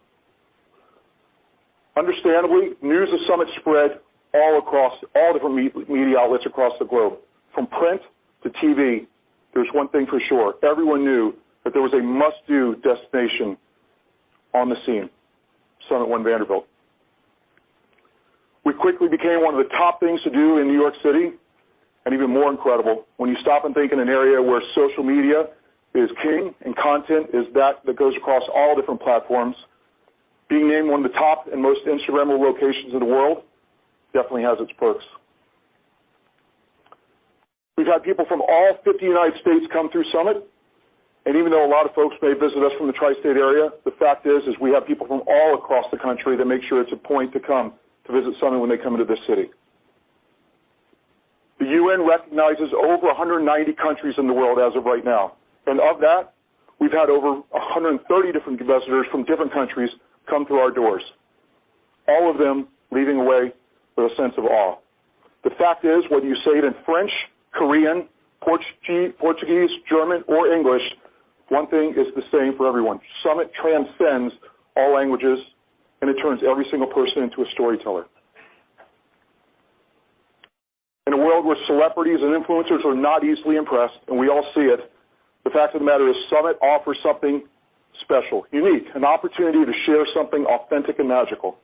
Understandably, news of SUMMIT spread all across all different media outlets across the globe, from print to TV. There's one thing for sure. Everyone knew that there was a must-do destination on the scene, SUMMIT One Vanderbilt. We quickly became one of the top things to do in New York City. Even more incredible, when you stop and think in an area where social media is king and content is that that goes across all different platforms, being named one of the top and most Instagrammable locations in the world definitely has its perks. We've had people from all 50 United States come through SUMMIT, and even though a lot of folks may visit us from the tri-state area, the fact is we have people from all across the country that make sure it's a point to come to visit SUMMIT when they come into this city. The UN recognizes over 190 countries in the world as of right now. Of that, we've had over 130 different investors from different countries come through our doors, all of them leaving away with a sense of awe. The fact is, whether you say it in French, Korean, Portuguese, German, or English, one thing is the same for everyone. SUMMIT transcends all languages. It turns every single person into a storyteller. In a world where celebrities and influencers are not easily impressed, and we all see it, the fact of the matter is, SUMMIT offers something special, unique, an opportunity to share something authentic and magical.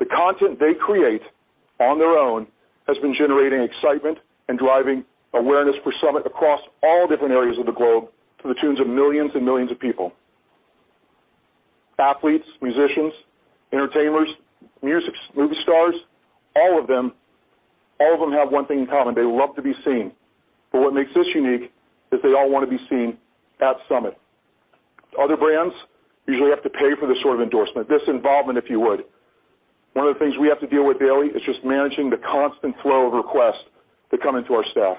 The content they create on their own has been generating excitement and driving awareness for SUMMIT across all different areas of the globe to the tunes of millions and millions of people. Athletes, musicians, entertainers, movie stars, all of them have one thing in common. What makes this unique is they all wanna be seen at SUMMIT. Other brands usually have to pay for this sort of endorsement, this involvement, if you would. One of the things we have to deal with daily is just managing the constant flow of requests that come into our staff.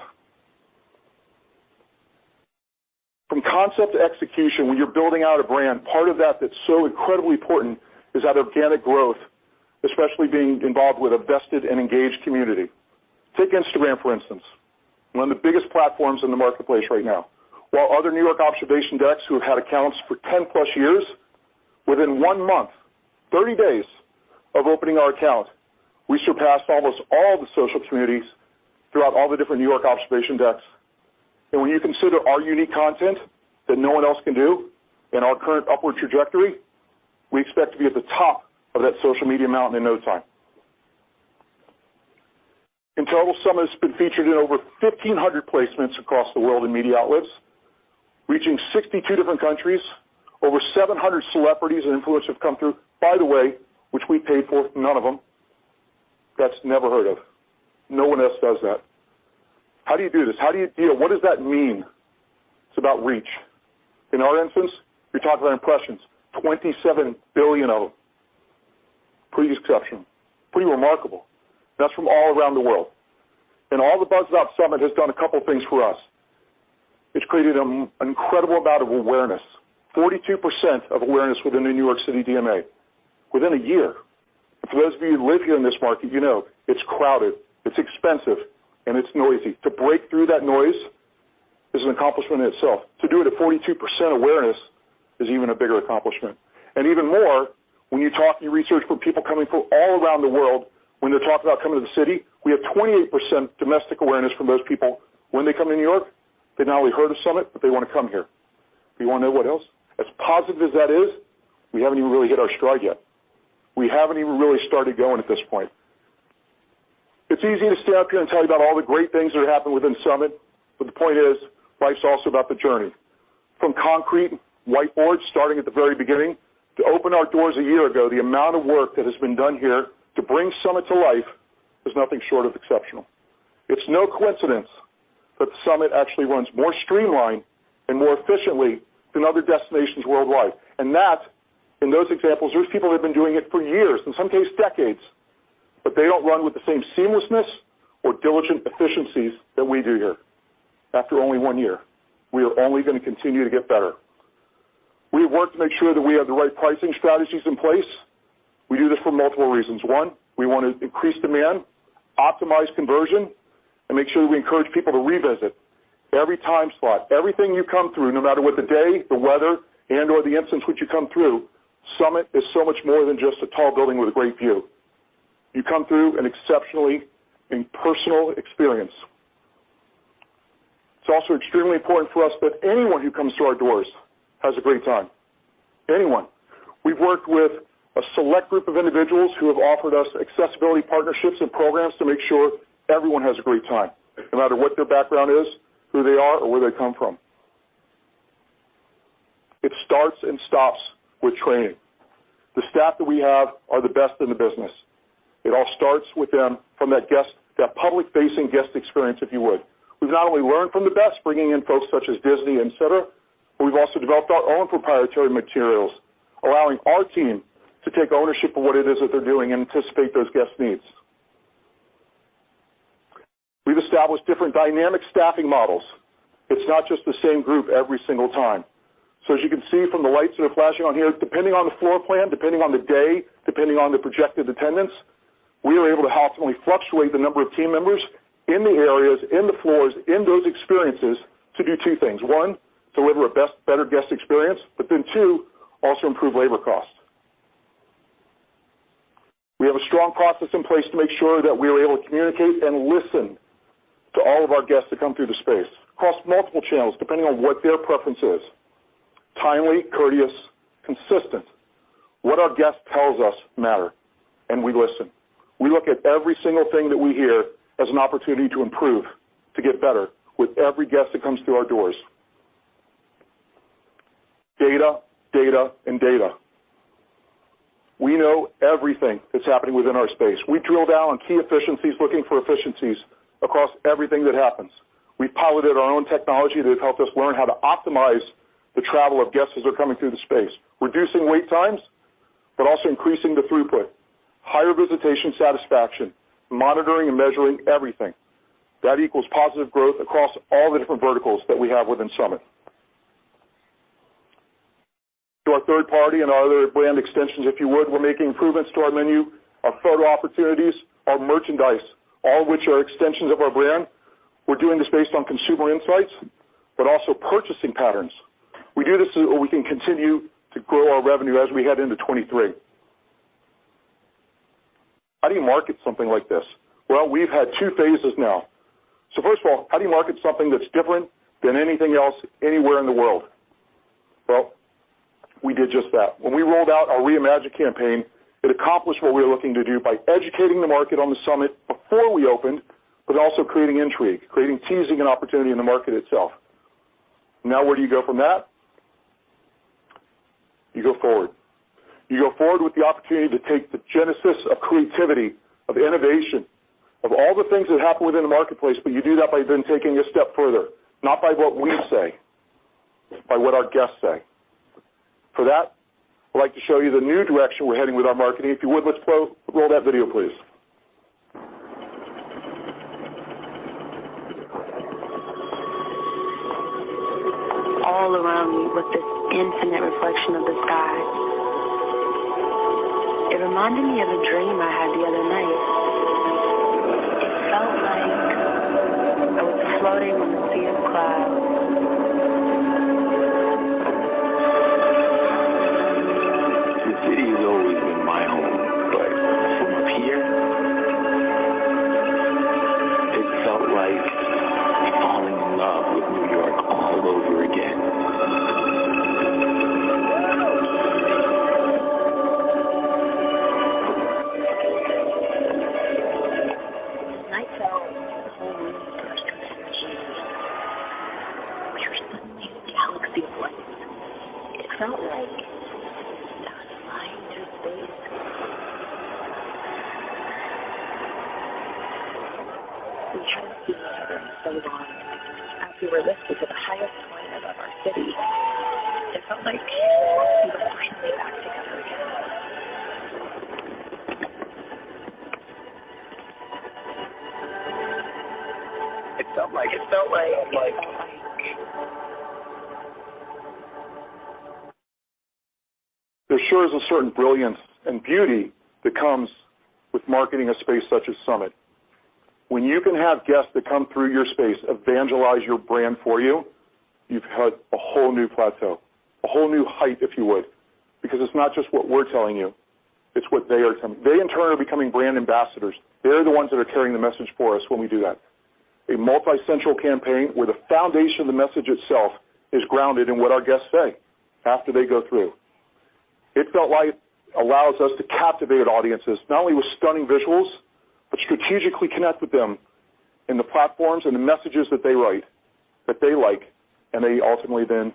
From concept to execution, when you're building out a brand, part of that's so incredibly important is that organic growth, especially being involved with a vested and engaged community. Take Instagram, for instance, one of the biggest platforms in the marketplace right now. While other New York observation decks who have had accounts for 10+ years, within 1 month, 30 days of opening our account, we surpassed almost all the social communities throughout all the different New York observation decks. When you consider our unique content that no one else can do and our current upward trajectory, we expect to be at the top of that social media mountain in no time. In total, SUMMIT has been featured in over 1,500 placements across the world in media outlets, reaching 62 different countries. Over 700 celebrities and influencers have come through, by the way, which we paid for none of them. That's never heard of. No one else does that. How do you do this? You know, what does that mean? It's about reach. In our instance, we talk about impressions. 27 billion of them. Pretty exceptional. Pretty remarkable. That's from all around the world. All the buzz about SUMMIT has done a couple of things for us. It's created an incredible amount of awareness, 42% of awareness within the New York City DMA within a year. For those of you who live here in this market, you know it's crowded, it's expensive, and it's noisy. To break through that noise is an accomplishment in itself. To do it at 42% awareness is even a bigger accomplishment. Even more, when you talk and you research for people coming from all around the world, when they're talking about coming to the city, we have 28% domestic awareness from those people when they come to New York. They've not only heard of SUMMIT, but they wanna come here. Do you wanna know what else? As positive as that is, we haven't even really hit our stride yet. We haven't even really started going at this point. It's easy to stay up here and tell you about all the great things that happened within Summit, but the point is, life's also about the journey. From concrete whiteboards, starting at the very beginning, to open our doors a year ago, the amount of work that has been done here to bring Summit to life is nothing short of exceptional. It's no coincidence that Summit actually runs more streamlined and more efficiently than other destinations worldwide. That, in those examples, there's people that have been doing it for years, in some case, decades. They don't run with the same seamlessness or diligent efficiencies that we do here after only one year. We are only gonna continue to get better. We work to make sure that we have the right pricing strategies in place. We do this for multiple reasons. One, we want to increase demand, optimize conversion, and make sure we encourage people to revisit every time slot. Everything you come through, no matter what the day, the weather, and/or the instance which you come through, SUMMIT is so much more than just a tall building with a great view. You come through an exceptionally and personal experience. It's also extremely important for us that anyone who comes through our doors has a great time. Anyone. We've worked with a select group of individuals who have offered us accessibility partnerships and programs to make sure everyone has a great time, no matter what their background is, who they are, or where they come from. It starts and stops with training. The staff that we have are the best in the business. It all starts with them from that public-facing guest experience, if you would. We've not only learned from the best, bringing in folks such as Disney and cetera, but we've also developed our own proprietary materials, allowing our team to take ownership of what it is that they're doing and anticipate those guest needs. We've established different dynamic staffing models. It's not just the same group every single time. As you can see from the lights that are flashing on here, depending on the floor plan, depending on the day, depending on the projected attendance, we are able to help only fluctuate the number of team members in the areas, in the floors, in those experiences to do 2 things. 1, deliver a better guest experience, 2, also improve labor costs. We have a strong process in place to make sure that we are able to communicate and listen to all of our guests that come through the space across multiple channels, depending on what their preference is. Timely, courteous, consistent. What our guest tells us matter, and we listen. We look at every single thing that we hear as an opportunity to improve, to get better with every guest that comes through our doors. Data, data, and data. We know everything that's happening within our space. We drill down on key efficiencies, looking for efficiencies across everything that happens. We piloted our own technology that helped us learn how to optimize the travel of guests as they're coming through the space, reducing wait times but also increasing the throughput, higher visitation satisfaction, monitoring and measuring everything. That equals positive growth across all the different verticals that we have within SUMMIT. To our third party and our other brand extensions, if you would, we're making improvements to our menu, our photo opportunities, our merchandise, all which are extensions of our brand. We're doing this based on consumer insights but also purchasing patterns. We do this so that we can continue to grow our revenue as we head into 23. How do you market something like this? Well, we've had 2 phases now. First of all, how do you market something that's different than anything else anywhere in the world? Well, we did just that. When we rolled out our Reimagine campaign, it accomplished what we were looking to do by educating the market on the SUMMIT before we opened, but also creating intrigue, creating teasing and opportunity in the market itself. Where do you go from that? You go forward. You go forward with the opportunity to take the genesis of creativity, of innovation, of all the things that happen within the marketplace. You do that by then taking a step further, not by what we say, by what our guests say. For that, I'd like to show you the new direction we're heading with our marketing. If you would, let's roll that video, please. All around me with this infinite reflection of the sky. It reminded me of a dream I had the other night. It felt like I was floating on the sea of clouds. The It felt like… allows us to captivate audiences, not only with stunning visuals, but strategically connect with them in the platforms and the messages that they write, that they like, and they ultimately then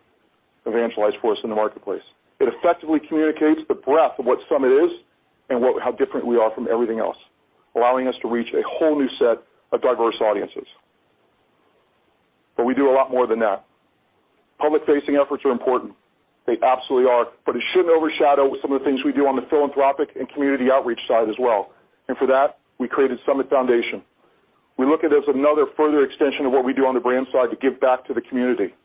evangelize for us in the marketplace. It effectively communicates the breadth of what SUMMIT is and how different we are from everything else, allowing us to reach a whole new set of diverse audiences. We do a lot more than that. Public-facing efforts are important. They absolutely are, but it shouldn't overshadow some of the things we do on the philanthropic and community outreach side as well. For that, we created SUMMIT Foundation. We look at it as another further extension of what we do on the SUMMIT brand side to give back to the community,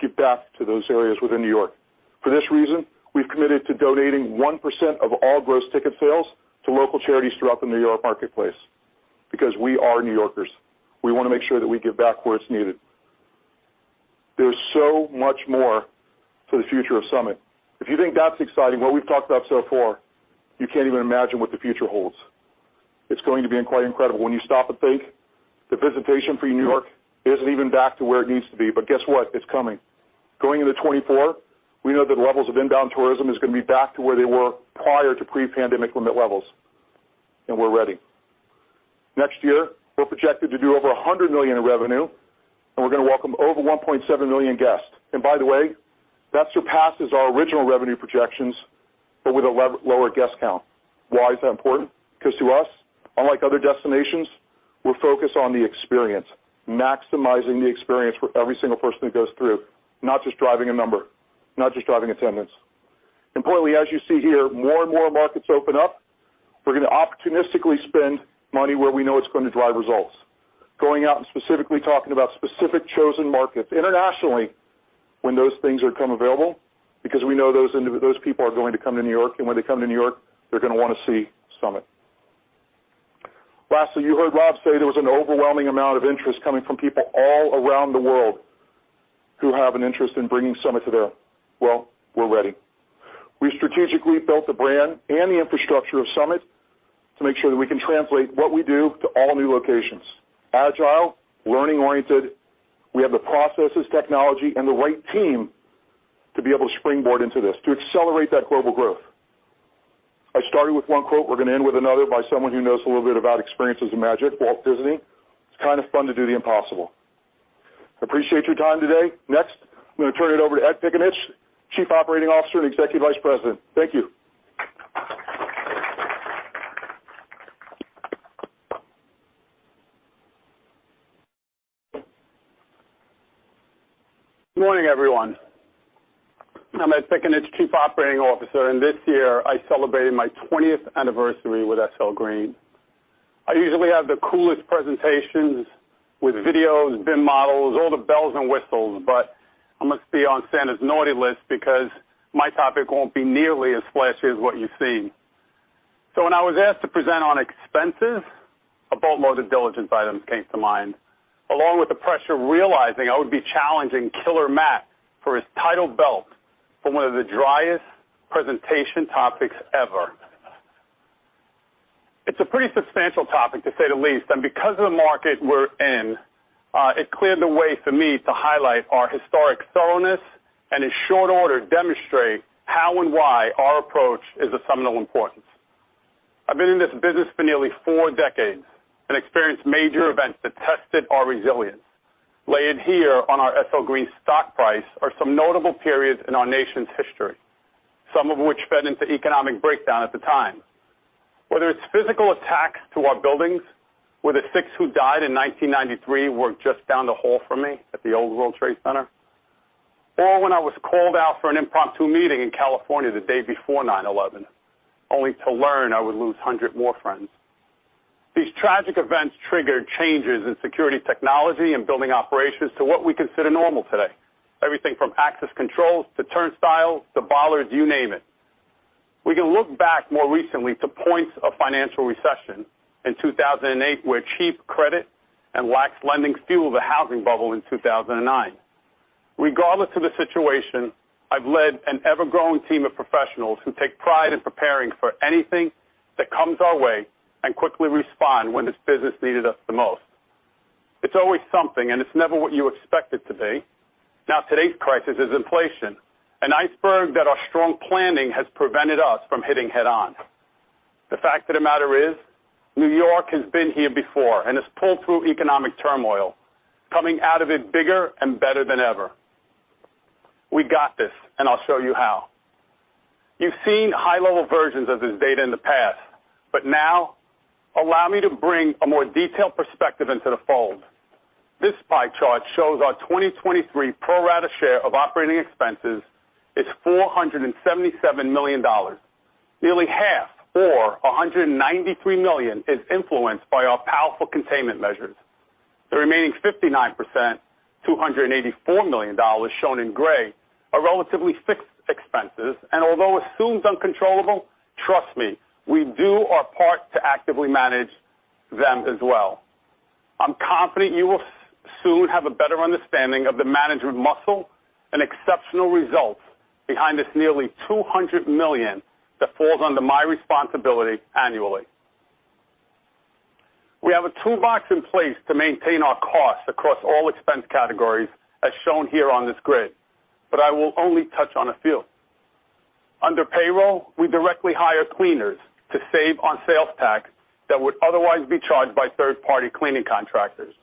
give back to those areas within New York. For this reason, we've committed to donating 1% of all gross ticket sales to local charities throughout the New York marketplace. Because we are New Yorkers, we wanna make sure that we give back where it's needed. There's so much more to the future of SUMMIT. If you think that's exciting, what we've talked about so far, you can't even imagine what the future holds. It's going to be quite incredible. When you stop and think, the visitation for New York isn't even back to where it needs to be. Guess what? It's coming. Going into 2024, we know that levels of inbound tourism is gonna be back to where they were prior to pre-pandemic limit levels. We're ready. Next year, we're projected to do over $100 million in revenue. We're gonna welcome over 1.7 million guests. By the way, that surpasses our original revenue projections, but with a lower guest count. Why is that important? 'Cause to us, unlike other destinations, we're focused on the experience, maximizing the experience for every single person who goes through, not just driving a number, not just driving attendance. Importantly, as you see here, more and more markets open up, we're gonna opportunistically spend money where we know it's gonna drive results. Specifically talking about specific chosen markets internationally when those things are come available because we know those people are going to come to New York, and when they come to New York, they're gonna wanna see SUMMIT. Lastly, you heard Rob say there was an overwhelming amount of interest coming from people all around the world who have an interest in bringing SUMMIT to them. We're ready. We strategically built the brand and the infrastructure of SUMMIT to make sure that we can translate what we do to all new locations. Agile, learning-oriented, we have the processes, technology, and the right team to be able to springboard into this, to accelerate that global growth. I started with one quote. We're gonna end with another by someone who knows a little bit about experiences in magic, Walt Disney. It's kind of fun to do the impossible." Appreciate your time today. Next, I'm gonna turn it over to Ed Pikanitch, Chief Operating Officer and Executive Vice President. Thank you. Good morning, everyone. I'm Ed Pikanitch, Chief Operating Officer, and this year I celebrated my 20th anniversary with SL Green. I usually have the coolest presentations with videos, BIM models, all the bells and whistles, but I must be on Santa's naughty list because my topic won't be nearly as flashy as what you've seen. When I was asked to present on expenses, a boatload of diligence items came to mind, along with the pressure of realizing I would be challenging Killer Matt for his title belt for one of the driest presentation topics ever. It's a pretty substantial topic, to say the least, and because of the market we're in, it cleared the way for me to highlight our historic thoroughness and in short order demonstrate how and why our approach is of seminal importance. I've been in this business for nearly four decades and experienced major events that tested our resilience. Laid here on our SL Green stock price are some notable periods in our nation's history, some of which fed into economic breakdown at the time. Whether it's physical attacks to our buildings, where the six who died in 1993 were just down the hall from me at the old World Trade Center, or when I was called out for an impromptu meeting in California the day before 9/11, only to learn I would lose 100 more friends. These tragic events triggered changes in security technology and building operations to what we consider normal today. Everything from access controls to turnstiles to bollards, you name it. We can look back more recently to points of financial recession in 2008, where cheap credit and lax lending fueled the housing bubble in 2009. Regardless of the situation, I've led an ever-growing team of professionals who take pride in preparing for anything that comes our way and quickly respond when this business needed us the most. It's always something, and it's never what you expect it to be. Today's crisis is inflation, an iceberg that our strong planning has prevented us from hitting head-on. The fact of the matter is, New York has been here before and has pulled through economic turmoil, coming out of it bigger and better than ever. We got this. I'll show you how. You've seen high-level versions of this data in the past. Now allow me to bring a more detailed perspective into the fold. This pie chart shows our 2023 pro rata share of operating expenses is $477 million. Nearly half, or $193 million, is influenced by our powerful containment measures. The remaining 59%, $284 million, shown in gray, are relatively fixed expenses. Although assumed uncontrollable, trust me, we do our part to actively manage them as well. I'm confident you will soon have a better understanding of the management muscle and exceptional results behind this nearly $200 million that falls under my responsibility annually. We have a toolbox in place to maintain our costs across all expense categories, as shown here on this grid, but I will only touch on a few. Under payroll, we directly hire cleaners to save on sales tax that would otherwise be charged by third-party cleaning contractors.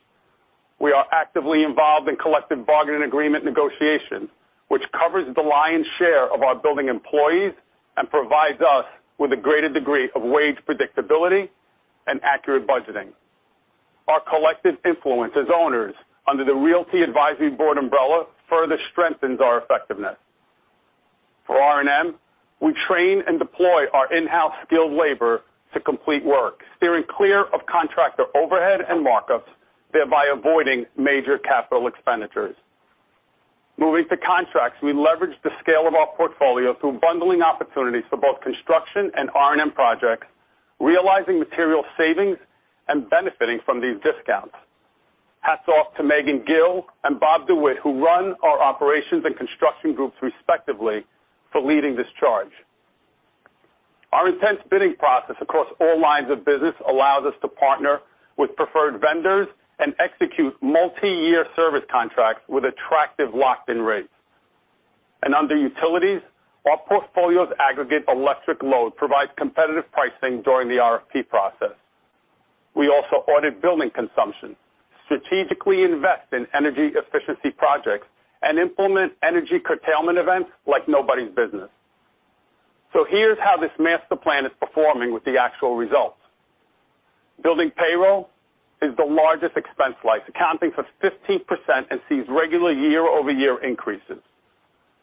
We are actively involved in collective bargaining agreement negotiations, which covers the lion's share of our building employees and provides us with a greater degree of wage predictability and accurate budgeting. Our collective influence as owners under the Realty Advisory Board umbrella further strengthens our effectiveness. For R&M, we train and deploy our in-house skilled labor to complete work, steering clear of contractor overhead and markups, thereby avoiding major capital expenditures. Moving to contracts, we leverage the scale of our portfolio through bundling opportunities for both construction and R&M projects, realizing material savings and benefiting from these discounts. Hats off to Meghann Gill and Bob DeWitt, who run our operations and construction groups respectively, for leading this charge. Our intense bidding process across all lines of business allows us to partner with preferred vendors and execute multiyear service contracts with attractive locked-in rates. Under utilities, our portfolio's aggregate electric load provides competitive pricing during the RFP process. We also audit building consumption, strategically invest in energy efficiency projects, and implement energy curtailment events like nobody's business. Here's how this master plan is performing with the actual results. Building payroll is the largest expense life, accounting for 15% and sees regular year-over-year increases.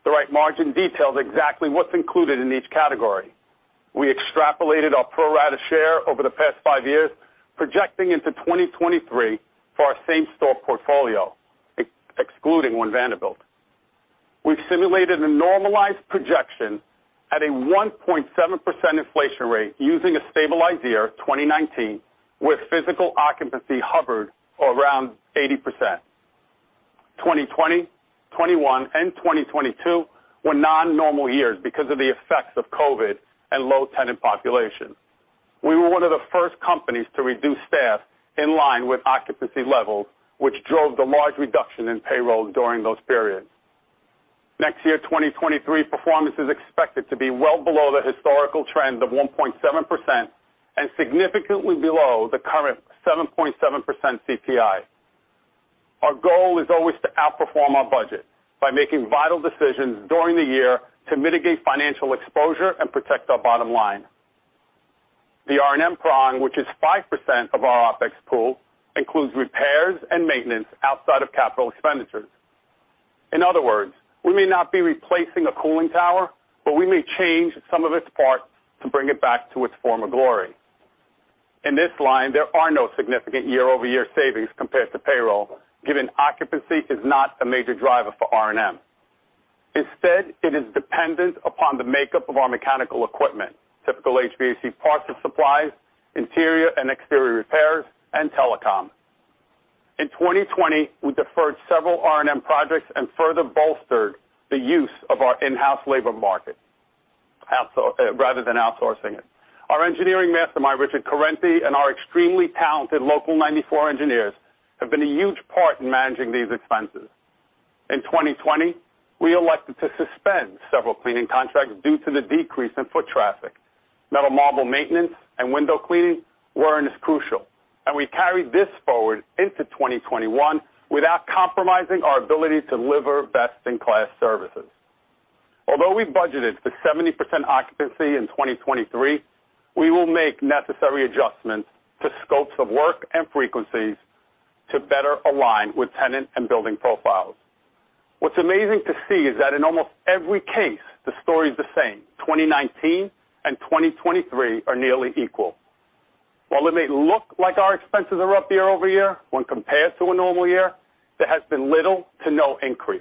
The right margin details exactly what's included in each category. We extrapolated our pro rata share over the past 5 years, projecting into 2023 for our same store portfolio, excluding One Vanderbilt. We've simulated a normalized projection at a 1.7% inflation rate using a stabilized year, 2019, where physical occupancy hovered around 80%. 2020, 2021, and 2022 were non-normal years because of the effects of COVID and low tenant population. We were one of the first companies to reduce staff in line with occupancy levels, which drove the large reduction in payroll during those periods. Next year, 2023 performance is expected to be well below the historical trend of 1.7% and significantly below the current 7.7% CPI. Our goal is always to outperform our budget by making vital decisions during the year to mitigate financial exposure and protect our bottom line. The R&M prong, which is 5% of our OpEx pool, includes repairs and maintenance outside of capital expenditures. In other words, we may not be replacing a cooling tower, but we may change some of its parts to bring it back to its former glory. In this line, there are no significant year-over-year savings compared to payroll, given occupancy is not a major driver for R&M. Instead, it is dependent upon the makeup of our mechanical equipment, typical HVAC parts and supplies, interior and exterior repairs, and telecom. In 2020, we deferred several R&M projects and further bolstered the use of our in-house labor market rather than outsourcing it. Our engineering mastermind, Richard Corrente, and our extremely talented Local 94 engineers have been a huge part in managing these expenses. In 2020, we elected to suspend several cleaning contracts due to the decrease in foot traffic. Metal marble maintenance and window cleaning weren't as crucial, and we carried this forward into 2021 without compromising our ability to deliver best-in-class services. Although we budgeted for 70% occupancy in 2023, we will make necessary adjustments to scopes of work and frequencies to better align with tenant and building profiles. What's amazing to see is that in almost every case, the story is the same. 2019 and 2023 are nearly equal. While it may look like our expenses are up year-over-year when compared to a normal year, there has been little to no increase.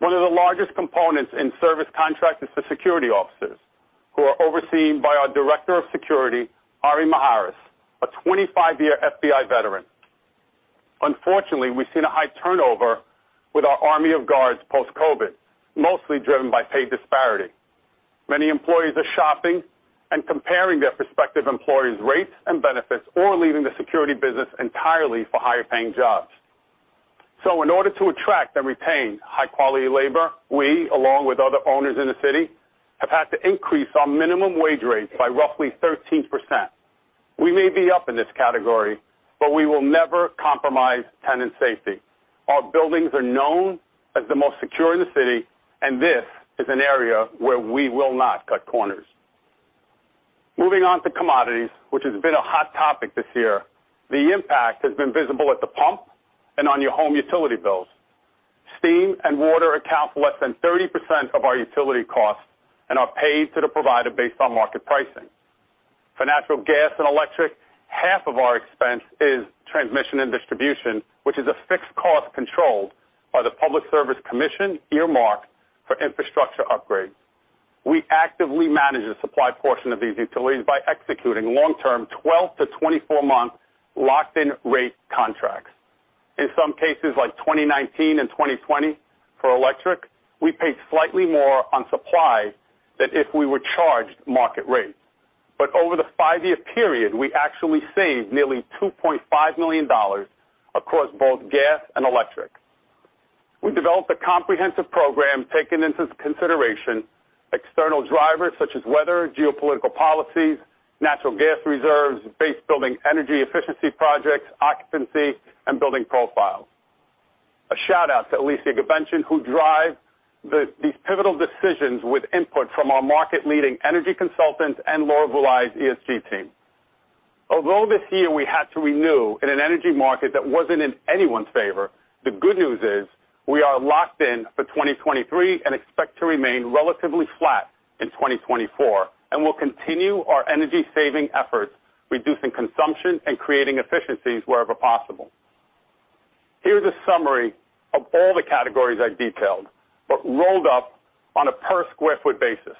One of the largest components in service contract is for security officers who are overseen by our Director of Security, Ari Mahairas, a 25-year FBI veteran. Unfortunately, we've seen a high turnover with our army of guards post-COVID, mostly driven by pay disparity. Many employees are shopping and comparing their prospective employees' rates and benefits or leaving the security business entirely for higher paying jobs. In order to attract and retain high-quality labor, we, along with other owners in the city, have had to increase our minimum wage rates by roughly 13%. We may be up in this category, but we will never compromise tenant safety. Our buildings are known as the most secure in the city, and this is an area where we will not cut corners. Moving on to commodities, which has been a hot topic this year, the impact has been visible at the pump and on your home utility bills. Steam and water account for less than 30% of our utility costs and are paid to the provider based on market pricing. For natural gas and electric, half of our expense is transmission and distribution, which is a fixed cost controlled by the New York State Public Service Commission earmarked for infrastructure upgrades. We actively manage the supply portion of these utilities by executing long-term 12-24-month locked-in rate contracts. In some cases like 2019 and 2020 for electric, we paid slightly more on supply than if we were charged market rates. Over the five-year period, we actually saved nearly $2.5 million across both gas and electric. We developed a comprehensive program taking into consideration external drivers such as weather, geopolitical policies, natural gas reserves, base building energy efficiency projects, occupancy, and building profiles. A shout out to Alicia Guber, who drives these pivotal decisions with input from our market leading energy consultants and Laura Vulaj ESG team. Although this year we had to renew in an energy market that wasn't in anyone's favor, the good news is we are locked in for 2023 and expect to remain relatively flat in 2024. We'll continue our energy-saving efforts, reducing consumption and creating efficiencies wherever possible. Here's a summary of all the categories I detailed, rolled up on a per sq ft basis.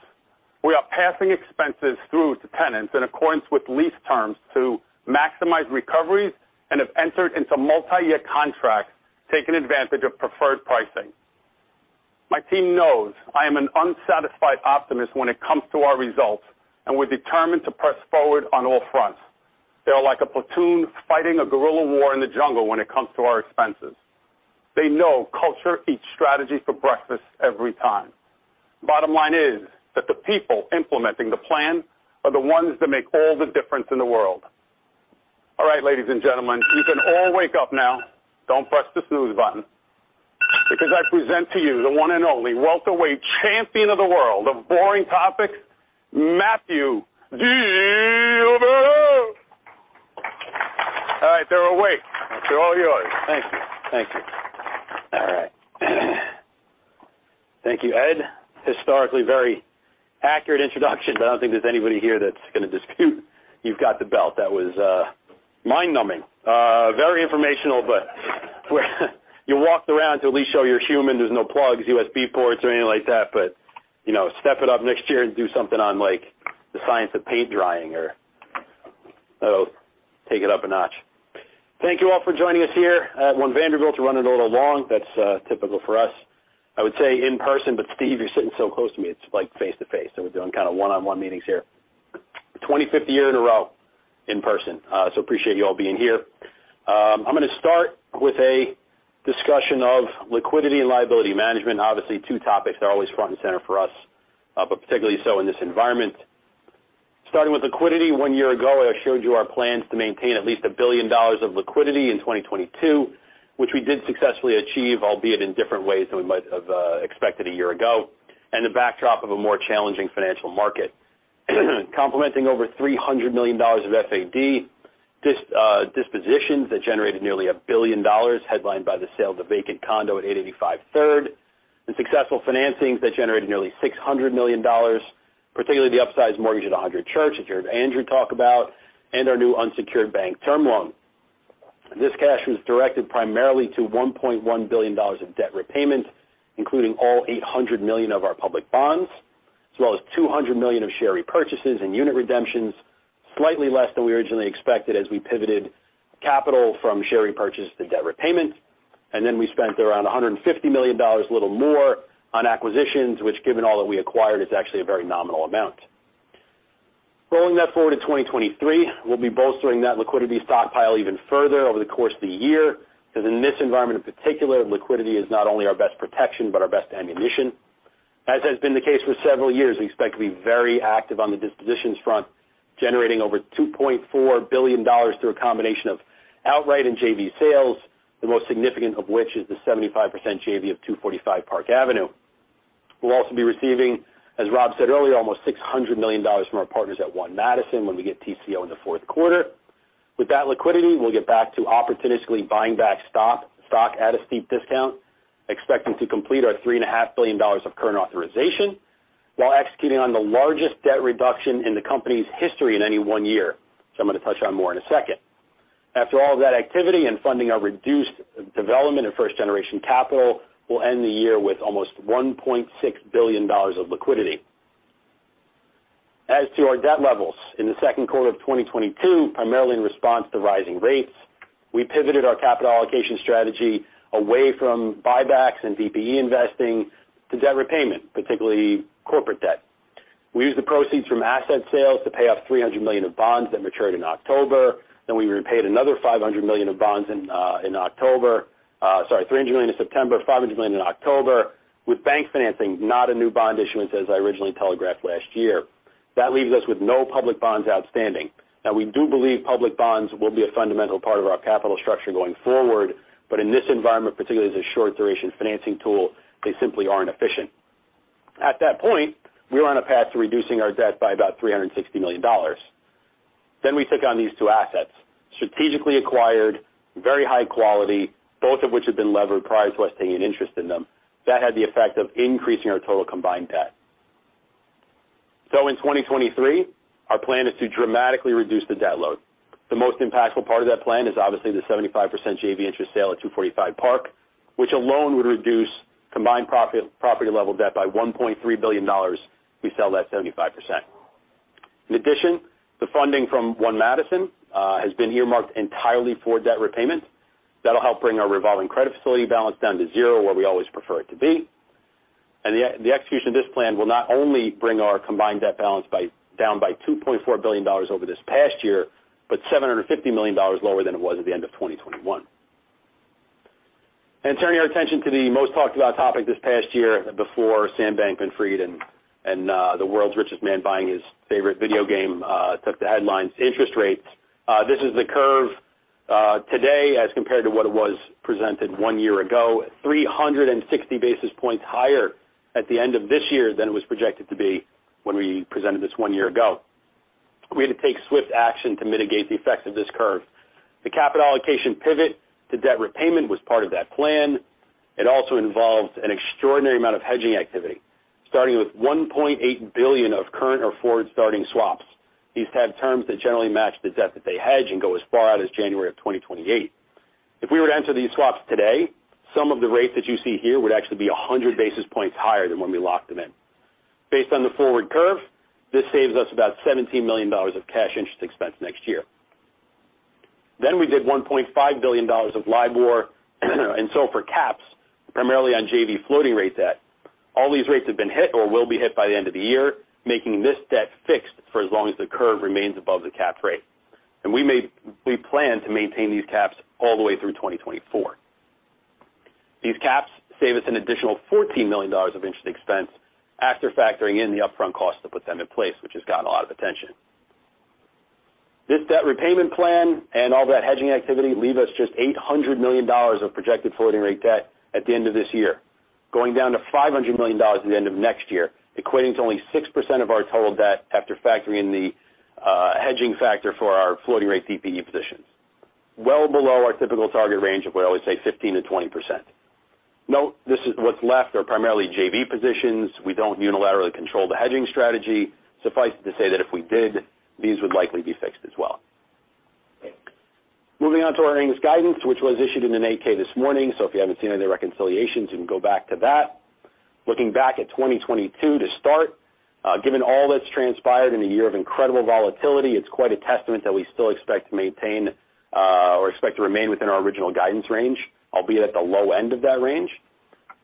We are passing expenses through to tenants in accordance with lease terms to maximize recoveries and have entered into multi-year contracts, taking advantage of preferred pricing. My team knows I am an unsatisfied optimist when it comes to our results. We're determined to press forward on all fronts. They are like a platoon fighting a guerrilla war in the jungle when it comes to our expenses. They know culture eats strategy for breakfast every time. Bottom line is that the people implementing the plan are the ones that make all the difference in the world. All right, ladies and gentlemen, you can all wake up now. Don't press the snooze button. I present to you the one and only welterweight champion of the world of boring topics, Matthew DiLiberto. All right, they're awake. They're all yours. Thank you. Thank you. All right. Thank you, Ed. Historically, very accurate introduction, but I don't think there's anybody here that's gonna dispute you've got the belt. That was mind-numbing. Very informational, but you walked around to at least show you're human. There's no plugs, USB ports or anything like that, but, you know, step it up next year and do something on, like, the science of paint drying or... That'll take it up a notch. Thank you all for joining us here at One Vanderbilt to run it a little long. That's typical for us. I would say in person, but Steve, you're sitting so close to me, it's like face to face, so we're doing kind of one-on-one meetings here. 25th year in a row in person, so appreciate you all being here. I'm gonna start with a discussion of liquidity and liability management. Obviously, two topics that are always front and center for us, but particularly so in this environment. Starting with liquidity, one year ago, I showed you our plans to maintain at least $1 billion of liquidity in 2022, which we did successfully achieve, albeit in different ways than we might have, expected a year ago, and the backdrop of a more challenging financial market. Complementing over $300 million of FAD, dispositions that generated nearly $1 billion, headlined by the sale of a vacant condo at 885 Third, and successful financings that generated nearly $600 million, particularly the upsized mortgage at 100 Church that you heard Andrew talk about, and our new unsecured bank term loan. This cash was directed primarily to $1.1 billion of debt repayment, including all $800 million of our public bonds, as well as $200 million of share repurchases and unit redemptions, slightly less than we originally expected as we pivoted capital from share repurchase to debt repayment. We spent around $150 million, a little more, on acquisitions, which given all that we acquired, is actually a very nominal amount. Rolling that forward to 2023, we'll be bolstering that liquidity stockpile even further over the course of the year, 'cause in this environment in particular, liquidity is not only our best protection, but our best ammunition. As has been the case for several years, we expect to be very active on the dispositions front, generating over $2.4 billion through a combination of outright and JV sales, the most significant of which is the 75% JV of 245 Park Avenue. We'll also be receiving, as Rob said earlier, almost $600 million from our partners at One Madison when we get TCO in the fourth quarter. With that liquidity, we'll get back to opportunistically buying back stock at a steep discount, expecting to complete our $3.5 billion of current authorization while executing on the largest debt reduction in the company's history in any 1 year. I'm gonna touch on more in a second. After all that activity and funding our reduced development in first generation capital, we'll end the year with almost $1.6 billion of liquidity. As to our debt levels, in the second quarter of 2022, primarily in response to rising rates, we pivoted our capital allocation strategy away from buybacks and DPE investing to debt repayment, particularly corporate debt. We used the proceeds from asset sales to pay off $300 million of bonds that matured in October. We repaid another $500 million of bonds in October. Sorry, $300 million in September, $500 million in October, with bank financing not a new bond issuance as I originally telegraphed last year. That leaves us with no public bonds outstanding. We do believe public bonds will be a fundamental part of our capital structure going forward, but in this environment, particularly as a short duration financing tool, they simply aren't efficient. At that point, we were on a path to reducing our debt by about $360 million. We took on these two assets, strategically acquired, very high quality, both of which had been levered prior to us taking an interest in them. That had the effect of increasing our total combined debt. In 2023, our plan is to dramatically reduce the debt load. The most impactful part of that plan is obviously the 75% JV interest sale at 245 Park, which alone would reduce combined property level debt by $1.3 billion, we sell that 75%. In addition, the funding from One Madison has been earmarked entirely for debt repayment. That'll help bring our revolving credit facility balance down to zero, where we always prefer it to be. The execution of this plan will not only bring our combined debt balance down by $2.4 billion over this past year, but $750 million lower than it was at the end of 2021. Turning our attention to the most talked about topic this past year before Sam Bankman-Fried and the world's richest man buying his favorite video game took the headlines, interest rates. This is the curve today as compared to what it was presented one year ago. 360 basis points higher at the end of this year than it was projected to be when we presented this 1 year ago. We had to take swift action to mitigate the effects of this curve. The capital allocation pivot to debt repayment was part of that plan. It also involved an extraordinary amount of hedging activity, starting with $1.8 billion of current or forward starting swaps. These had terms that generally match the debt that they hedge and go as far out as January 2028. If we were to enter these swaps today, some of the rates that you see here would actually be 100 basis points higher than when we locked them in. Based on the forward curve, this saves us about $17 million of cash interest expense next year. We did $1.5 billion of LIBOR and SOFR caps, primarily on JV floating rate debt. All these rates have been hit or will be hit by the end of the year, making this debt fixed for as long as the curve remains above the capped rate. We plan to maintain these caps all the way through 2024. These caps save us an additional $14 million of interest expense after factoring in the upfront cost to put them in place, which has gotten a lot of attention. This debt repayment plan and all that hedging activity leave us just $800 million of projected floating rate debt at the end of this year, going down to $500 million at the end of next year, equating to only 6% of our total debt after factoring in the hedging factor for our floating rate PPE positions. Well below our typical target range of, we always say, 15%-20%. Note this is what's left are primarily JV positions. We don't unilaterally control the hedging strategy. Suffice it to say that if we did, these would likely be fixed as well. Moving on to our earnings guidance, which was issued in an 8-K this morning. If you haven't seen any reconciliations, you can go back to that. Looking back at 2022 to start, given all that's transpired in a year of incredible volatility, it's quite a testament that we still expect to maintain or expect to remain within our original guidance range, albeit at the low end of that range.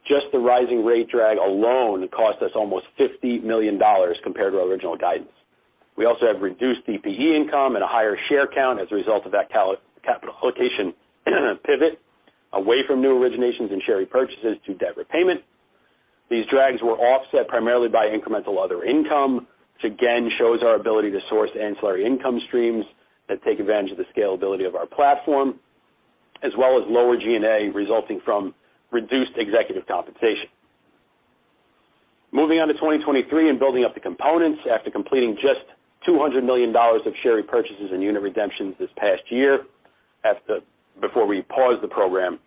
Just the rising rate drag alone cost us almost $50 million compared to our original guidance. We also have reduced PPE income and a higher share count as a result of that capital allocation pivot away from new originations and share repurchases to debt repayment. These drags were offset primarily by incremental other income, which again shows our ability to source ancillary income streams that take advantage of the scalability of our platform, as well as lower G&A resulting from reduced executive compensation. Moving on to 2023 and building up the components. After completing just $200 million of share repurchases and unit redemptions this past year, before we paused the program,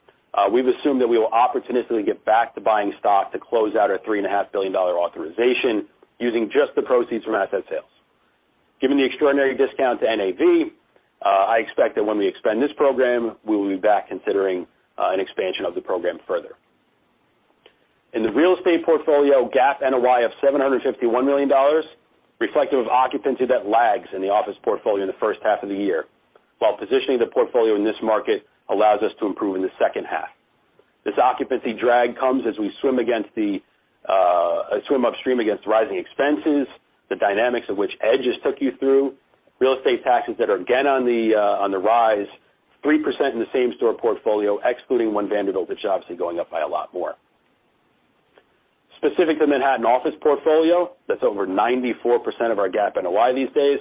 we've assumed that we will opportunistically get back to buying stock to close out our three and a half billion dollar authorization using just the proceeds from asset sales. Given the extraordinary discount to NAV, I expect that when we expand this program, we will be back considering an expansion of the program further. In the real estate portfolio, GAAP NOI of $751 million reflective of occupancy that lags in the office portfolio in the first half of the year, while positioning the portfolio in this market allows us to improve in the second half. This occupancy drag comes as we swim against the, swim upstream against rising expenses, the dynamics of which Ed just took you through, real estate taxes that are again on the, on the rise, 3% in the same-store portfolio, excluding One Vanderbilt, which is obviously going up by a lot more. Specific to the Manhattan office portfolio, that's over 94% of our GAAP NOI these days.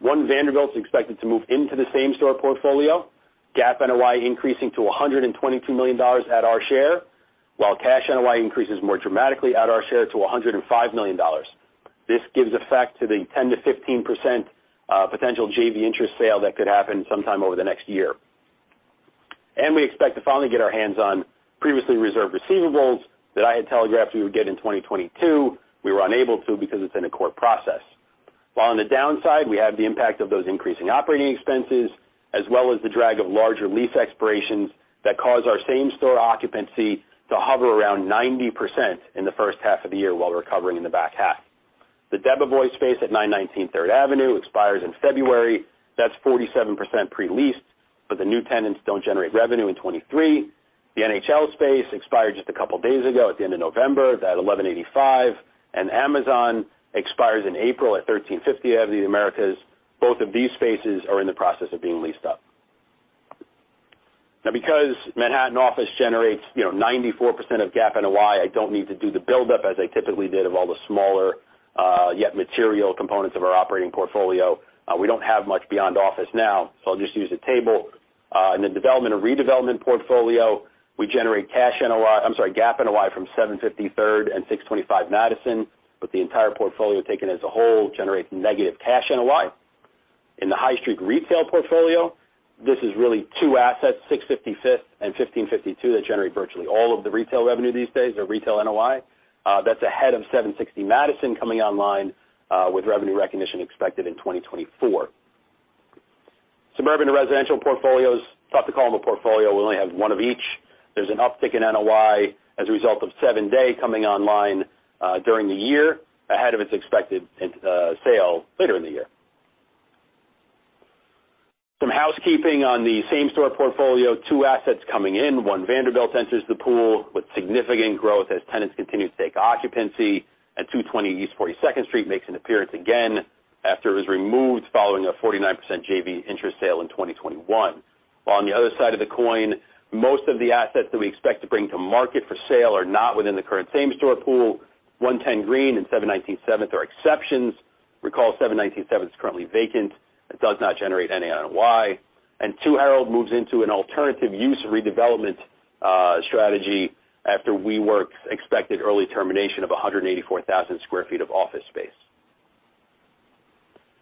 One Vanderbilt's expected to move into the same-store portfolio, GAAP NOI increasing to $122 million at our share, while cash NOI increases more dramatically at our share to $105 million. This gives effect to the 10%-15% potential JV interest sale that could happen sometime over the next year. We expect to finally get our hands on previously reserved receivables that I had telegraphed we would get in 2022. We were unable to because it's in a court process. While on the downside, we have the impact of those increasing operating expenses, as well as the drag of larger lease expirations that cause our same-store occupancy to hover around 90% in the first half of the year while recovering in the back half. The Debevoise space at 919 Third Avenue expires in February. That's 47% pre-leased, but the new tenants don't generate revenue in 2023. The NHL space expired just a couple of days ago at the end of November at 1185. Amazon expires in April at 1350 Avenue of the Americas. Both of these spaces are in the process of being leased up. Because Manhattan office generates, you know, 94% of GAAP NOI, I don't need to do the buildup as I typically did of all the smaller, yet material components of our operating portfolio. We don't have much beyond office now, I'll just use a table. In the development of redevelopment portfolio, we generate GAAP NOI from 750 Third and 625 Madison, the entire portfolio taken as a whole generates negative cash NOI. In the High Street retail portfolio, this is really 2 assets, 655 Fifth and 1552, that generate virtually all of the retail revenue these days or retail NOI. That's ahead of 760 Madison coming online with revenue recognition expected in 2024. Suburban residential portfolios, it's tough to call them a portfolio. We only have one of each. There's an uptick in NOI as a result of 7 Dey Street coming online during the year ahead of its expected sale later in the year. Some housekeeping on the same-store portfolio. 2 assets coming in. One Vanderbilt enters the pool with significant growth as tenants continue to take occupancy. 220 East 42nd Street makes an appearance again after it was removed following a 49% JV interest sale in 2021. While on the other side of the coin, most of the assets that we expect to bring to market for sale are not within the current same-store pool. 110 Greene Street and 719 Seventh are exceptions. Recall 719 Seventh is currently vacant and does not generate any NOI. 2 Herald moves into an alternative use redevelopment strategy after WeWork's expected early termination of 184,000 square feet of office space.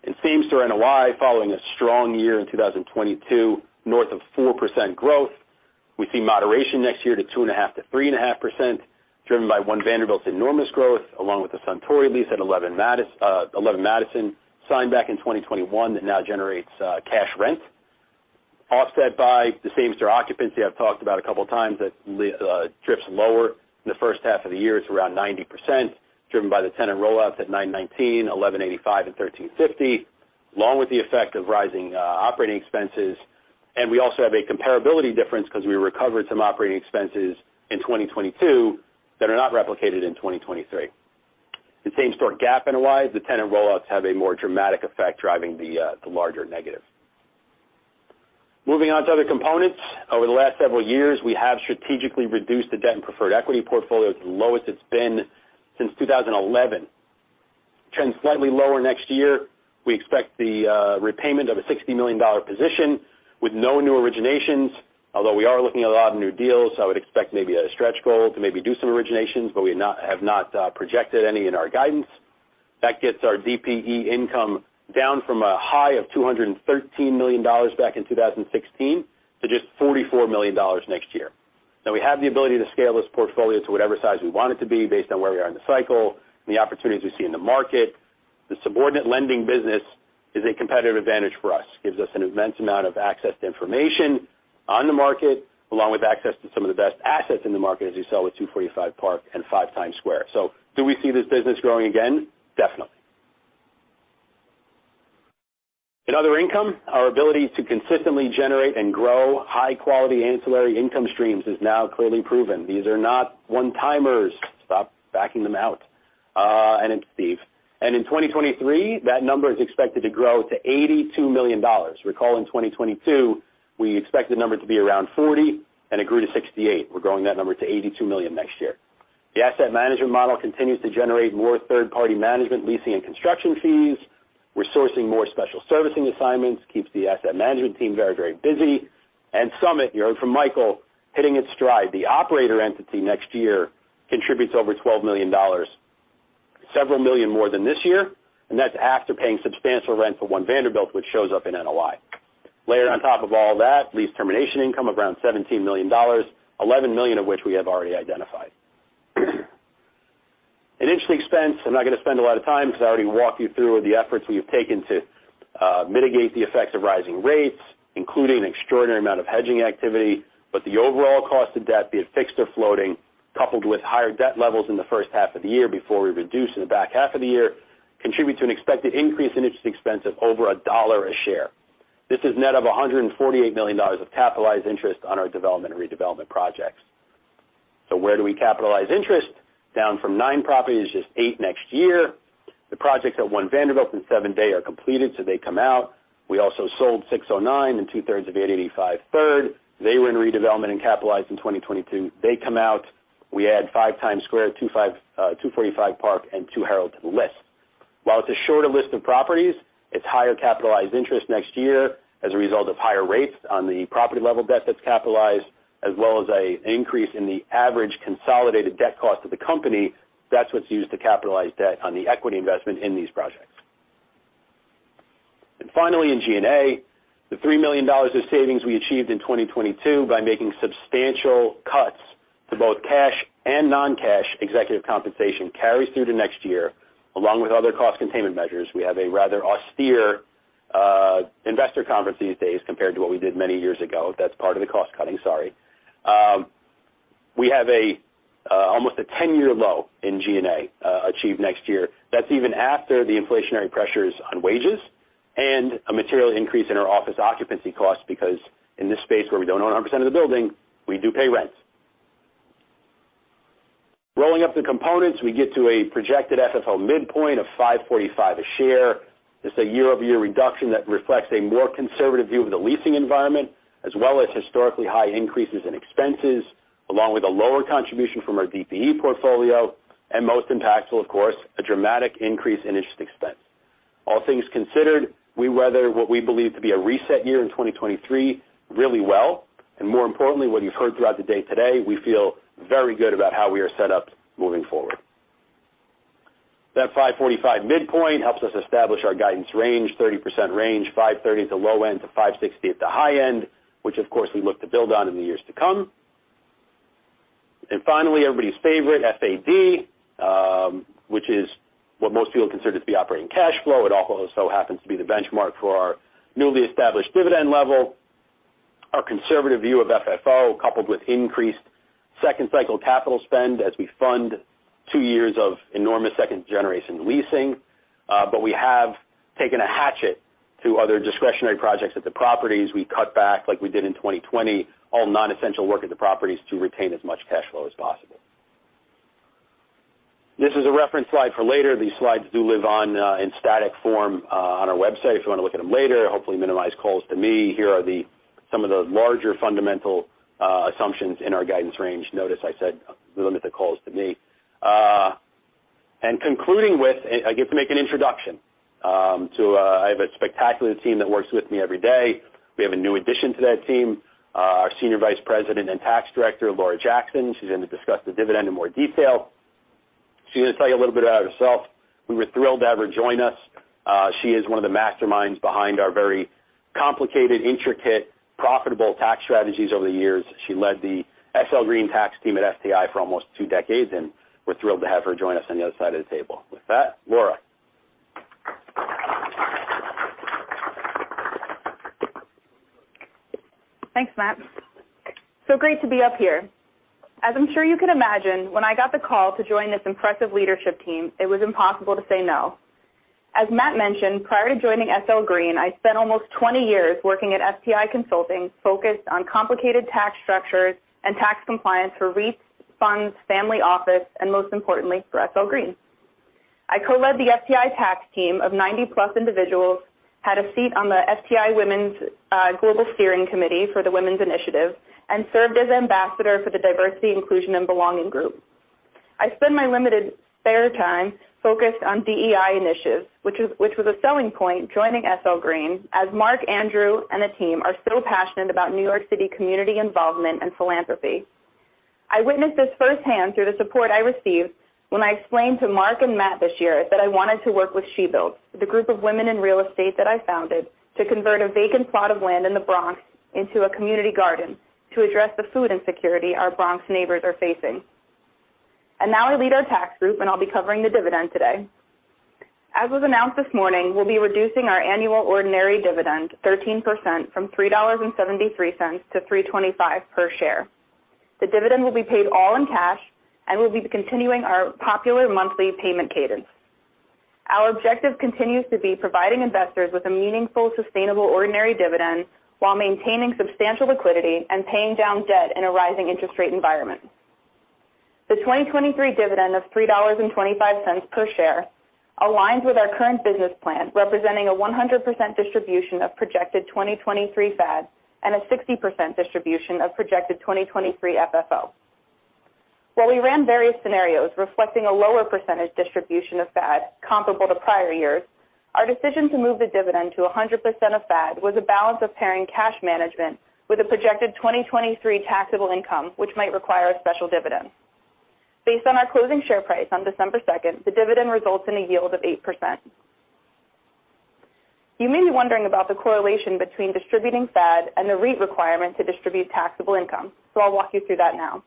In same-store NOI, following a strong year in 2022, north of 4% growth, we see moderation next year to 2.5%-3.5%, driven by One Vanderbilt's enormous growth, along with the Suntory lease at 11 Madison signed back in 2021 that now generates cash rent. Offset by the same-store occupancy I've talked about a couple times that drips lower in the first half of the year. It's around 90%, driven by the tenant rollouts at 919, 1185, and 1350, along with the effect of rising operating expenses. We also have a comparability difference because we recovered some operating expenses in 2022 that are not replicated in 2023. The same-store GAAP NOI, the tenant rollouts have a more dramatic effect driving the larger negative. Moving on to other components. Over the last several years, we have strategically reduced the debt and preferred equity portfolio to the lowest it's been since 2011. Trends slightly lower next year. We expect the repayment of a $60 million position with no new originations, although we are looking at a lot of new deals, so I would expect maybe a stretch goal to maybe do some originations, but we have not projected any in our guidance. That gets our DPE income down from a high of $213 million back in 2016 to just $44 million next year. We have the ability to scale this portfolio to whatever size we want it to be based on where we are in the cycle and the opportunities we see in the market. The subordinate lending business is a competitive advantage for us. Gives us an immense amount of access to information on the market, along with access to some of the best assets in the market, as you saw with 245 Park and 5 Times Square. Do we see this business growing again? Definitely. In other income, our ability to consistently generate and grow high-quality ancillary income streams is now clearly proven. These are not one-timers. Stop backing them out, and in Steve. In 2023, that number is expected to grow to $82 million. Recall in 2022, we expect the number to be around $40 million and it grew to $68 million. We're growing that number to $82 million next year. The asset management model continues to generate more third-party management, leasing, and construction fees. We're sourcing more special servicing assignments, keeps the asset management team very, very busy. SUMMIT, you heard from Michael, hitting its stride. The operator entity next year contributes over $12 million, several million more than this year, and that's after paying substantial rent for One Vanderbilt, which shows up in NOI. Layered on top of all that, lease termination income of around $17 million, $11 million of which we have already identified. In interest expense, I'm not gonna spend a lot of time because I already walked you through the efforts we have taken to mitigate the effects of rising rates, including an extraordinary amount of hedging activity. The overall cost of debt, be it fixed or floating, coupled with higher debt levels in the first half of the year before we reduce in the back half of the year, contribute to an expected increase in interest expense of over $1 a share. This is net of $148 million of capitalized interest on our development and redevelopment projects. Where do we capitalize interest? Down from 9 properties, just 8 next year. The projects at One Vanderbilt and 7 Dey Street are completed, they come out. We also sold 609 and two-thirds of 885 Third. They were in redevelopment and capitalized in 2022. They come out. We add 5 Times Square, 245 Park, and 2 Herald to the list. While it's a shorter list of properties, it's higher capitalized interest next year as a result of higher rates on the property-level debt that's capitalized, as well as a increase in the average consolidated debt cost of the company. That's what's used to capitalize debt on the equity investment in these projects. Finally, in G&A, the $3 million of savings we achieved in 2022 by making substantial cuts to both cash and non-cash executive compensation carries through to next year, along with other cost containment measures. We have a rather austere investor conference these days compared to what we did many years ago. That's part of the cost cutting, sorry. We have a almost a 10-year low in G&A achieved next year. That's even after the inflationary pressures on wages and a material increase in our office occupancy costs because in this space where we don't own 100% of the building, we do pay rent. Rolling up the components, we get to a projected FFO midpoint of $5.45 a share. It's a year-over-year reduction that reflects a more conservative view of the leasing environment, as well as historically high increases in expenses, along with a lower contribution from our DPE portfolio, and most impactful, of course, a dramatic increase in interest expense. All things considered, we weather what we believe to be a reset year in 2023 really well, and more importantly, what you've heard throughout the day today, we feel very good about how we are set up moving forward. That $545 midpoint helps us establish our guidance range, 30% range, $530 at the low end to $560 at the high end, which of course we look to build on in the years to come. Finally, everybody's favorite, FAD, which is what most people consider to be operating cash flow. It also happens to be the benchmark for our newly established dividend level. Our conservative view of FFO, coupled with increased second cycle capital spend as we fund 2 years of enormous second generation leasing. We have taken a hatchet to other discretionary projects at the properties. We cut back, like we did in 2020, all non-essential work at the properties to retain as much cash flow as possible. This is a reference slide for later. These slides do live on in static form on our website if you want to look at them later. Hopefully minimize calls to me. Here are some of the larger fundamental assumptions in our guidance range. Notice I said limit the calls to me. Concluding with, I get to make an introduction to, I have a spectacular team that works with me every day. We have a new addition to that team, our Senior Vice President and Tax Director, Laura Jackson. She's going to discuss the dividend in more detail. She's going to tell you a little bit about herself. We were thrilled to have her join us. She is one of the masterminds behind our very complicated, intricate, profitable tax strategies over the years. She led the SL Green tax team at FTI for almost 2 decades, and we're thrilled to have her join us on the other side of the table. With that, Laura. Thanks, Matt. Great to be up here. As I'm sure you can imagine, when I got the call to join this impressive leadership team, it was impossible to say no. As Matt mentioned, prior to joining SL Green, I spent almost 20 years working at FTI Consulting, focused on complicated tax structures and tax compliance for REITs, funds, family office and most importantly, for SL Green. I co-led the FTI tax team of 90-plus individuals, had a seat on the FTI Women's Global Steering Committee for the Women's Initiative and served as ambassador for the Diversity, Inclusion, and Belonging Group. I spend my limited spare time focused on DEI initiatives, which was a selling point joining SL Green as Mark, Andrew, and the team are so passionate about New York City community involvement and philanthropy. I witnessed this firsthand through the support I received when I explained to Marc Holliday and Matthew J. DiLiberto this year that I wanted to work with She Builds, the group of women in real estate that I founded to convert a vacant plot of land in the Bronx into a community garden to address the food insecurity our Bronx neighbors are facing. Now I lead our tax group, and I'll be covering the dividend today. As was announced this morning, we'll be reducing our annual ordinary dividend 13% from $3.73 to $3.25 per share. The dividend will be paid all in cash and we'll be continuing our popular monthly payment cadence. Our objective continues to be providing investors with a meaningful, sustainable, ordinary dividend while maintaining substantial liquidity and paying down debt in a rising interest rate environment. The 2023 dividend of $3.25 per share aligns with our current business plan, representing a 100% distribution of projected 2023 FAD and a 60% distribution of projected 2023 FFO. While we ran various scenarios reflecting a lower percentage distribution of FAD comparable to prior years, our decision to move the dividend to 100% of FAD was a balance of pairing cash management with a projected 2023 taxable income, which might require a special dividend. Based on our closing share price on December 2nd, the dividend results in a yield of 8%. You may be wondering about the correlation between distributing FAD and the REIT requirement to distribute taxable income. I'll walk you through that now.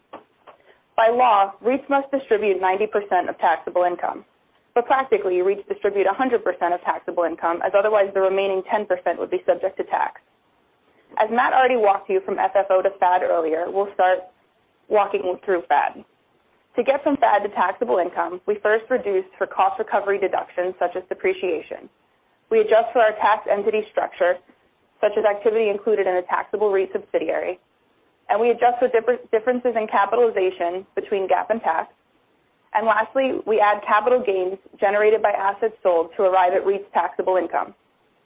By law, REITs must distribute 90% of taxable income, but practically, REITs distribute 100% of taxable income, as otherwise the remaining 10% would be subject to tax. As Matt already walked you from FFO to FAD earlier, we'll start walking through FAD. To get from FAD to taxable income, we first reduced for cost recovery deductions such as depreciation. We adjust for our tax entity structure, such as activity included in a taxable REIT subsidiary, and we adjust for differences in capitalization between GAAP and tax. Lastly, we add capital gains generated by assets sold to arrive at REIT's taxable income,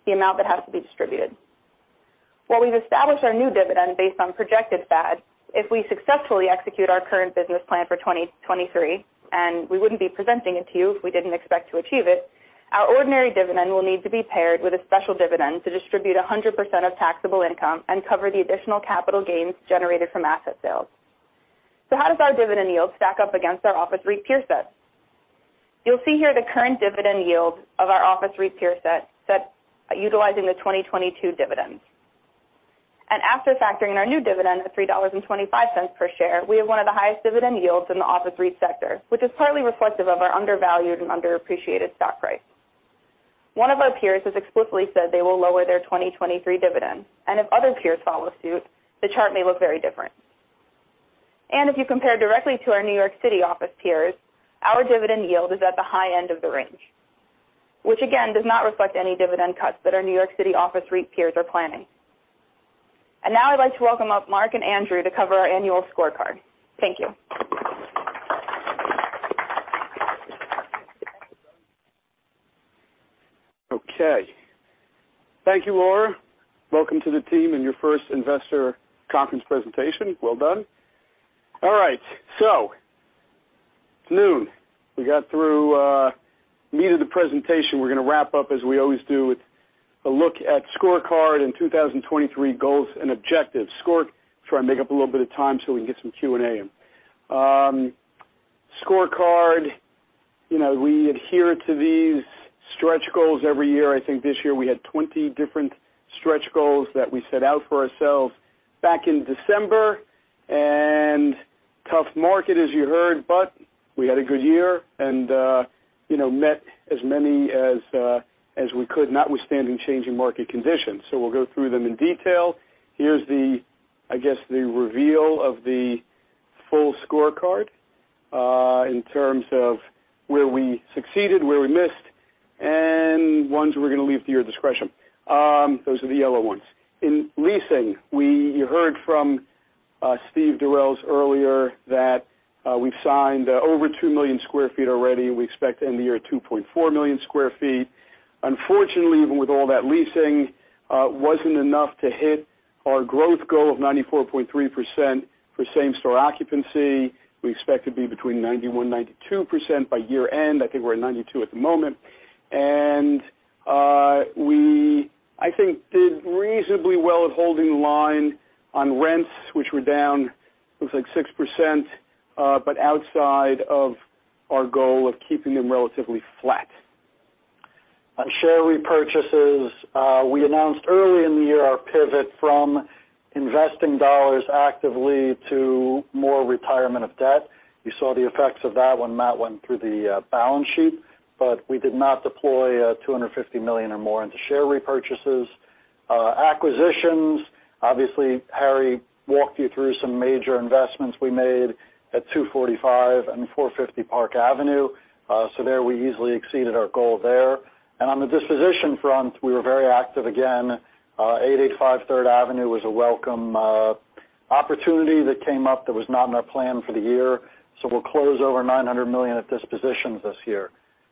the amount that has to be distributed. While we've established our new dividend based on projected FAD, if we successfully execute our current business plan for 2023, and we wouldn't be presenting it to you if we didn't expect to achieve it, our ordinary dividend will need to be paired with a special dividend to distribute 100% of taxable income and cover the additional capital gains generated from asset sales. How does our dividend yield stack up against our office REIT peer set? You'll see here the current dividend yield of our office REIT peer set utilizing the 2022 dividends. After factoring in our new dividend of $3.25 per share, we have one of the highest dividend yields in the office REIT sector, which is partly reflective of our undervalued and underappreciated stock price. One of our peers has explicitly said they will lower their 2023 dividend. If other peers follow suit, the chart may look very different. If you compare directly to our New York City office peers, our dividend yield is at the high end of the range, which again does not reflect any dividend cuts that our New York City office REIT peers are planning. Now I'd like to welcome up Mark and Andrew to cover our annual scorecard. Thank you. Okay. Thank you, Laura. Welcome to the team and your first investor conference presentation. Well done. All right, it's noon. We got through meat of the presentation. We're gonna wrap up, as we always do, with a look at scorecard and 2023 goals and objectives. Try and make up a little bit of time so we can get some Q&A in. Scorecard, you know, we adhere to these stretch goals every year. I think this year we had 20 different stretch goals that we set out for ourselves back in December. Tough market, as you heard, but we had a good year and, you know, met as many as we could, notwithstanding changing market conditions. We'll go through them in detail. Here's the, I guess, the reveal of the full scorecard, in terms of where we succeeded, where we missed. Ones we're gonna leave to your discretion, those are the yellow ones. In leasing, you heard from Steven Durels earlier that we've signed over 2 million square feet already. We expect to end the year at 2.4 million square feet. Unfortunately, even with all that leasing, wasn't enough to hit our growth goal of 94.3% for same-store occupancy. We expect to be between 91%-92% by year-end. I think we're at 92% at the moment. We, I think, did reasonably well at holding the line on rents, which were down, it looks like 6%, but outside of our goal of keeping them relatively flat. On share repurchases, we announced early in the year our pivot from investing dollars actively to more retirement of debt. You saw the effects of that when Matt went through the balance sheet. We did not deploy $250 million or more into share repurchases. Acquisitions, obviously, Harry walked you through some major investments we made at 245 and 450 Park Avenue. So there we easily exceeded our goal there. On the disposition front, we were very active again. 885 Third Avenue was a welcome opportunity that came up that was not in our plan for the year, so we'll close over $900 million at dispositions this year.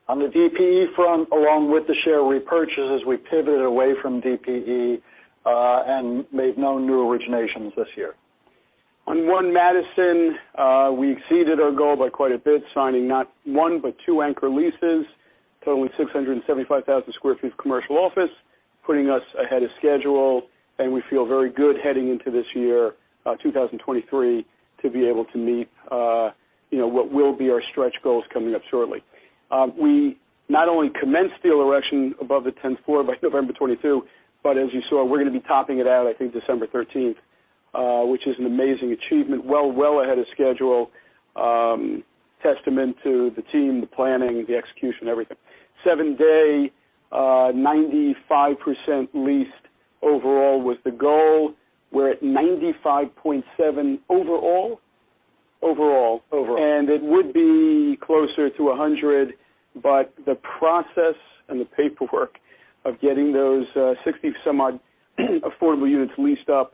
On the DPE front, along with the share repurchases, we pivoted away from DPE and made no new originations this year. On One Madison, we exceeded our goal by quite a bit, signing not one but two anchor leases, totaling 675,000 sq ft of commercial office, putting us ahead of schedule. We feel very good heading into this year, 2023, to be able to meet, you know, what will be our stretch goals coming up shortly. We not only commenced the erection above the 10th floor by November 22, but as you saw, we're gonna be topping it out, I think, December 13th, which is an amazing achievement, well ahead of schedule. Testament to the team, the planning, the execution, everything. 7 Dey, 95% leased overall was the goal. We're at 95.7 overall? Overall. It would be closer to 100, but the process and the paperwork of getting those 60-some odd affordable units leased up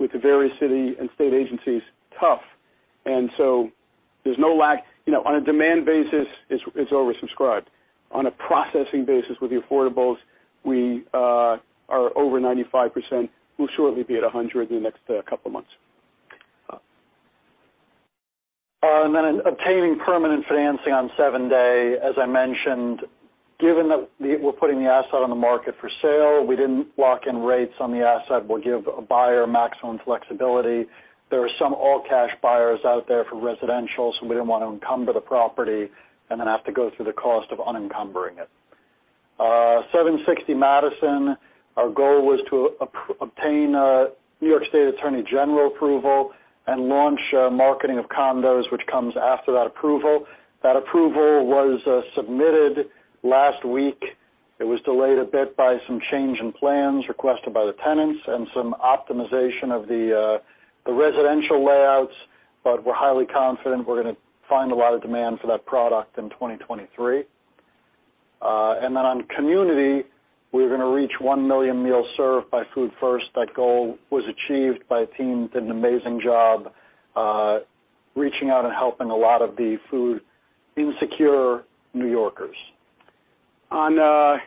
with the various city and state agencies, tough. There's no lack. You know, on a demand basis, it's oversubscribed. On a processing basis with the affordables, we are over 95%. We'll shortly be at 100 the next couple months. Obtaining permanent financing on 7 Dey, as I mentioned, given that we're putting the asset on the market for sale, we didn't lock in rates on the asset. We'll give a buyer maximum flexibility. There are some all-cash buyers out there for residential, so we didn't want to encumber the property and then have to go through the cost of unencumbering it. Seven Sixty Madison, our goal was to obtain a New York State Attorney General approval and launch marketing of condos, which comes after that approval. That approval was submitted last week. It was delayed a bit by some change in plans requested by the tenants and some optimization of the residential layouts, but we're highly confident we're gonna find a lot of demand for that product in 2023. Then on community, we're gonna reach 1 million meals served by Food1st. That goal was achieved by a team that did an amazing job reaching out and helping a lot of the food insecure New Yorkers. On, I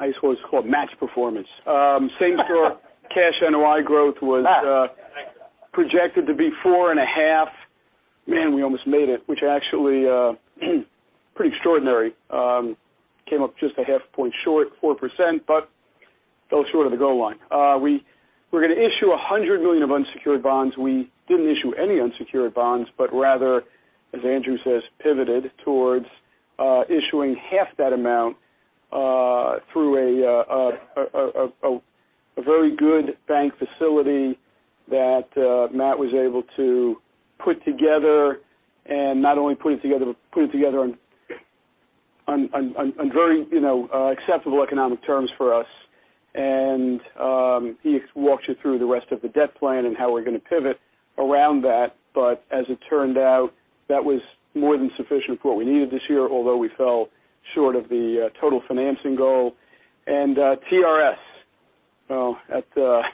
guess what it's called, match performance. Same for cash NOI growth was projected to be four and a half. Man, we almost made it, which actually pretty extraordinary. Came up just a half point short, 4%, but fell short of the goal line. We're gonna issue $100 million of unsecured bonds. We didn't issue any unsecured bonds, but rather, as Andrew says, pivoted towards issuing half that amount through a very good bank facility that Matt was able to put together and not only put it together, but put it together on very, you know, acceptable economic terms for us. He walks you through the rest of the debt plan and how we're gonna pivot around that. As it turned out, that was more than sufficient for what we needed this year, although we fell short of the total financing goal. TRS, well, at, I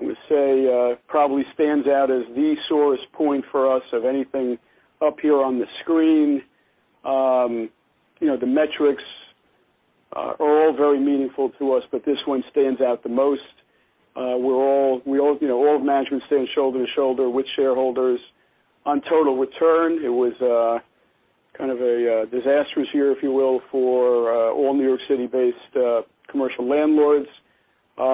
would say, probably stands out as the source point for us of anything up here on the screen. you know, the metrics are all very meaningful to us, but this one stands out the most. we're all, you know, all of management stand shoulder to shoulder with shareholders. On total return, it was, kind of a, disastrous year, if you will, for, all New York City-based, commercial landlords,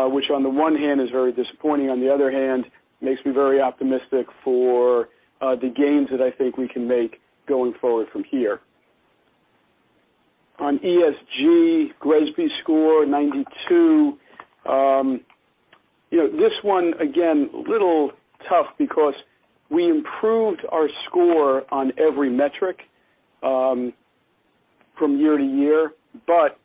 which on the one hand is very disappointing, on the other hand, makes me very optimistic for, the gains that I think we can make going forward from here. On ESG, GRESB score, 92. You know, this one, again, a little tough because we improved our score on every metric, from year to year, but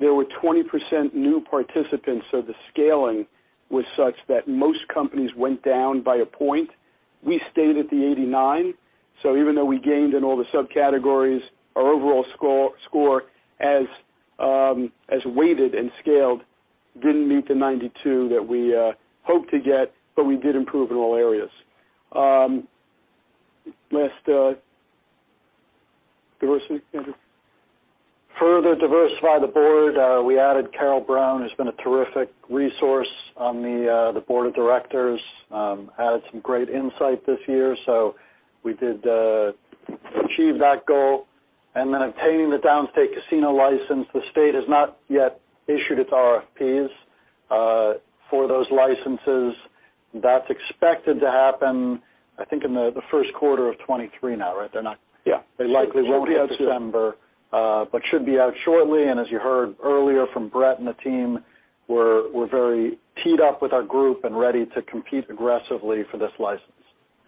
there were 20% new participants, so the scaling was such that most companies went down by a point. We stayed at the 89. Even though we gained in all the subcategories, our overall score as weighted and scaled didn't meet the 92 that we hoped to get, but we did improve in all areas. Last, diversity. Further diversify the board, we added Carol Brown, who's been a terrific resource on the board of directors, added some great insight this year, so we did achieve that goal. Obtaining the Downstate Casino license. The state has not yet issued its RFPs for those licenses. That's expected to happen, I think in the first quarter of 2023 now, right? Yeah. They likely won't be December, should be out shortly. As you heard earlier from Brett and the team, we're very teed up with our group and ready to compete aggressively for this license.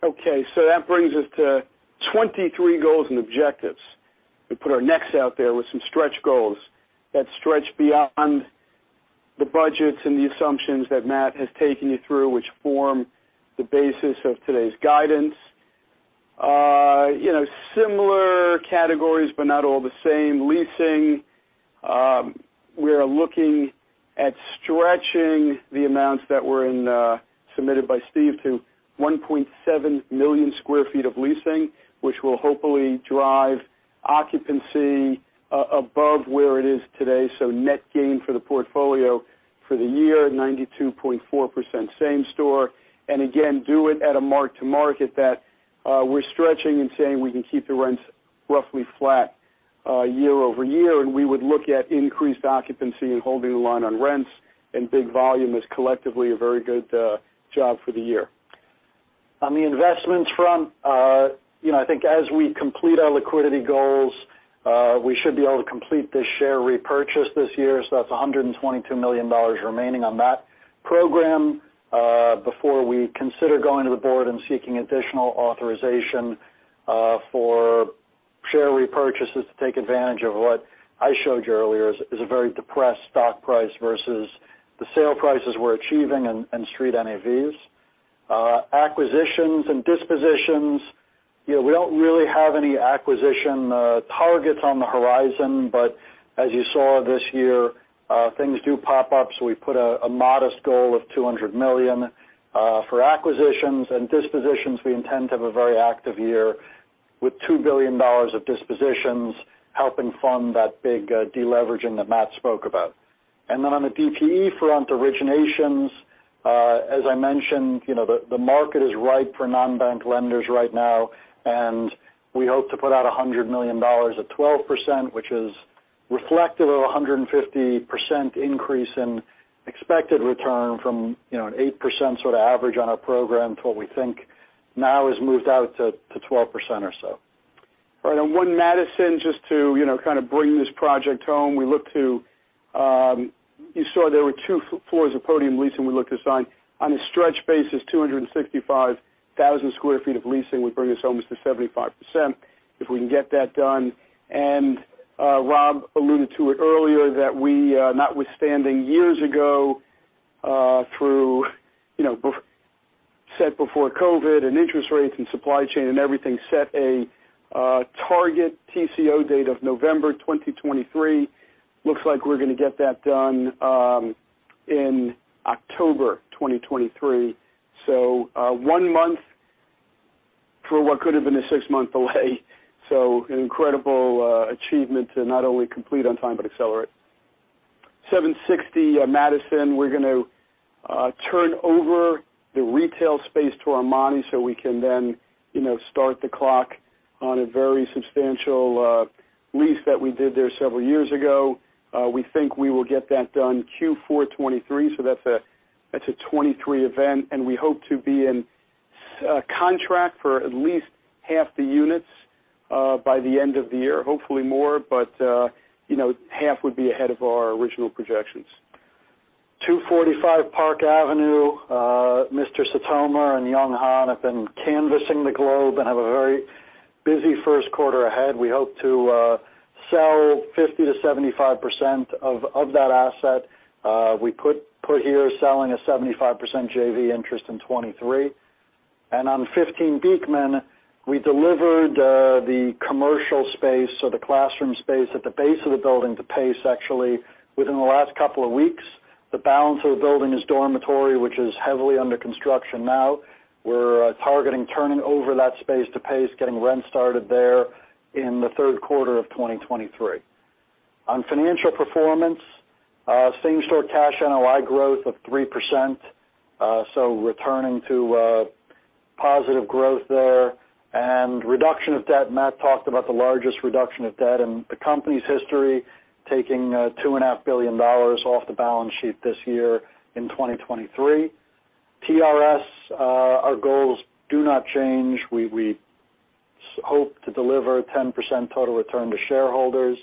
That brings us to 23 goals and objectives. We put our necks out there with some stretch goals that stretch beyond the budgets and the assumptions that Matt has taken you through, which form the basis of today's guidance. You know, similar categories, but not all the same. Leasing, we are looking at stretching the amounts that were submitted by Steve to 1.7 million sq ft of leasing, which will hopefully drive occupancy above where it is today. Net gain for the portfolio for the year, 92.4% same store. Again, do it at a mark to market that we're stretching and saying we can keep the rents roughly flat year-over-year, and we would look at increased occupancy and holding the line on rents and big volume as collectively a very good job for the year. On the investments front, you know, I think as we complete our liquidity goals, we should be able to complete this share repurchase this year. That's $122 million remaining on that program, before we consider going to the board and seeking additional authorization for share repurchases to take advantage of what I showed you earlier, is a very depressed stock price versus the sale prices we're achieving in street NAVs. Acquisitions and dispositions. You know, we don't really have any acquisition targets on the horizon, but as you saw this year, things do pop up. We put a modest goal of $200 million. For acquisitions and dispositions, we intend to have a very active year with $2 billion of dispositions helping fund that big deleveraging that Matt spoke about. On the DPE front, originations, as I mentioned, you know, the market is ripe for non-bank lenders right now, and we hope to put out $100 million at 12%, which is reflective of a 150% increase in expected return from, you know, an 8% sort of average on our program to what we think now has moved out to 12% or so. Right. On One Madison, just to, you know, kind of bring this project home, we look to, you saw there were two floors of podium leasing we look to sign. On a stretch basis, 265,000 sq ft of leasing would bring us almost to 75% if we can get that done. Rob alluded to it earlier that we, notwithstanding years ago, through, you know, set before COVID and interest rates and supply chain and everything, set a target TCO date of November 2023. Looks like we're gonna get that done in October 2023. 1 month for what could have been a 6-month delay. An incredible achievement to not only complete on time, but accelerate. 760 Madison, we're gonna turn over the retail space to Armani so we can then, you know, start the clock on a very substantial lease that we did there several years ago. We think we will get that done Q4 2023, so that's a 2023 event, and we hope to be in contract for at least half the units by the end of the year. Hopefully more, you know, half would be ahead of our original projections. 245 Park Avenue, Mr. Sitomer and Young Hahn have been canvassing the globe and have a very busy first quarter ahead. We hope to sell 50%-75% of that asset. We put here selling a 75% JV interest in 2023. On 15 Beekman, we delivered the commercial space or the classroom space at the base of the building to Pace actually within the last couple of weeks. The balance of the building is dormitory, which is heavily under construction now. We're targeting turning over that space to Pace, getting rent started there in the third quarter of 2023. On financial performance, same-store cash NOI growth of 3%, so returning to positive growth there. Reduction of debt, Matt talked about the largest reduction of debt in the company's history, taking two and a half billion dollars off the balance sheet this year in 2023. TRS, our goals do not change. We hope to deliver 10% total return to shareholders,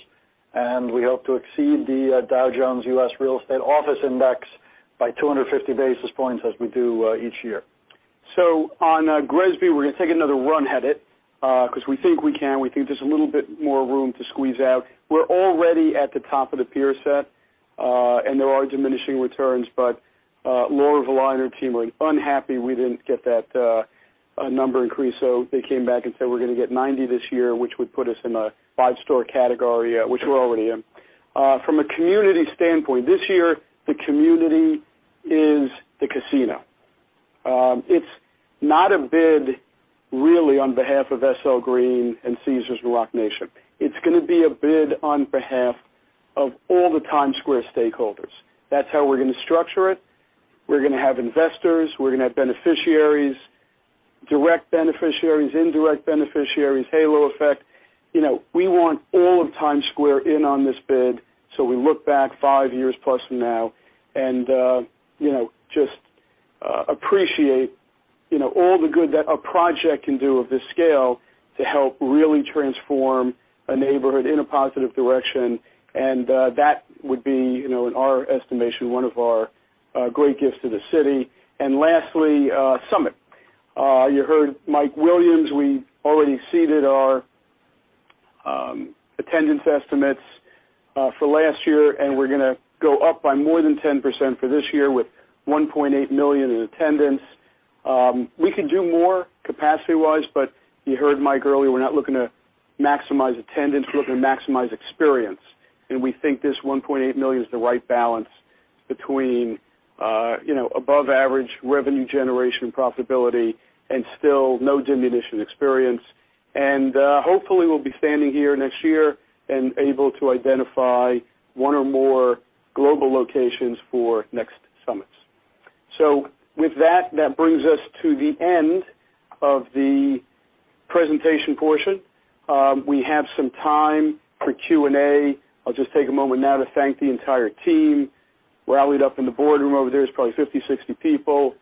and we hope to exceed the Dow Jones U.S. Real Estate Index by 250 basis points as we do each year. On GRESB, we're gonna take another run at it, 'cause we think we can. We think there's a little bit more room to squeeze out. We're already at the top of the peer set. There are diminishing returns, but Laura Vulaj and her team were unhappy we didn't get that number increase, so they came back and said, "We're gonna get 90 this year, which would put us in a 5-star category, which we're already in." From a community standpoint, this year, the community is the casino. It's not a bid really on behalf of SL Green and Caesars and Roc Nation. It's gonna be a bid on behalf of all the Times Square stakeholders. That's how we're gonna structure it. We're gonna have investors, we're gonna have beneficiaries, direct beneficiaries, indirect beneficiaries, halo effect. You know, we want all of Times Square in on this bid, so we look back five years plus from now and, you know, just appreciate, you know, all the good that a project can do of this scale to help really transform a neighborhood in a positive direction, and that would be, you know, in our estimation, one of our great gifts to the city. Lastly, Summit. You heard Mike Williams, we've already exceeded our attendance estimates for last year, and we're gonna go up by more than 10% for this year with $1.8 million in attendance. We could do more capacity-wise, but you heard Mike earlier, we're not looking to maximize attendance, we're looking to maximize experience. We think this $1.8 million is the right balance between, you know, above average revenue generation profitability and still no diminution experience. Hopefully, we'll be standing here next year and able to identify one or more global locations for next SUMMITs. With that brings us to the end of the presentation portion. We have some time for Q&A. I'll just take a moment now to thank the entire team rallied up in the boardroom over there. There's probably 50, 60 people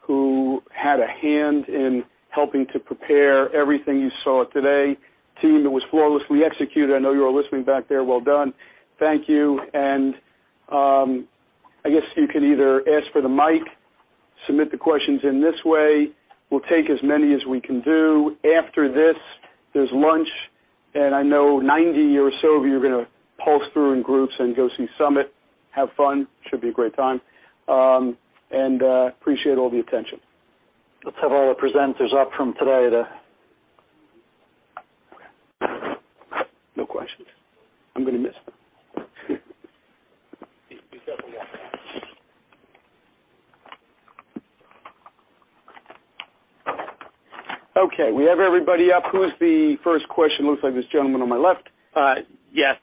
who had a hand in helping to prepare everything you saw today. Team, that was flawlessly executed. I know you all are listening back there. Well done. Thank you. I guess you can either ask for the mic, submit the questions in this way. We'll take as many as we can do. After this, there's lunch, and I know 90 or so of you are gonna pulse through in groups and go see SUMMIT. Have fun. Should be a great time. Appreciate all the attention. Let's have all our presenters up from today. No questions. I'm gonna miss them. Okay, we have everybody up. Who's the first question? Looks like this gentleman on my left. Yes.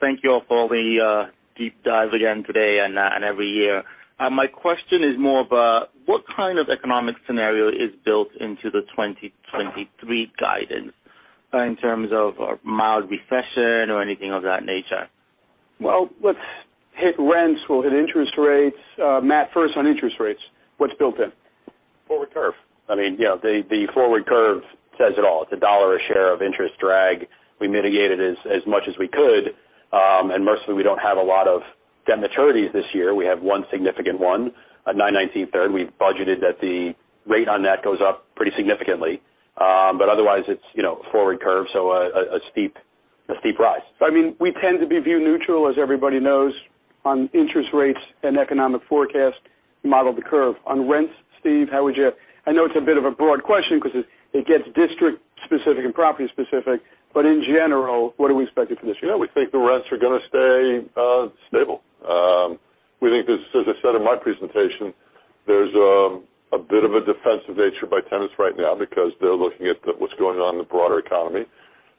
Thank you all for the deep dive again today and every year. My question is more of what kind of economic scenario is built into the 2023 guidance in terms of a mild recession or anything of that nature? Well, let's hit rents. We'll hit interest rates. Matt, first on interest rates, what's built in? Forward curve. I mean, you know, the forward curve says it all. It's $1 a share of interest drag. We mitigate it as much as we could. Mercifully, we don't have a lot of debt maturities this year. We have one significant one, a 919 Third. We've budgeted that the rate on that goes up pretty significantly. Otherwise, it's, you know, a forward curve, so a steep rise. I mean, we tend to be view neutral, as everybody knows, on interest rates and economic forecast, model the curve. On rents, Steve, I know it's a bit of a broad question 'cause it gets district-specific and property-specific, but in general, what are we expecting for this year? Yeah, we think the rents are gonna stay stable. We think there's, as I said in my presentation, there's a bit of a defensive nature by tenants right now because they're looking at what's going on in the broader economy.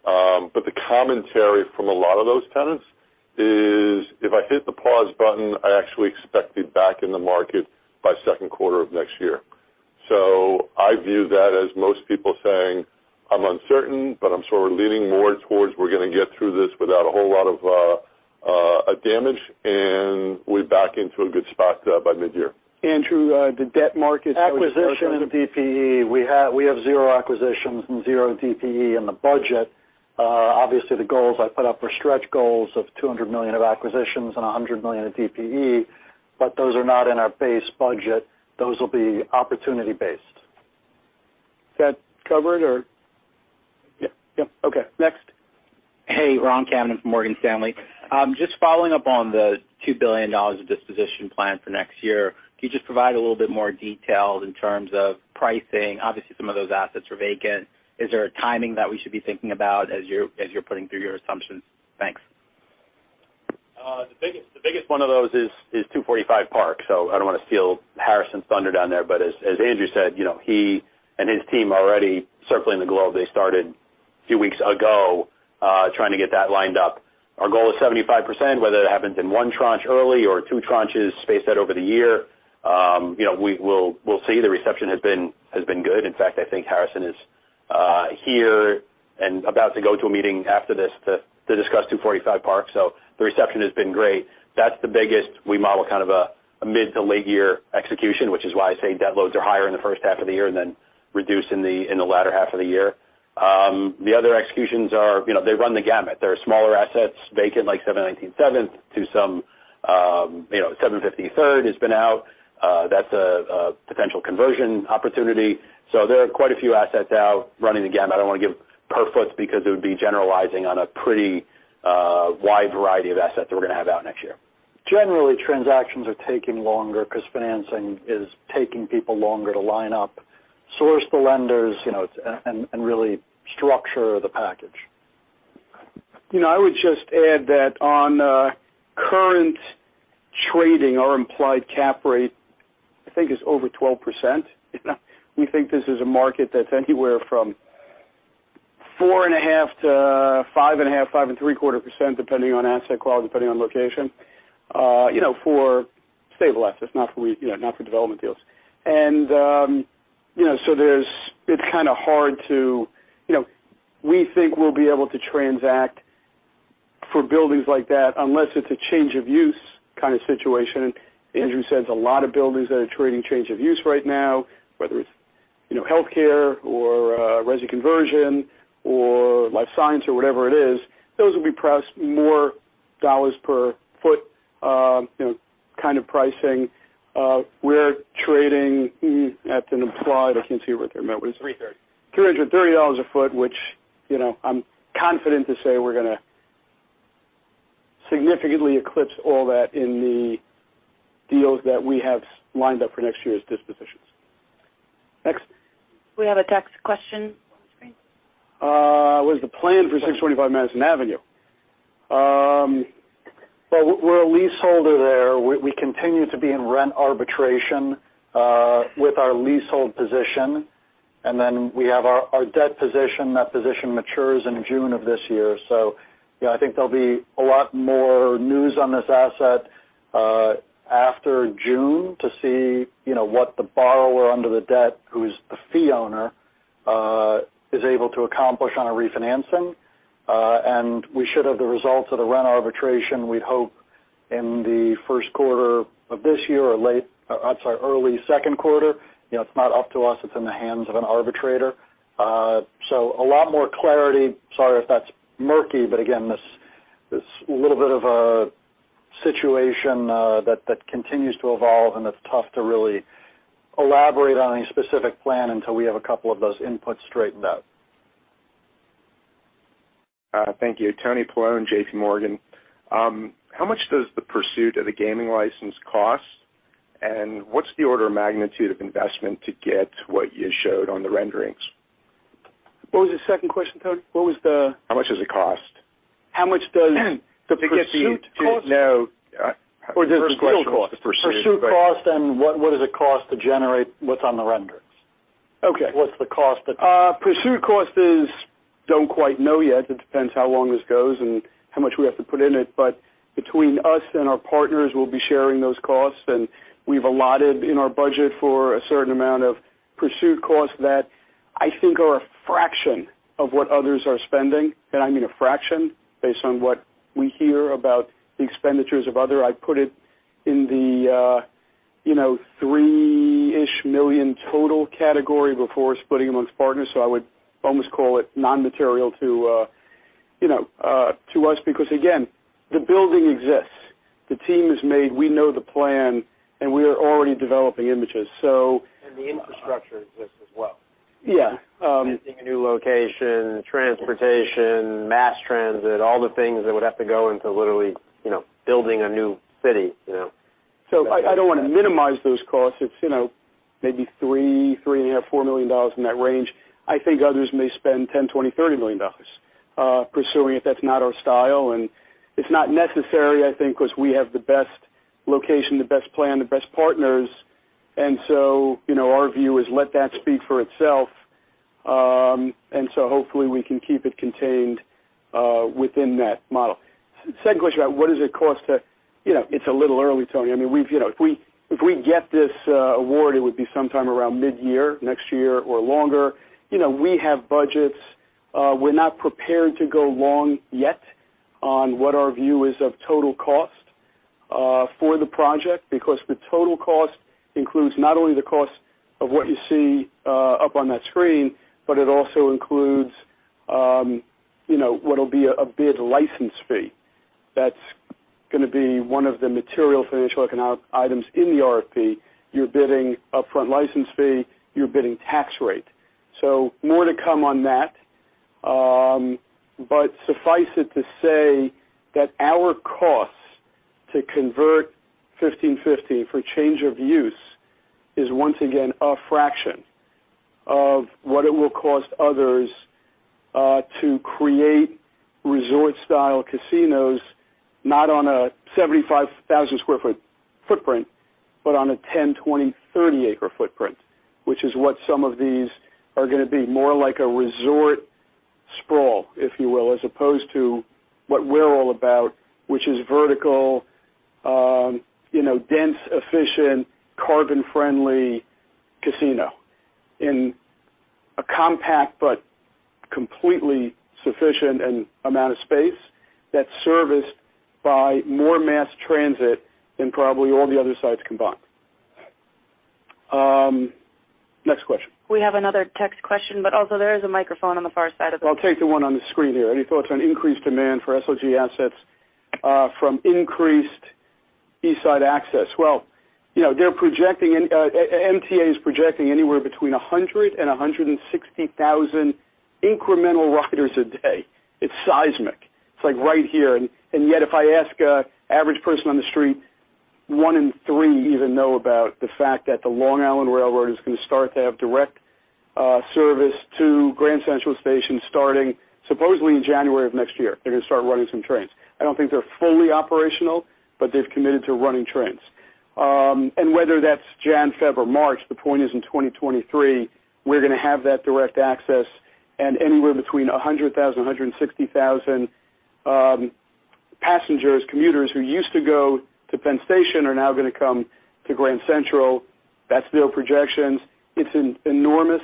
The commentary from a lot of those tenants is, "If I hit the pause button, I actually expect to be back in the market by 2nd quarter of next year." I view that as most people saying, "I'm uncertain, but I'm sort of leaning more towards we're gonna get through this without a whole lot of damage, and we're back into a good spot by mid-year. Andrew, the debt markets- Acquisition and DPE. We have zero acquisitions and zero DPE in the budget. Obviously, the goals I put up were stretch goals of $200 million of acquisitions and $100 million of DPE. Those are not in our base budget. Those will be opportunity based. That cover it, or? Yep, yep. Okay. Next. Hey, Ronald Kamdem from Morgan Stanley. Just following up on the $2 billion of disposition plan for next year, can you just provide a little bit more detail in terms of pricing? Obviously, some of those assets were vacant. Is there a timing that we should be thinking about as you're putting through your assumptions? Thanks. The biggest one of those is 245 Park. I don't wanna steal Harrison's thunder down there, but as Andrew said, you know, he and his team are already circling the globe. They started a few weeks ago, trying to get that lined up. Our goal is 75%, whether that happens in one tranche early or two tranches spaced out over the year, you know, we will, we'll see. The reception has been good. In fact, I think Harrison is here and about to go to a meeting after this to discuss 245 Park. The reception has been great. That's the biggest. We model kind of a mid to late year execution, which is why I say debt loads are higher in the first half of the year and then reduce in the latter half of the year. The other executions are, you know, they run the gamut. There are smaller assets vacant, like 719 7th. You know, 750 Third has been out. That's a potential conversion opportunity. There are quite a few assets out running the gamut. I don't wanna give per foots because it would be generalizing on a pretty wide variety of assets that we're gonna have out next year. Generally, transactions are taking longer because financing is taking people longer to line up, source the lenders, you know, it's and really structure the package. You know, I would just add that on current trading, our implied cap rate, I think, is over 12%. We think this is a market that's anywhere from 4.5% to 5.5%, 5.75%, depending on asset quality, depending on location, you know, for stabilized assets, not for development deals. You know, we think we'll be able to transact for buildings like that unless it's a change-of-use kind of situation. Andrew says a lot of buildings that are trading change of use right now, whether it's, you know, healthcare or, resi conversion or life science or whatever it is, those will be priced more dollars per foot, you know, kind of pricing. We're trading at an implied, I can't see right there, Matt, what is it? Three-thirty. $330 a foot, which, you know, I'm confident to say we're gonna significantly eclipse all that in the deals that we have lined up for next year's dispositions. Next. We have a text question on the screen. What is the plan for 625 Madison Avenue? Well, we're a leaseholder there. We continue to be in rent arbitration with our leasehold position, and then we have our debt position. That position matures in June of this year. You know, I think there'll be a lot more news on this asset after June to see, you know, what the borrower under the debt, who's the fee owner, is able to accomplish on a refinancing. We should have the results of the rent arbitration, we hope, in the first quarter of this year or late, I'm sorry, early second quarter. You know, it's not up to us, it's in the hands of an arbitrator. A lot more clarity. Sorry if that's murky, but again, this little bit of a situation that continues to evolve, and it's tough to really elaborate on any specific plan until we have a couple of those inputs straightened out. Thank you. Anthony Paolone, J.P. Morgan. How much does the pursuit of the gaming license cost, and what's the order of magnitude of investment to get what you showed on the renderings? What was the second question, Tony? How much does it cost? How much does the pursuit cost? To get the... Or just the field cost? The first question was the pursuit. Pursuit cost, what does it cost to generate what's on the renderings? Okay. What's the cost of... Pursuit cost is, don't quite know yet. It depends how long this goes and how much we have to put in it. Between us and our partners, we'll be sharing those costs, and we've allotted in our budget for a certain amount of pursuit costs that I think are a fraction of what others are spending. I mean a fraction based on what we hear about the expenditures of other. I put it in the, you know, $3-ish million total category before splitting among partners. I would almost call it non-material to, you know, to us because, again, the building exists. The team is made. We know the plan, and we are already developing images. The infrastructure exists as well. Yeah. Fixing a new location, transportation, mass transit, all the things that would have to go into literally, you know, building a new city, you know. I don't wanna minimize those costs. It's, you know, maybe $3 million, three and a half million dollars, $4 million in that range. I think others may spend $10 million, $20 million, $30 million pursuing it. That's not our style, and it's not necessary, I think, 'cause we have the best location, the best plan, the best partners. You know, our view is let that speak for itself. Hopefully we can keep it contained within that model. Second question about what does it cost to... You know, it's a little early, Tony. I mean, we've, you know, if we, if we get this award it would be sometime around midyear next year or longer. You know, we have budgets. We're not prepared to go long yet on what our view is of total cost for the project because the total cost includes not only the cost of what you see up on that screen, but it also includes, you know, what'll be a bid license fee. That's gonna be one of the material financial items in the RFP. You're bidding upfront license fee, you're bidding tax rate. More to come on that. Suffice it to say that our costs to convert 1515 for change of use is, once again, a fraction of what it will cost others to create resort-style casinos, not on a 75,000 sq ft footprint, but on a 10, 20, 30-acre footprint, which is what some of these are gonna be, more like a resort sprawl, if you will, as opposed to what we're all about, which is vertical, you know, dense, efficient, carbon-friendly casino in a compact but completely sufficient amount of space that's serviced by more mass transit than probably all the other sites combined. Next question. We have another text question, but also there is a microphone on the far side of the- I'll take the one on the screen here. Any thoughts on increased demand for SLG assets from increased East Side Access? Well, you know, they're projecting MTA is projecting anywhere between 100 and 160,000 incremental riders a day. It's seismic. It's like right here. Yet, if I ask a average person on the street, one in three even know about the fact that the Long Island Railroad is gonna start to have direct service to Grand Central Station starting supposedly in January of next year. They're gonna start running some trains. I don't think they're fully operational, but they've committed to running trains. Whether that's January, February, or March, the point is, in 2023, we're gonna have that direct access and anywhere between 100,000-160,000 passengers, commuters who used to go to Penn Station are now gonna come to Grand Central. That's their projections. It's an enormous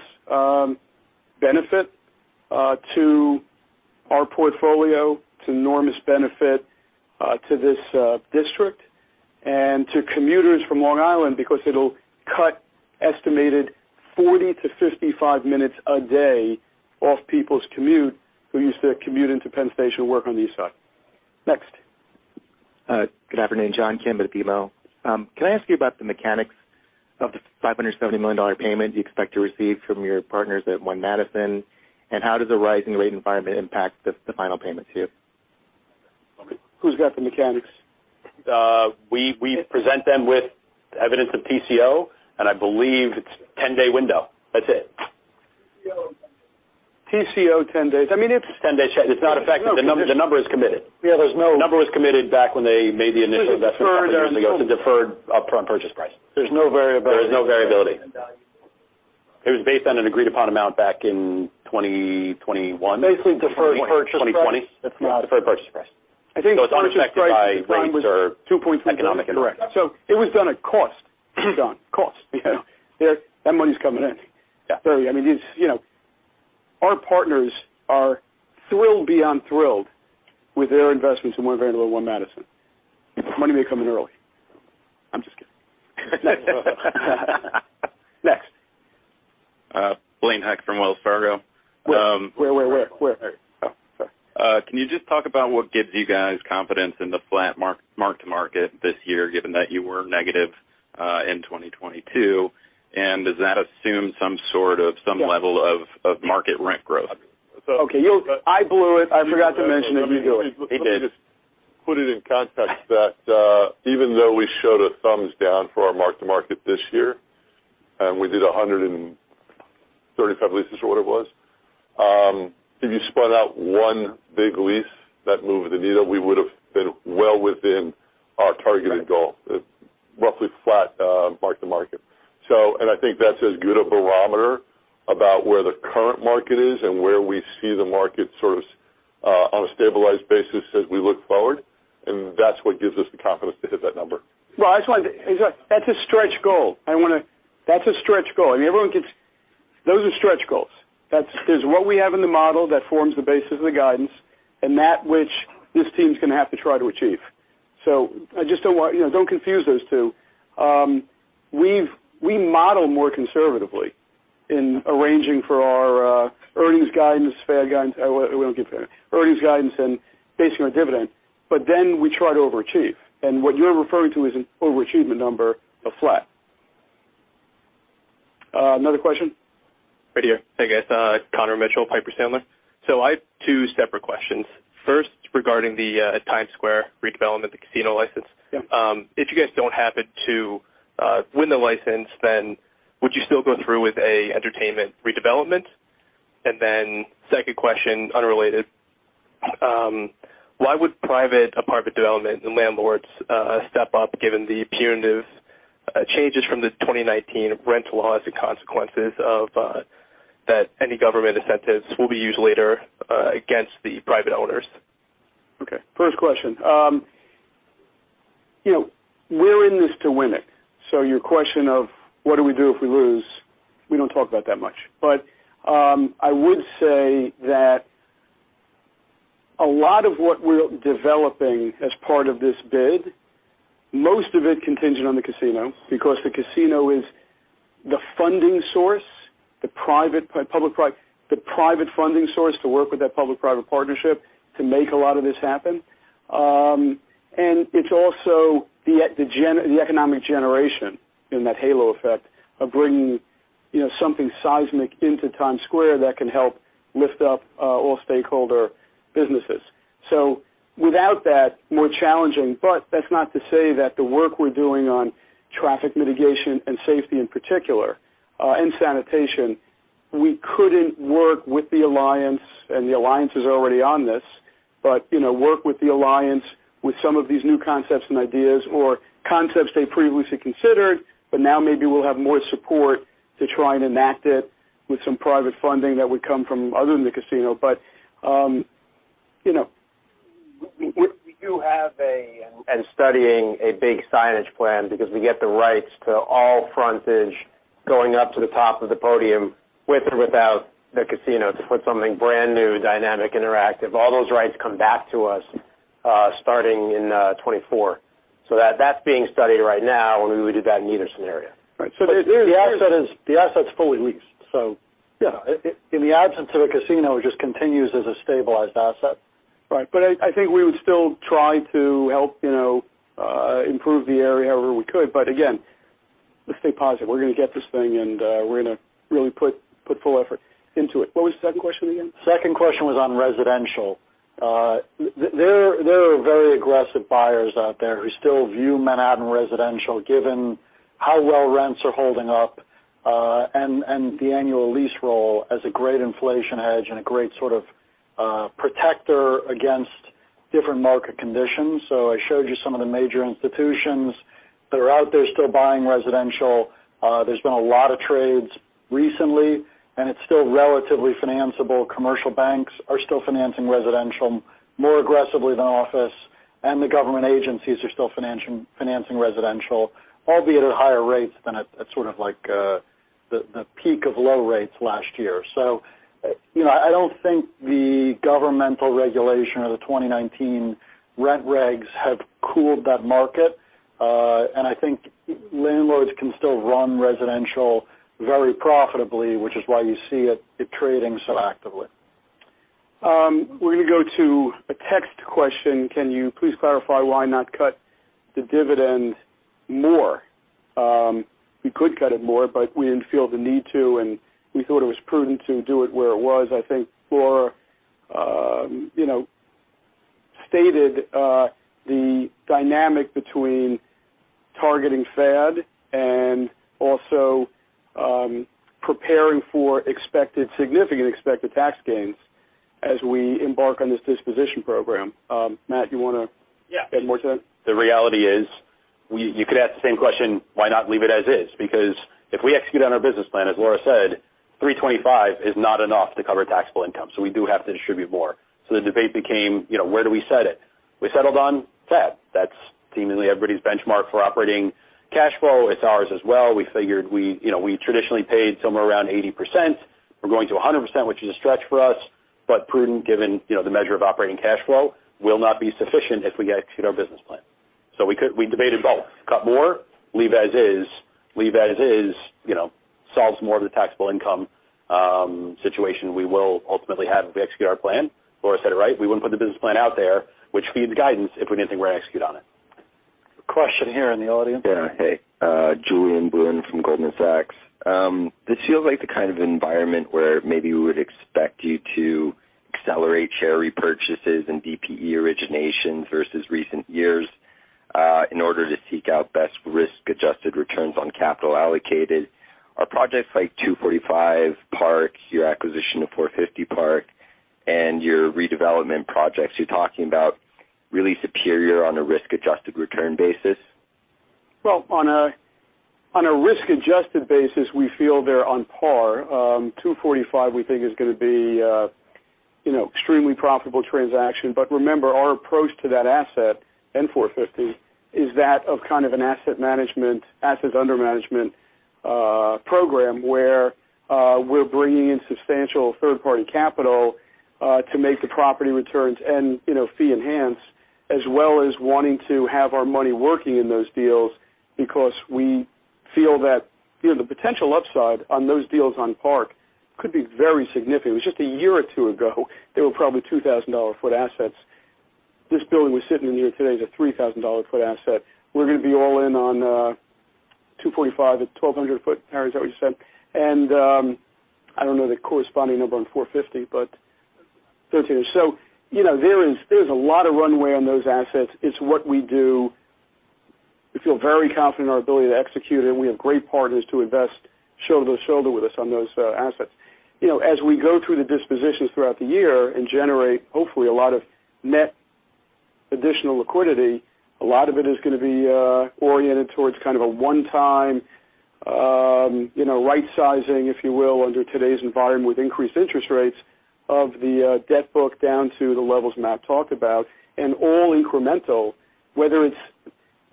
benefit to our portfolio. It's enormous benefit to this district and to commuters from Long Island because it'll cut estimated 40-55 minutes a day off people's commute who used to commute into Penn Station to work on the East Side. Next. Good afternoon, John Kim at BMO. Can I ask you about the mechanics of the $570 million payment you expect to receive from your partners at One Madison? How does the rising rate environment impact the final payment to you? Okay. Who's got the mechanics? We present them with evidence of TCO, and I believe it's 10-day window. That's it. TCO 10 days. I mean, it's. Ten-day check. It's not affected. The number is committed. Yeah, there's. The number was committed back when they made the initial investment several years ago to deferred upfront purchase price. There's no variability. There's no variability. It was based on an agreed upon amount back in 2021. Basically deferred purchase price. 2020. Deferred purchase price. I think- It's unaffected by rates or... Two points. economic environment. Correct. It was done at cost, Don, cost. You know? That money's coming in. Yeah. Early. I mean, it's, you know. Our partners are thrilled beyond thrilled with their investments in One Vanderbilt, One Madison. Money may come in early. I'm just kidding. Next. Blaine Heck from Wells Fargo. Where? Oh, sorry. Can you just talk about what gives you guys confidence in the flat mark to market this year, given that you were negative in 2022? Does that assume some sort of, some level of market rent growth? Okay. I blew it. I forgot to mention it. You do it. He did. Let me just put it in context that, even though we showed a thumbs down for our mark to market this year, and we did 135 leases or what it was, if you spun out 1 big lease that moved the needle, we would've been well within our targeted goal, roughly flat, mark to market. I think that's as good a barometer about where the current market is and where we see the market sort of, on a stabilized basis as we look forward, and that's what gives us the confidence to hit that number. Well, That's a stretch goal. That's a stretch goal. I mean, Those are stretch goals. That's is what we have in the model that forms the basis of the guidance and that which this team's gonna have to try to achieve. I just don't want, you know, don't confuse those two. We model more conservatively in arranging for our earnings guidance, fair guidance. We don't give fair guidance. Earnings guidance and basing our dividend, we try to overachieve. What you're referring to is an overachievement number of flat. Another question? Right here. Hey, guys. Alexander Goldfarb, Piper Sandler. I've two separate questions. First, regarding the Times Square redevelopment, the casino license. Yeah. If you guys don't happen to win the license, then would you still go through with an entertainment redevelopment? Second question, unrelated, why would private apartment development and landlords step up given the punitive changes from the 2019 rental laws and consequences of that any government incentives will be used later against the private owners? Okay. First question. You know, we're in this to win it. Your question of what do we do if we lose, we don't talk about that much. I would say that a lot of what we're developing as part of this bid, most of it contingent on the casino, because the casino is the funding source, the private, the private funding source to work with that public-private partnership to make a lot of this happen. And it's also the economic generation in that halo effect of bringing, you know, something seismic into Times Square that can help lift up all stakeholder businesses. Without that, more challenging, but that's not to say that the work we're doing on traffic mitigation and safety in particular, and sanitation, we couldn't work with the Alliance, and the Alliance is already on this. You know, work with the Alliance with some of these new concepts and ideas or concepts they previously considered, but now maybe we'll have more support to try and enact it with some private funding that would come from other than the casino. You know, we do have. studying a big signage plan because we get the rights to all frontage going up to the top of the podium with or without the casino to put something brand new, dynamic, interactive. All those rights come back to us Starting in 2024. That's being studied right now, and we would do that in either scenario. Right. The asset's fully leased, so... Yeah in the absence of a casino, it just continues as a stabilized asset. Right. I think we would still try to help, you know, improve the area where we could. Again, let's stay positive. We're gonna get this thing, and we're gonna really put full effort into it. What was the second question again? Second question was on residential. There are very aggressive buyers out there who still view Manhattan residential, given how well rents are holding up, and the annual lease roll as a great inflation hedge and a great sort of protector against different market conditions. I showed you some of the major institutions that are out there still buying residential. There's been a lot of trades recently, and it's still relatively financiable. Commercial banks are still financing residential more aggressively than office, and the government agencies are still financing residential, albeit at higher rates than at sort of like the peak of low rates last year. You know, I don't think the governmental regulation or the 2019 rent regs have cooled that market. I think landlords can still run residential very profitably, which is why you see it trading so actively. We're gonna go to a text question. Can you please clarify why not cut the dividend more? We could cut it more, but we didn't feel the need to, and we thought it was prudent to do it where it was. I think Laura, you know, stated the dynamic between targeting Fed and also preparing for significant expected tax gains as we embark on this disposition program. Matt, you wanna- Yeah. add more to that? The reality is, you could ask the same question, why not leave it as is? If we execute on our business plan, as Laura said, $3.25 is not enough to cover taxable income, so we do have to distribute more. The debate became, you know, where do we set it? We settled on FFO. That's seemingly everybody's benchmark for operating cash flow. It's ours as well. We figured we, you know, we traditionally paid somewhere around 80%. We're going to 100%, which is a stretch for us, but prudent given, you know, the measure of operating cash flow will not be sufficient if we execute our business plan. We debated both, cut more, leave as is. Leave as is, you know, solves more of the taxable income situation we will ultimately have if we execute our plan. Laura said it right. We wouldn't put the business plan out there, which feeds guidance, if we didn't think we're gonna execute on it. Question here in the audience. Yeah. Hey, Julien Blouin from Goldman Sachs. This feels like the kind of environment where maybe we would expect you to accelerate share repurchases and DPE origination versus recent years in order to seek out best risk-adjusted returns on capital allocated. Are projects like 245 Park, your acquisition of 450 Park, and your redevelopment projects you're talking about really superior on a risk-adjusted return basis? Well, on a risk-adjusted basis, we feel they're on par. 245 we think is gonna be, you know, extremely profitable transaction. Remember, our approach to that asset, and 450, is that of kind of an asset management, assets under management program, where we're bringing in substantial third-party capital to make the property returns and, you know, fee enhance, as well as wanting to have our money working in those deals because we feel that, you know, the potential upside on those deals on Park could be very significant. It was just a year or two ago, they were probably $2,000 a foot assets. This building we're sitting in here today is a $3,000 a foot asset. We're gonna be all in on 245 at 1,200 foot, Harry, is that what you said? I don't know the corresponding number on 450. Thirteen. You know, there is a lot of runway on those assets. It's what we do. We feel very confident in our ability to execute, and we have great partners to invest shoulder to shoulder with us on those assets. You know, as we go through the dispositions throughout the year and generate, hopefully, a lot of net additional liquidity, a lot of it is gonna be oriented towards kind of a one-time, you know, right-sizing, if you will, under today's environment with increased interest rates of the debt book down to the levels Matt talked about, and all incremental, whether it's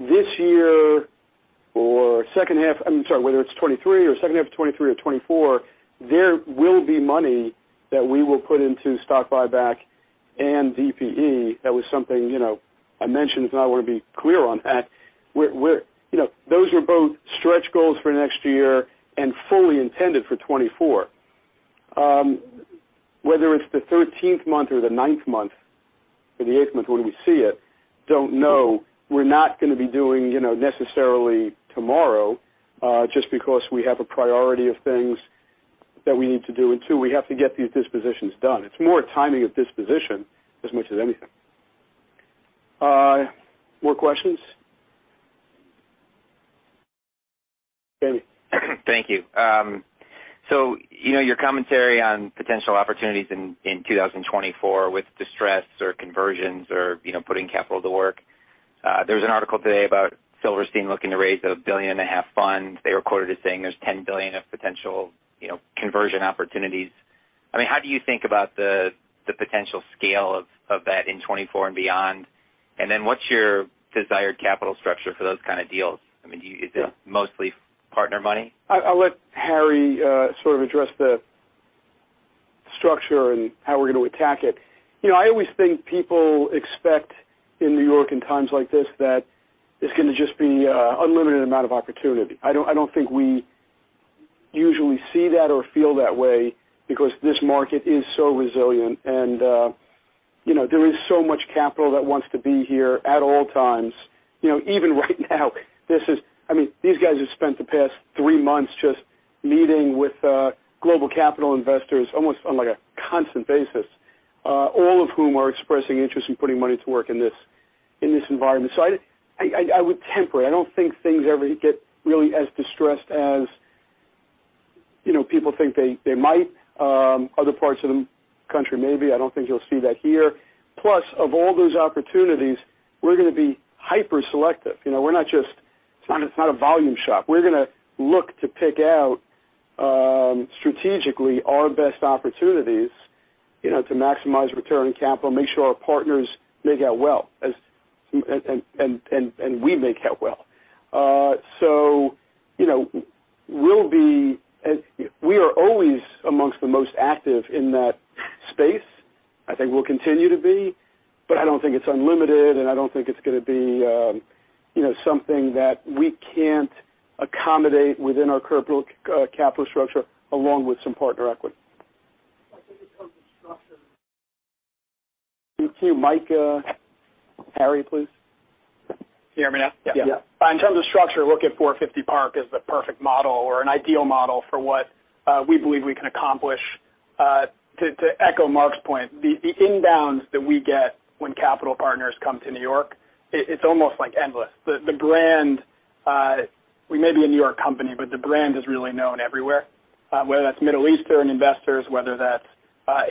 this year or whether it's 2023 or second half of 2023 or 2024, there will be money that we will put into stock buyback and DPE. That was something, you know, I mentioned. I wanna be clear on that. We're, you know, those are both stretch goals for next year and fully intended for 2024. Whether it's the thirteenth month or the ninth month or the eighth month, when we see it, don't know. We're not gonna be doing, you know, necessarily tomorrow, just because we have a priority of things that we need to do. Two, we have to get these dispositions done. It's more timing of disposition as much as anything. More questions? David. Thank you. You know, your commentary on potential opportunities in 2024 with distress or conversions or, you know, putting capital to work, there was an article today about Silverstein looking to raise a billion-and-a-half fund. They were quoted as saying there's $10 billion of potential, you know, conversion opportunities. I mean, how do you think about the potential scale of that in 2024 and beyond? What's your desired capital structure for those kind of deals? I mean, is it mostly partner money? I'll let Harry sort of address the structure and how we're gonna attack it. You know, I always think people expect in New York in times like this that it's gonna just be a unlimited amount of opportunity. I don't think we usually see that or feel that way because this market is so resilient and, you know, there is so much capital that wants to be here at all times. You know, even right now I mean, these guys have spent the past 3 months just meeting with global capital investors almost on, like, a constant basis, all of whom are expressing interest in putting money to work in this, in this environment. I would temper it. I don't think things ever get really as distressed as, you know, people think they might. Other parts of the country maybe, I don't think you'll see that here. Plus, of all those opportunities, we're gonna be hyper selective. You know, we're not just. It's not a volume shop. We're gonna look to pick out, strategically our best opportunities, you know, to maximize return on capital and make sure our partners make out well as, and we make out well. So, you know, We are always amongst the most active in that space. I think we'll continue to be, but I don't think it's unlimited, and I don't think it's gonna be, you know, something that we can't accommodate within our current capital structure along with some partner equity. To Mike, Harry, please. Can you hear me now? Yeah. In terms of structure, look at 450 Park as the perfect model or an ideal model for what we believe we can accomplish. To echo Marc's point, the inbounds that we get when capital partners come to New York, it's almost, like, endless. The brand, we may be a New York company, but the brand is really known everywhere, whether that's Middle Eastern investors, whether that's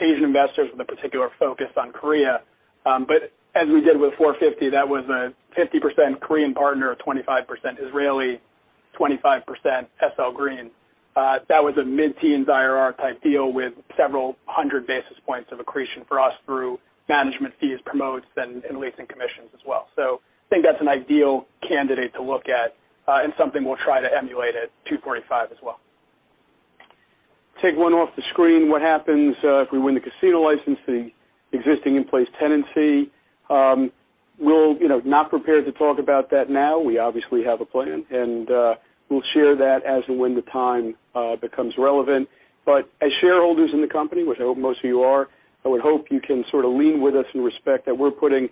Asian investors with a particular focus on Korea. But as we did with 450, that was a 50% Korean partner, a 25% Israeli, 25% SL Green. That was a mid-teens IRR type deal with several hundred basis points of accretion for us through management fees, promotes, and leasing commissions as well. I think that's an ideal candidate to look at, and something we'll try to emulate at 245 as well. Take one off the screen. What happens if we win the casino license, the existing in-place tenancy? We'll, you know, not prepared to talk about that now. We obviously have a plan and we'll share that as and when the time becomes relevant. As shareholders in the company, which I hope most of you are, I would hope you can sort of lean with us and respect that we're putting,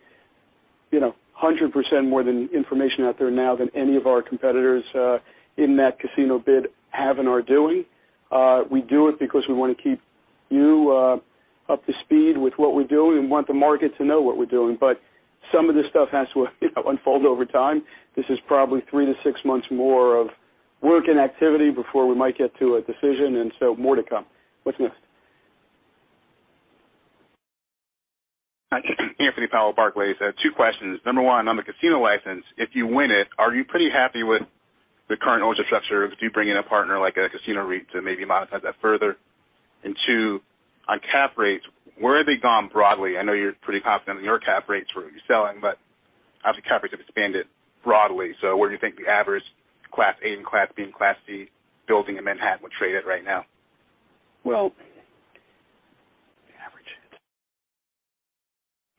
you know, 100% more than information out there now than any of our competitors in that casino bid have and are doing. We do it because we wanna keep you up to speed with what we're doing and want the market to know what we're doing. Some of this stuff has to unfold over time. This is probably 3 to 6 months more of work and activity before we might get to a decision. More to come. What's next? Anthony Paolone, J.P. Morgan. 2 questions. Number 1, on the casino license, if you win it, are you pretty happy with the current ownership structure? Do you bring in a partner like a casino REIT to maybe monetize that further? 2, on cap rates, where have they gone broadly? I know you're pretty confident in your cap rates for what you're selling, but obviously cap rates have expanded broadly. Where do you think the average Class A and Class B and Class C building in Manhattan would trade at right now?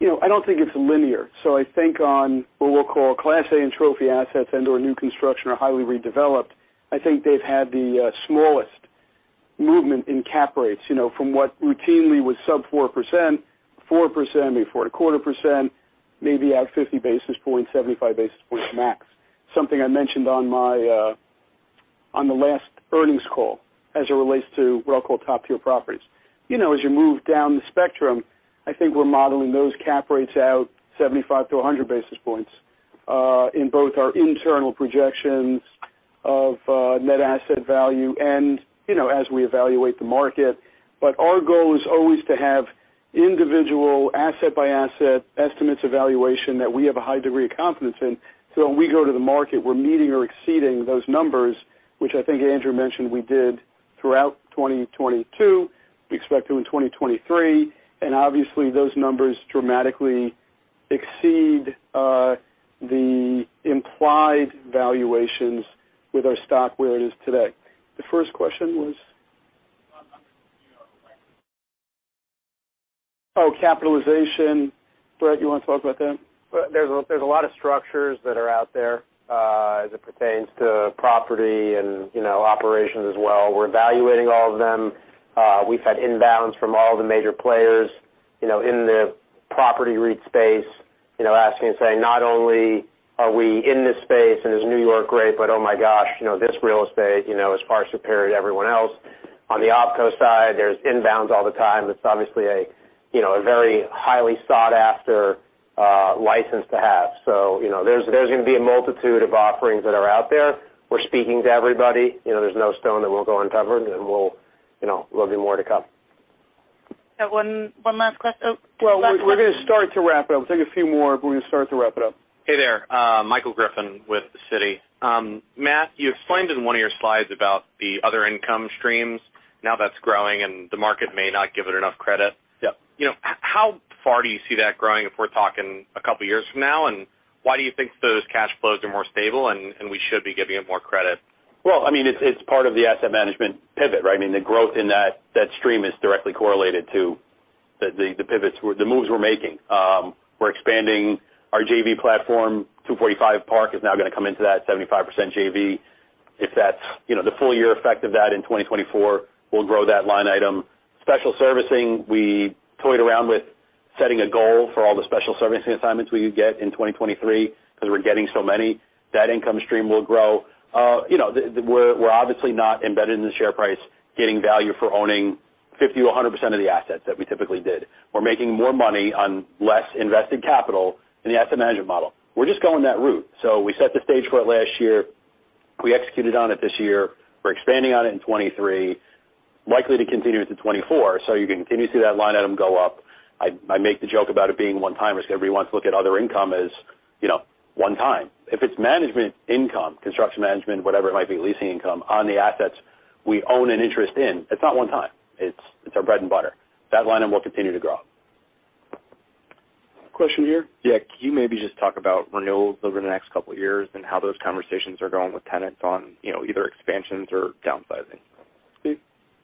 You know, I don't think it's linear. I think on what we'll call Class A and trophy assets and/or new construction or highly redeveloped, I think they've had the smallest movement in cap rates, you know, from what routinely was sub 4%, 4%, maybe 4.25%, maybe out 50 basis points, 75 basis points max. Something I mentioned on my on the last earnings call as it relates to what I'll call top-tier properties. You know, as you move down the spectrum, I think we're modeling those cap rates out 75 to 100 basis points in both our internal projections of net asset value and, you know, as we evaluate the market. Our goal is always to have individual asset-by-asset estimates evaluation that we have a high degree of confidence in, so when we go to the market, we're meeting or exceeding those numbers, which I think Andrew mentioned we did throughout 2022, we expect to in 2023, and obviously those numbers dramatically exceed the implied valuations with our stock where it is today. The first question was? Oh, capitalization. Brett, you wanna talk about that? There's a lot of structures that are out there as it pertains to property and, you know, operations as well. We're evaluating all of them. We've had inbounds from all the major players, you know, in the property REIT space, you know, asking and saying, not only are we in this space and is New York great, but oh my gosh, you know, this real estate, you know, is far superior to everyone else. On the OpCo side, there's inbounds all the time. It's obviously a, you know, a very highly sought-after license to have. You know, there's gonna be a multitude of offerings that are out there. We're speaking to everybody. You know, there's no stone that will go uncovered, and we'll, you know, there'll be more to come. Oh, last question. Well, we're gonna start to wrap it up. Take a few more, but we're gonna start to wrap it up. Hey there, Michael Griffin with Citi. Matt, you explained in one of your slides about the other income streams, now that's growing and the market may not give it enough credit. Yep. How far do you see that growing if we're talking a couple years from now, and why do you think those cash flows are more stable and we should be giving it more credit? Well, I mean, it's part of the asset management pivot, right? The growth in that stream is directly correlated to the pivots, the moves we're making. We're expanding our JV platform. 245 Park is now gonna come into that 75% JV. If that's, you know, the full year effect of that in 2024, we'll grow that line item. Special servicing, we toyed around with setting a goal for all the special servicing assignments we could get in 2023 because we're getting so many. That income stream will grow. You know, we're obviously not embedded in the share price, getting value for owning 50%-100% of the assets that we typically did. We're making more money on less invested capital in the asset management model. We're just going that route. We set the stage for it last year. We executed on it this year. We're expanding on it in 2023, likely to continue into 2024, so you can continue to see that line item go up. I make the joke about it being one time because everybody wants to look at other income as, you know, one time. If it's management income, construction management, whatever it might be, leasing income on the assets we own an interest in, it's not one time. It's our bread and butter. That line item will continue to grow. Question here. Yeah. Can you maybe just talk about renewals over the next couple years and how those conversations are going with tenants on, you know, either expansions or downsizing? Steve?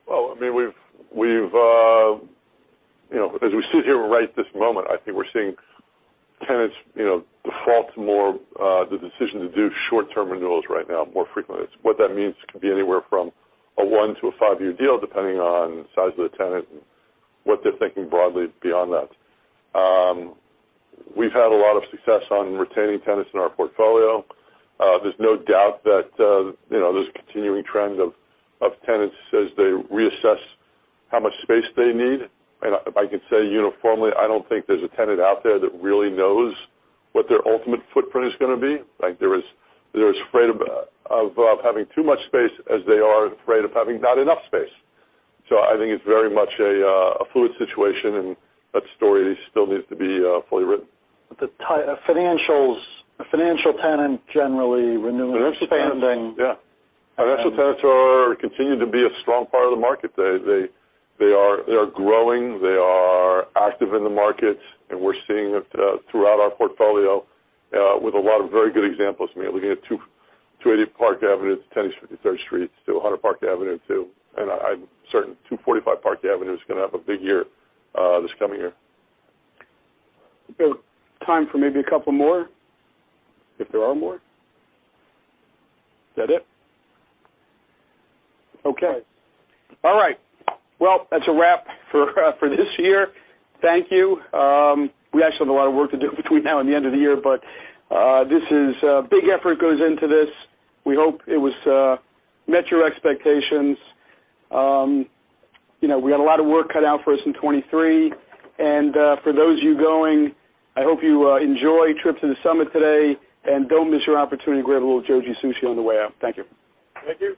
Well, I mean, we've, you know, as we sit here right this moment, I think we're seeing tenants, you know, default more, the decision to do short-term renewals right now more frequently. What that means could be anywhere from a 1 to a 5-year deal, depending on size of the tenant and what they're thinking broadly beyond that. We've had a lot of success on retaining tenants in our portfolio. There's no doubt that, you know, there's a continuing trend of tenants as they reassess how much space they need. If I can say uniformly, I don't think there's a tenant out there that really knows what their ultimate footprint is gonna be. Like, they're as afraid of having too much space as they are afraid of having not enough space. I think it's very much a fluid situation, and that story still needs to be fully written. A financial tenant generally renewing or expanding. Yeah. Financial tenants are continuing to be a strong part of the market. They are growing. They are active in the markets, and we're seeing it throughout our portfolio with a lot of very good examples. I mean, looking at 280 Park Avenue, 10 53rd Street, 200 Park Avenue, too. I'm certain 245 Park Avenue is gonna have a big year this coming year. Time for maybe a couple more, if there are more. Is that it? Okay. All right. Well, that's a wrap for this year. Thank you. We actually have a lot of work to do between now and the end of the year, but this is a big effort goes into this. We hope it was met your expectations. You know, we got a lot of work cut out for us in 2023. For those of you going, I hope you enjoy trips to the SUMMIT today, and don't miss your opportunity to grab a little Jōji on the way out. Thank you. Thank you.